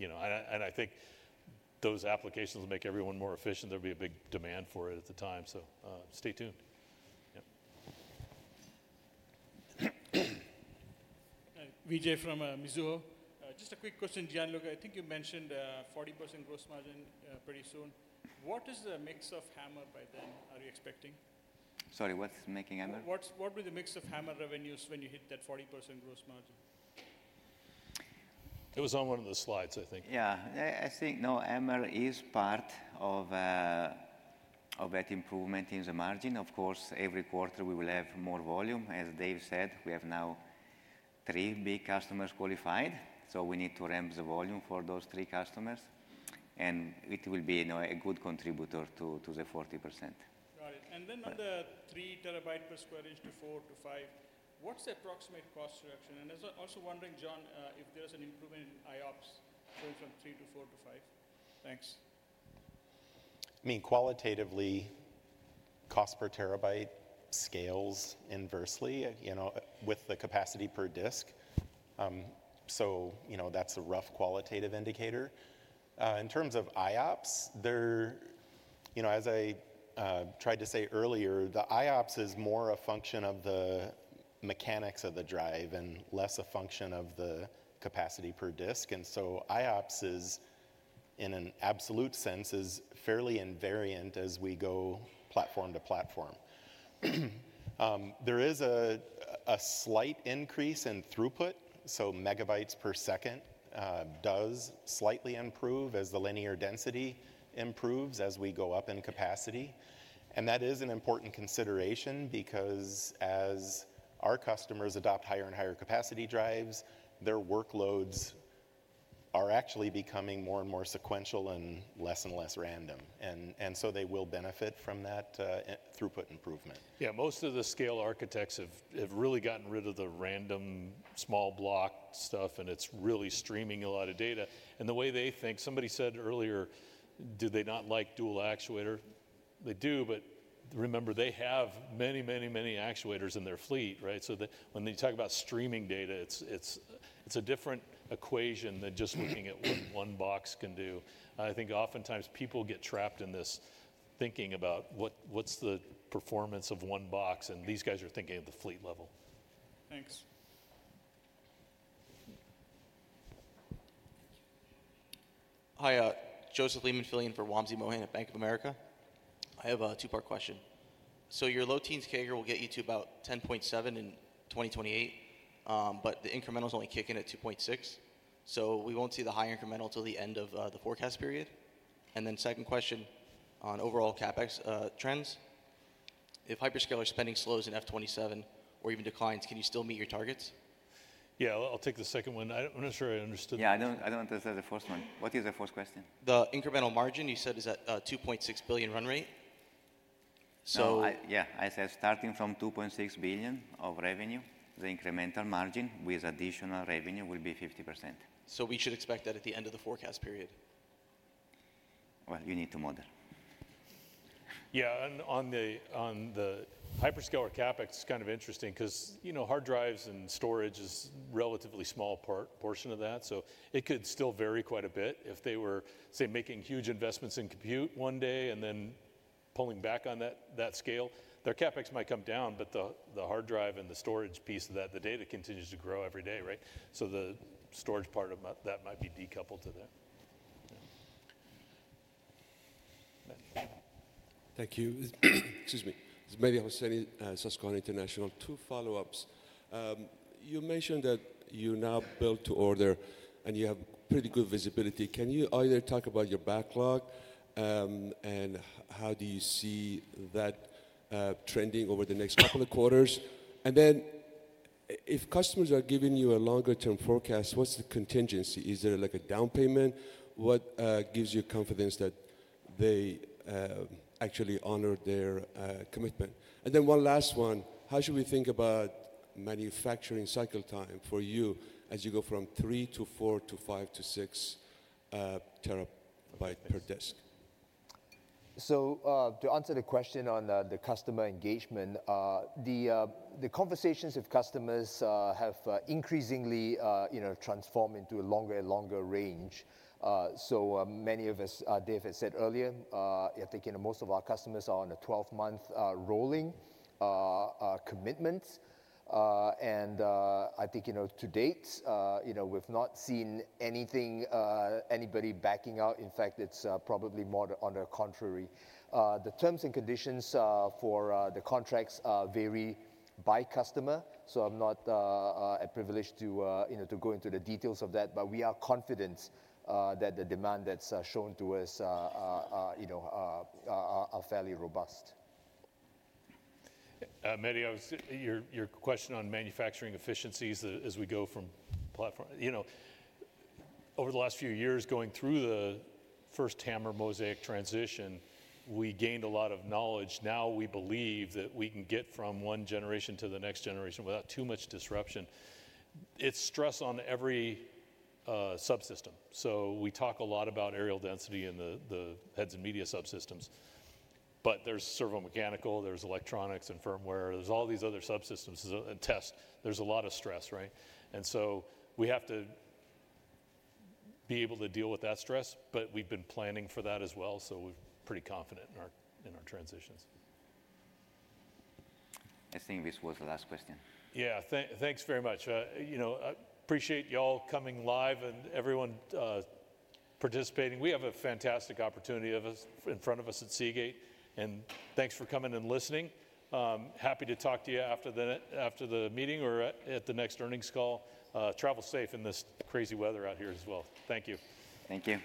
and I think those applications will make everyone more efficient. There'll be a big demand for it at the time. Stay tuned. Vijay from Mizuho. Just a quick question, Gianluca. I think you mentioned 40% gross margin pretty soon. What is the mix of HAMR by then? Are you expecting? Sorry, what's making HAMR? What will be the mix of HAMR revenues when you hit that 40% gross margin? It was on one of the slides, I think. Yeah. I think, no, HAMR is part of that improvement in the margin. Of course, every quarter we will have more volume. As Dave said, we have now three big customers qualified. We need to ramp the volume for those three customers. It will be a good contributor to the 40%. Got it. On the 3 TB per square inch to 4 to 5, what's the approximate cost reduction? I was also wondering, John, if there's an improvement in IOPS going from 3 to 4 to 5. Thanks. I mean, qualitatively, cost per terabyte scales inversely with the capacity per disk. That is a rough qualitative indicator. In terms of IOPS, as I tried to say earlier, the IOPS is more a function of the mechanics of the drive and less a function of the capacity per disk. IOPS, in an absolute sense, is fairly invariant as we go platform to platform. There is a slight increase in throughput. Megabyte per second does slightly improve as the linear density improves as we go up in capacity. That is an important consideration because as our customers adopt higher and higher capacity drives, their workloads are actually becoming more and more sequential and less and less random. They will benefit from that throughput improvement. Yeah, most of the scale architects have really gotten rid of the random small block stuff, and it's really streaming a lot of data. The way they think, somebody said earlier, do they not like dual actuator? They do, but remember they have many, many, many actuators in their fleet, right? When they talk about streaming data, it's a different equation than just looking at what one box can do. I think oftentimes people get trapped in this thinking about what's the performance of one box, and these guys are thinking at the fleet level. Thanks. Hi, Joseph Leeman filling in for Wamsi Mohan at Bank of America. I have a two-part question. Your low teens CAGR will get you to about 10.7 in 2028, but the incremental is only kicking at 2.6. We won't see the high incremental until the end of the forecast period. And then second question on overall CapEx trends. If hyperscaler spending slows in F2027 or even declines, can you still meet your targets? Yeah, I'll take the second one. I'm not sure I understood. Yeah, I don't want to say the first one. What is the first question? The incremental margin, you said, is at $2.6 billion run rate. So yeah, I said starting from $2.6 billion of revenue, the incremental margin with additional revenue will be 50%. You should expect that at the end of the forecast period? We need to model. Yeah, and on the hyperscaler CapEx, it's kind of interesting because hard drives and storage is a relatively small portion of that. It could still vary quite a bit if they were, say, making huge investments in compute one day and then pulling back on that scale. Their CapEx might come down, but the hard drive and the storage piece of that, the data continues to grow every day, right? The storage part of that might be decoupled to that. Thank you. Excuse me. Mehdi Hosseini Susquehanna International two follow-ups. You mentioned that you're now build-to-order and you have pretty good visibility. Can you either talk about your backlog and how do you see that trending over the next couple of quarters? If customers are giving you a longer-term forecast, what's the contingency? Is there like a down payment? What gives you confidence that they actually honor their commitment? One last one, how should we think about manufacturing cycle time for you as you go from 3 to 4 to 5 to 6 TB per disk? To answer the question on the customer engagement, the conversations with customers have increasingly transformed into a longer and longer range. Many of us, Dave had said earlier, I think most of our customers are on a 12-month rolling commitment. I think to date, we've not seen anybody backing out. In fact, it's probably more on the contrary. The terms and conditions for the contracts vary by customer. I'm not privileged to go into the details of that, but we are confident that the demand that's shown to us are fairly robust. Many of your question on manufacturing efficiencies as we go from platform, over the last few years going through the first HAMR Mozaic transition, we gained a lot of knowledge. Now we believe that we can get from one generation to the next generation without too much disruption. It's stress on every subsystem. We talk a lot about aerial density in the heads and media subsystems. There is servo mechanical, there is electronics and firmware, there are all these other subsystems and tests. There is a lot of stress, right? We have to be able to deal with that stress, but we have been planning for that as well. We are pretty confident in our transitions. I think this was the last question. Yeah, thanks very much. I appreciate y'all coming live and everyone participating. We have a fantastic opportunity in front of us at Seagate. Thanks for coming and listening. Happy to talk to you after the meeting or at the next earnings call. Travel safe in this crazy weather out here as well. Thank you. Thank you.